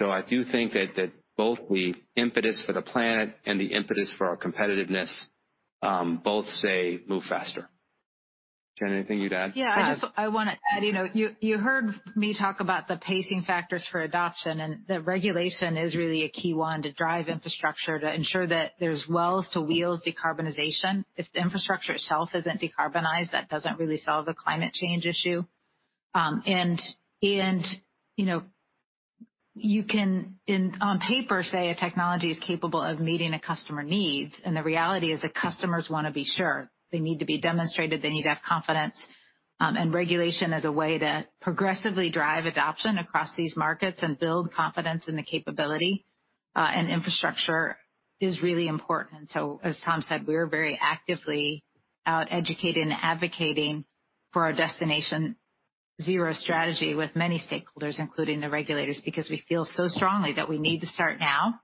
I do think that both the impetus for the planet and the impetus for our competitiveness both say move faster. Jen, anything you'd add? Yeah. I just wanna add, you know, you heard me talk about the pacing factors for adoption and the regulation is really a key one to drive infrastructure to ensure that there's well-to-wheels decarbonization. If the infrastructure itself isn't decarbonized, that doesn't really solve the climate change issue. You know, you can, on paper, say a technology is capable of meeting customer needs, and the reality is that customers wanna be sure. They need to be demonstrated, they need to have confidence, and regulation as a way to progressively drive adoption across these markets and build confidence in the capability, and infrastructure is really important. As Tom said, we are very actively out educating and advocating for our Destination Zero strategy with many stakeholders, including the regulators, because we feel so strongly that we need to start now,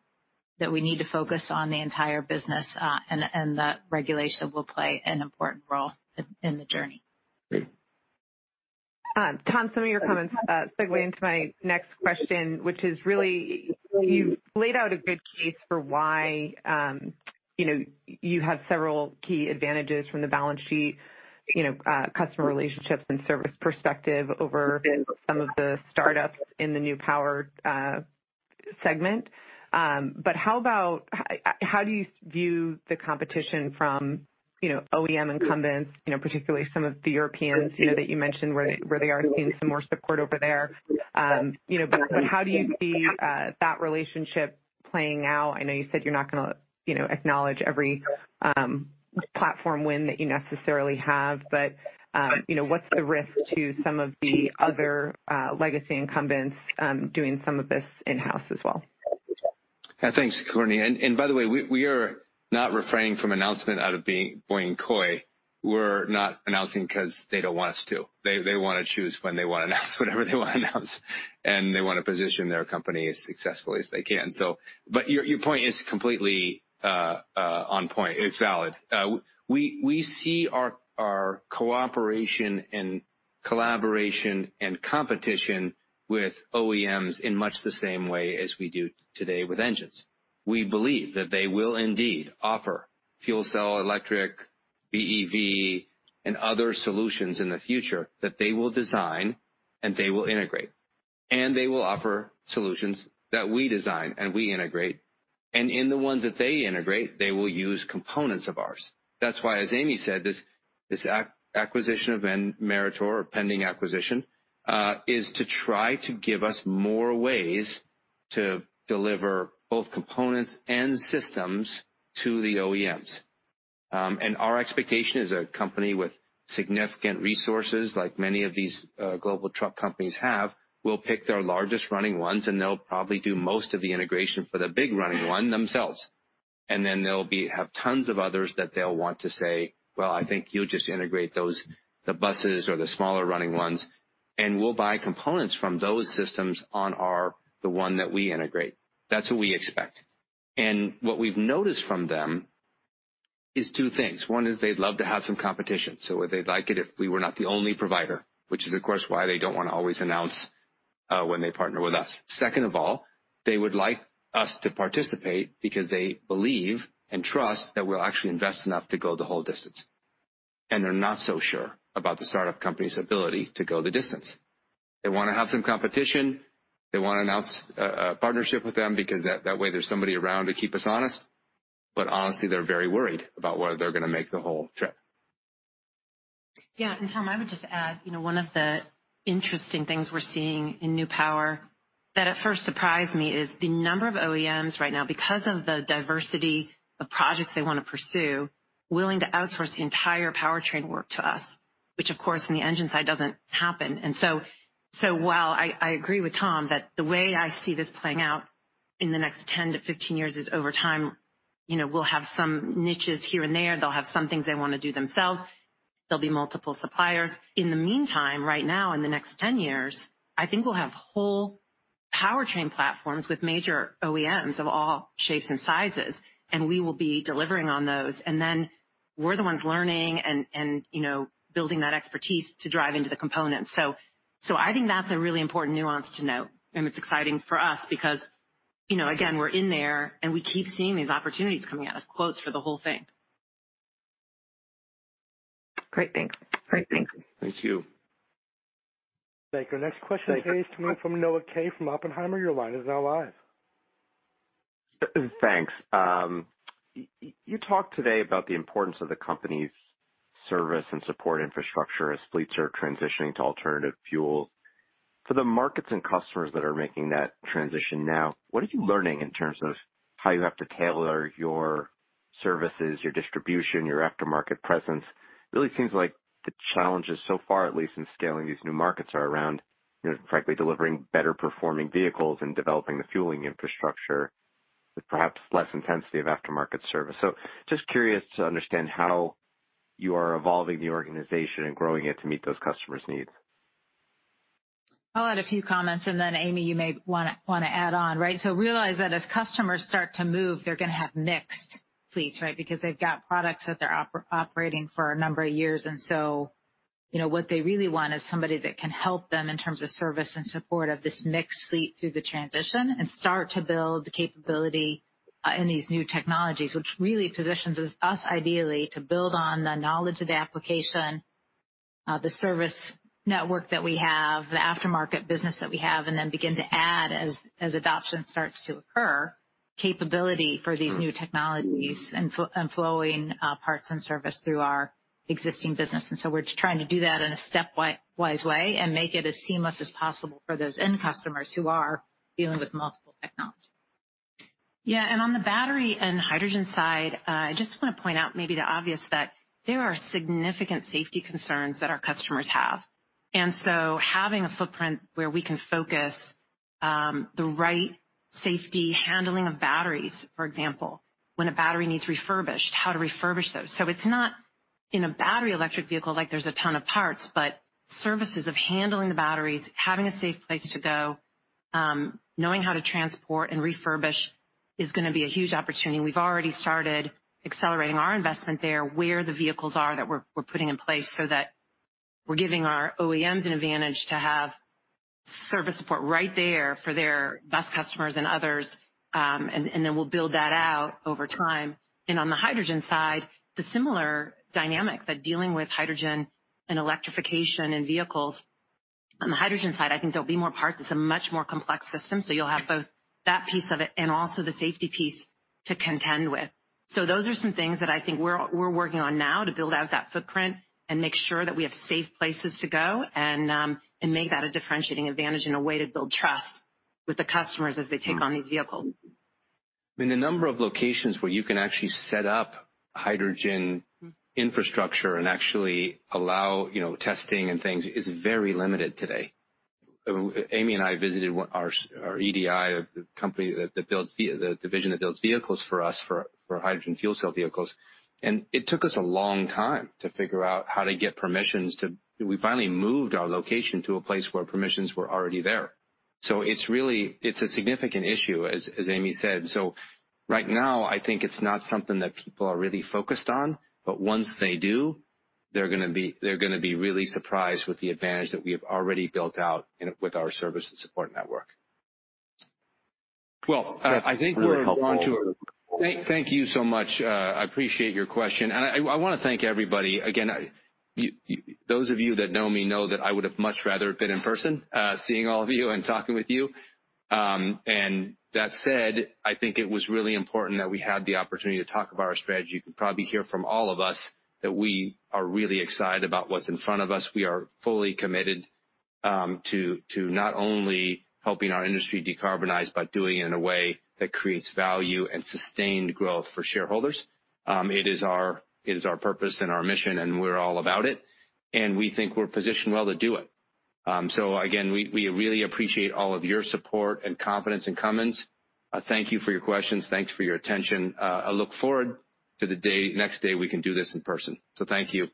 that we need to focus on the entire business, and the regulation will play an important role in the journey. Great. Tom, some of your comments segue into my next question, which is really you laid out a good case for why you know you have several key advantages from the balance sheet you know customer relationships and service perspective over some of the startups in the New Power segment. How do you view the competition from you know OEM incumbents you know particularly some of the Europeans you know that you mentioned where they are seeing some more support over there? You know, how do you see that relationship playing out? I know you said you're not gonna you know acknowledge every platform win that you necessarily have, but you know what's the risk to some of the other legacy incumbents doing some of this in-house as well? Yeah. Thanks, Courtney. By the way, we are not refraining from announcement out of being coy. We're not announcing 'cause they don't want us to. They wanna choose when they wanna announce whatever they wanna announce, and they wanna position their company as successfully as they can. But your point is completely on point. It's valid. We see our cooperation and collaboration and competition with OEMs in much the same way as we do today with engines. We believe that they will indeed offer fuel cell, electric, BEV and other solutions in the future that they will design and they will integrate, and they will offer solutions that we design and we integrate. In the ones that they integrate, they will use components of ours. That's why, as Amy said, this acquisition of Meritor or pending acquisition is to try to give us more ways to deliver both components and systems to the OEMs. Our expectation is a company with significant resources, like many of these global truck companies have, will pick their largest running ones, and they'll probably do most of the integration for the big running one themselves. Then they'll have tons of others that they'll want to say, "Well, I think you'll just integrate those, the buses or the smaller running ones, and we'll buy components from those systems on the one that we integrate." That's what we expect. What we've noticed from them is two things. One is they'd love to have some competition, so they'd like it if we were not the only provider, which is of course why they don't wanna always announce when they partner with us. Second of all, they would like us to participate because they believe and trust that we'll actually invest enough to go the whole distance. They're not so sure about the startup company's ability to go the distance. They wanna have some competition. They wanna announce a partnership with them because that way there's somebody around to keep us honest. But honestly, they're very worried about whether they're gonna make the whole trip. Yeah. Tom, I would just add, you know, one of the interesting things we're seeing in New Power that at first surprised me is the number of OEMs right now, because of the diversity of projects they wanna pursue, willing to outsource the entire powertrain work to us, which of course in the engine side doesn't happen. So while I agree with Tom that the way I see this playing out in the next 10-15 years is over time, you know, we'll have some niches here and there. They'll have some things they wanna do themselves. There'll be multiple suppliers. In the meantime, right now, in the next 10 years, I think we'll have whole powertrain platforms with major OEMs of all shapes and sizes, and we will be delivering on those. We're the ones learning and you know, building that expertise to drive into the components. I think that's a really important nuance to note, and it's exciting for us because, you know, again, we're in there, and we keep seeing these opportunities coming at us, quotes for the whole thing. Great. Thanks. Great. Thank you. Thank you. Thank you. Our next question comes from Noah Kaye from Oppenheimer. Your line is now live. Thanks. You talked today about the importance of the company's service and support infrastructure as fleets are transitioning to alternative fuel. For the markets and customers that are making that transition now, what are you learning in terms of how you have to tailor your services, your distribution, your aftermarket presence? Really seems like the challenges so far, at least in scaling these new markets, are around, you know, frankly, delivering better performing vehicles and developing the fueling infrastructure with perhaps less intensity of aftermarket service. So just curious to understand how you are evolving the organization and growing it to meet those customers' needs. I'll add a few comments, and then Amy, you may wanna add on, right? Realize that as customers start to move, they're gonna have mixed fleets, right? Because they've got products that they're operating for a number of years. You know, what they really want is somebody that can help them in terms of service and support of this mixed fleet through the transition and start to build the capability in these new technologies, which really positions us ideally to build on the knowledge of the application, the service network that we have, the aftermarket business that we have, and then begin to add as adoption starts to occur, capability for these new technologies and flowing parts and service through our existing business. We're trying to do that in a stepwise way and make it as seamless as possible for those end customers who are dealing with multiple technologies. Yeah. On the battery and hydrogen side, I just wanna point out maybe the obvious that there are significant safety concerns that our customers have. Having a footprint where we can focus the right safety handling of batteries, for example, when a battery needs refurbished, how to refurbish those. It's not in a battery electric vehicle, like there's a ton of parts, but services of handling the batteries, having a safe place to go, knowing how to transport and refurbish is gonna be a huge opportunity. We've already started accelerating our investment there, where the vehicles are that we're putting in place so that we're giving our OEMs an advantage to have service support right there for their best customers and others. Then we'll build that out over time. On the hydrogen side, the similar dynamics in dealing with hydrogen and electrification in vehicles. On the hydrogen side, I think there'll be more parts. It's a much more complex system. You'll have both that piece of it and also the safety piece to contend with. Those are some things that I think we're working on now to build out that footprint and make sure that we have safe places to go and make that a differentiating advantage and a way to build trust with the customers as they take on these vehicles. I mean, the number of locations where you can actually set up hydrogen infrastructure and actually allow, you know, testing and things is very limited today. Amy and I visited our EDI company, the division that builds vehicles for us for hydrogen fuel cell vehicles. It took us a long time to figure out how to get permissions. We finally moved our location to a place where permissions were already there. It's really a significant issue, as Amy said. Right now, I think it's not something that people are really focused on, but once they do, they're gonna be really surprised with the advantage that we have already built out in with our service and support network. That's really helpful. Well, I think we're on to a... Thank you so much. I appreciate your question. I wanna thank everybody. Again, those of you that know me know that I would have much rather been in person, seeing all of you and talking with you. That said, I think it was really important that we had the opportunity to talk about our strategy. You can probably hear from all of us that we are really excited about what's in front of us. We are fully committed to not only helping our industry decarbonize, but doing it in a way that creates value and sustained growth for shareholders. It is our purpose and our mission, and we're all about it, and we think we're positioned well to do it. Again, we really appreciate all of your support and confidence in Cummins. Thank you for your questions. Thanks for your attention. I look forward to the day, next day we can do this in person. Thank you.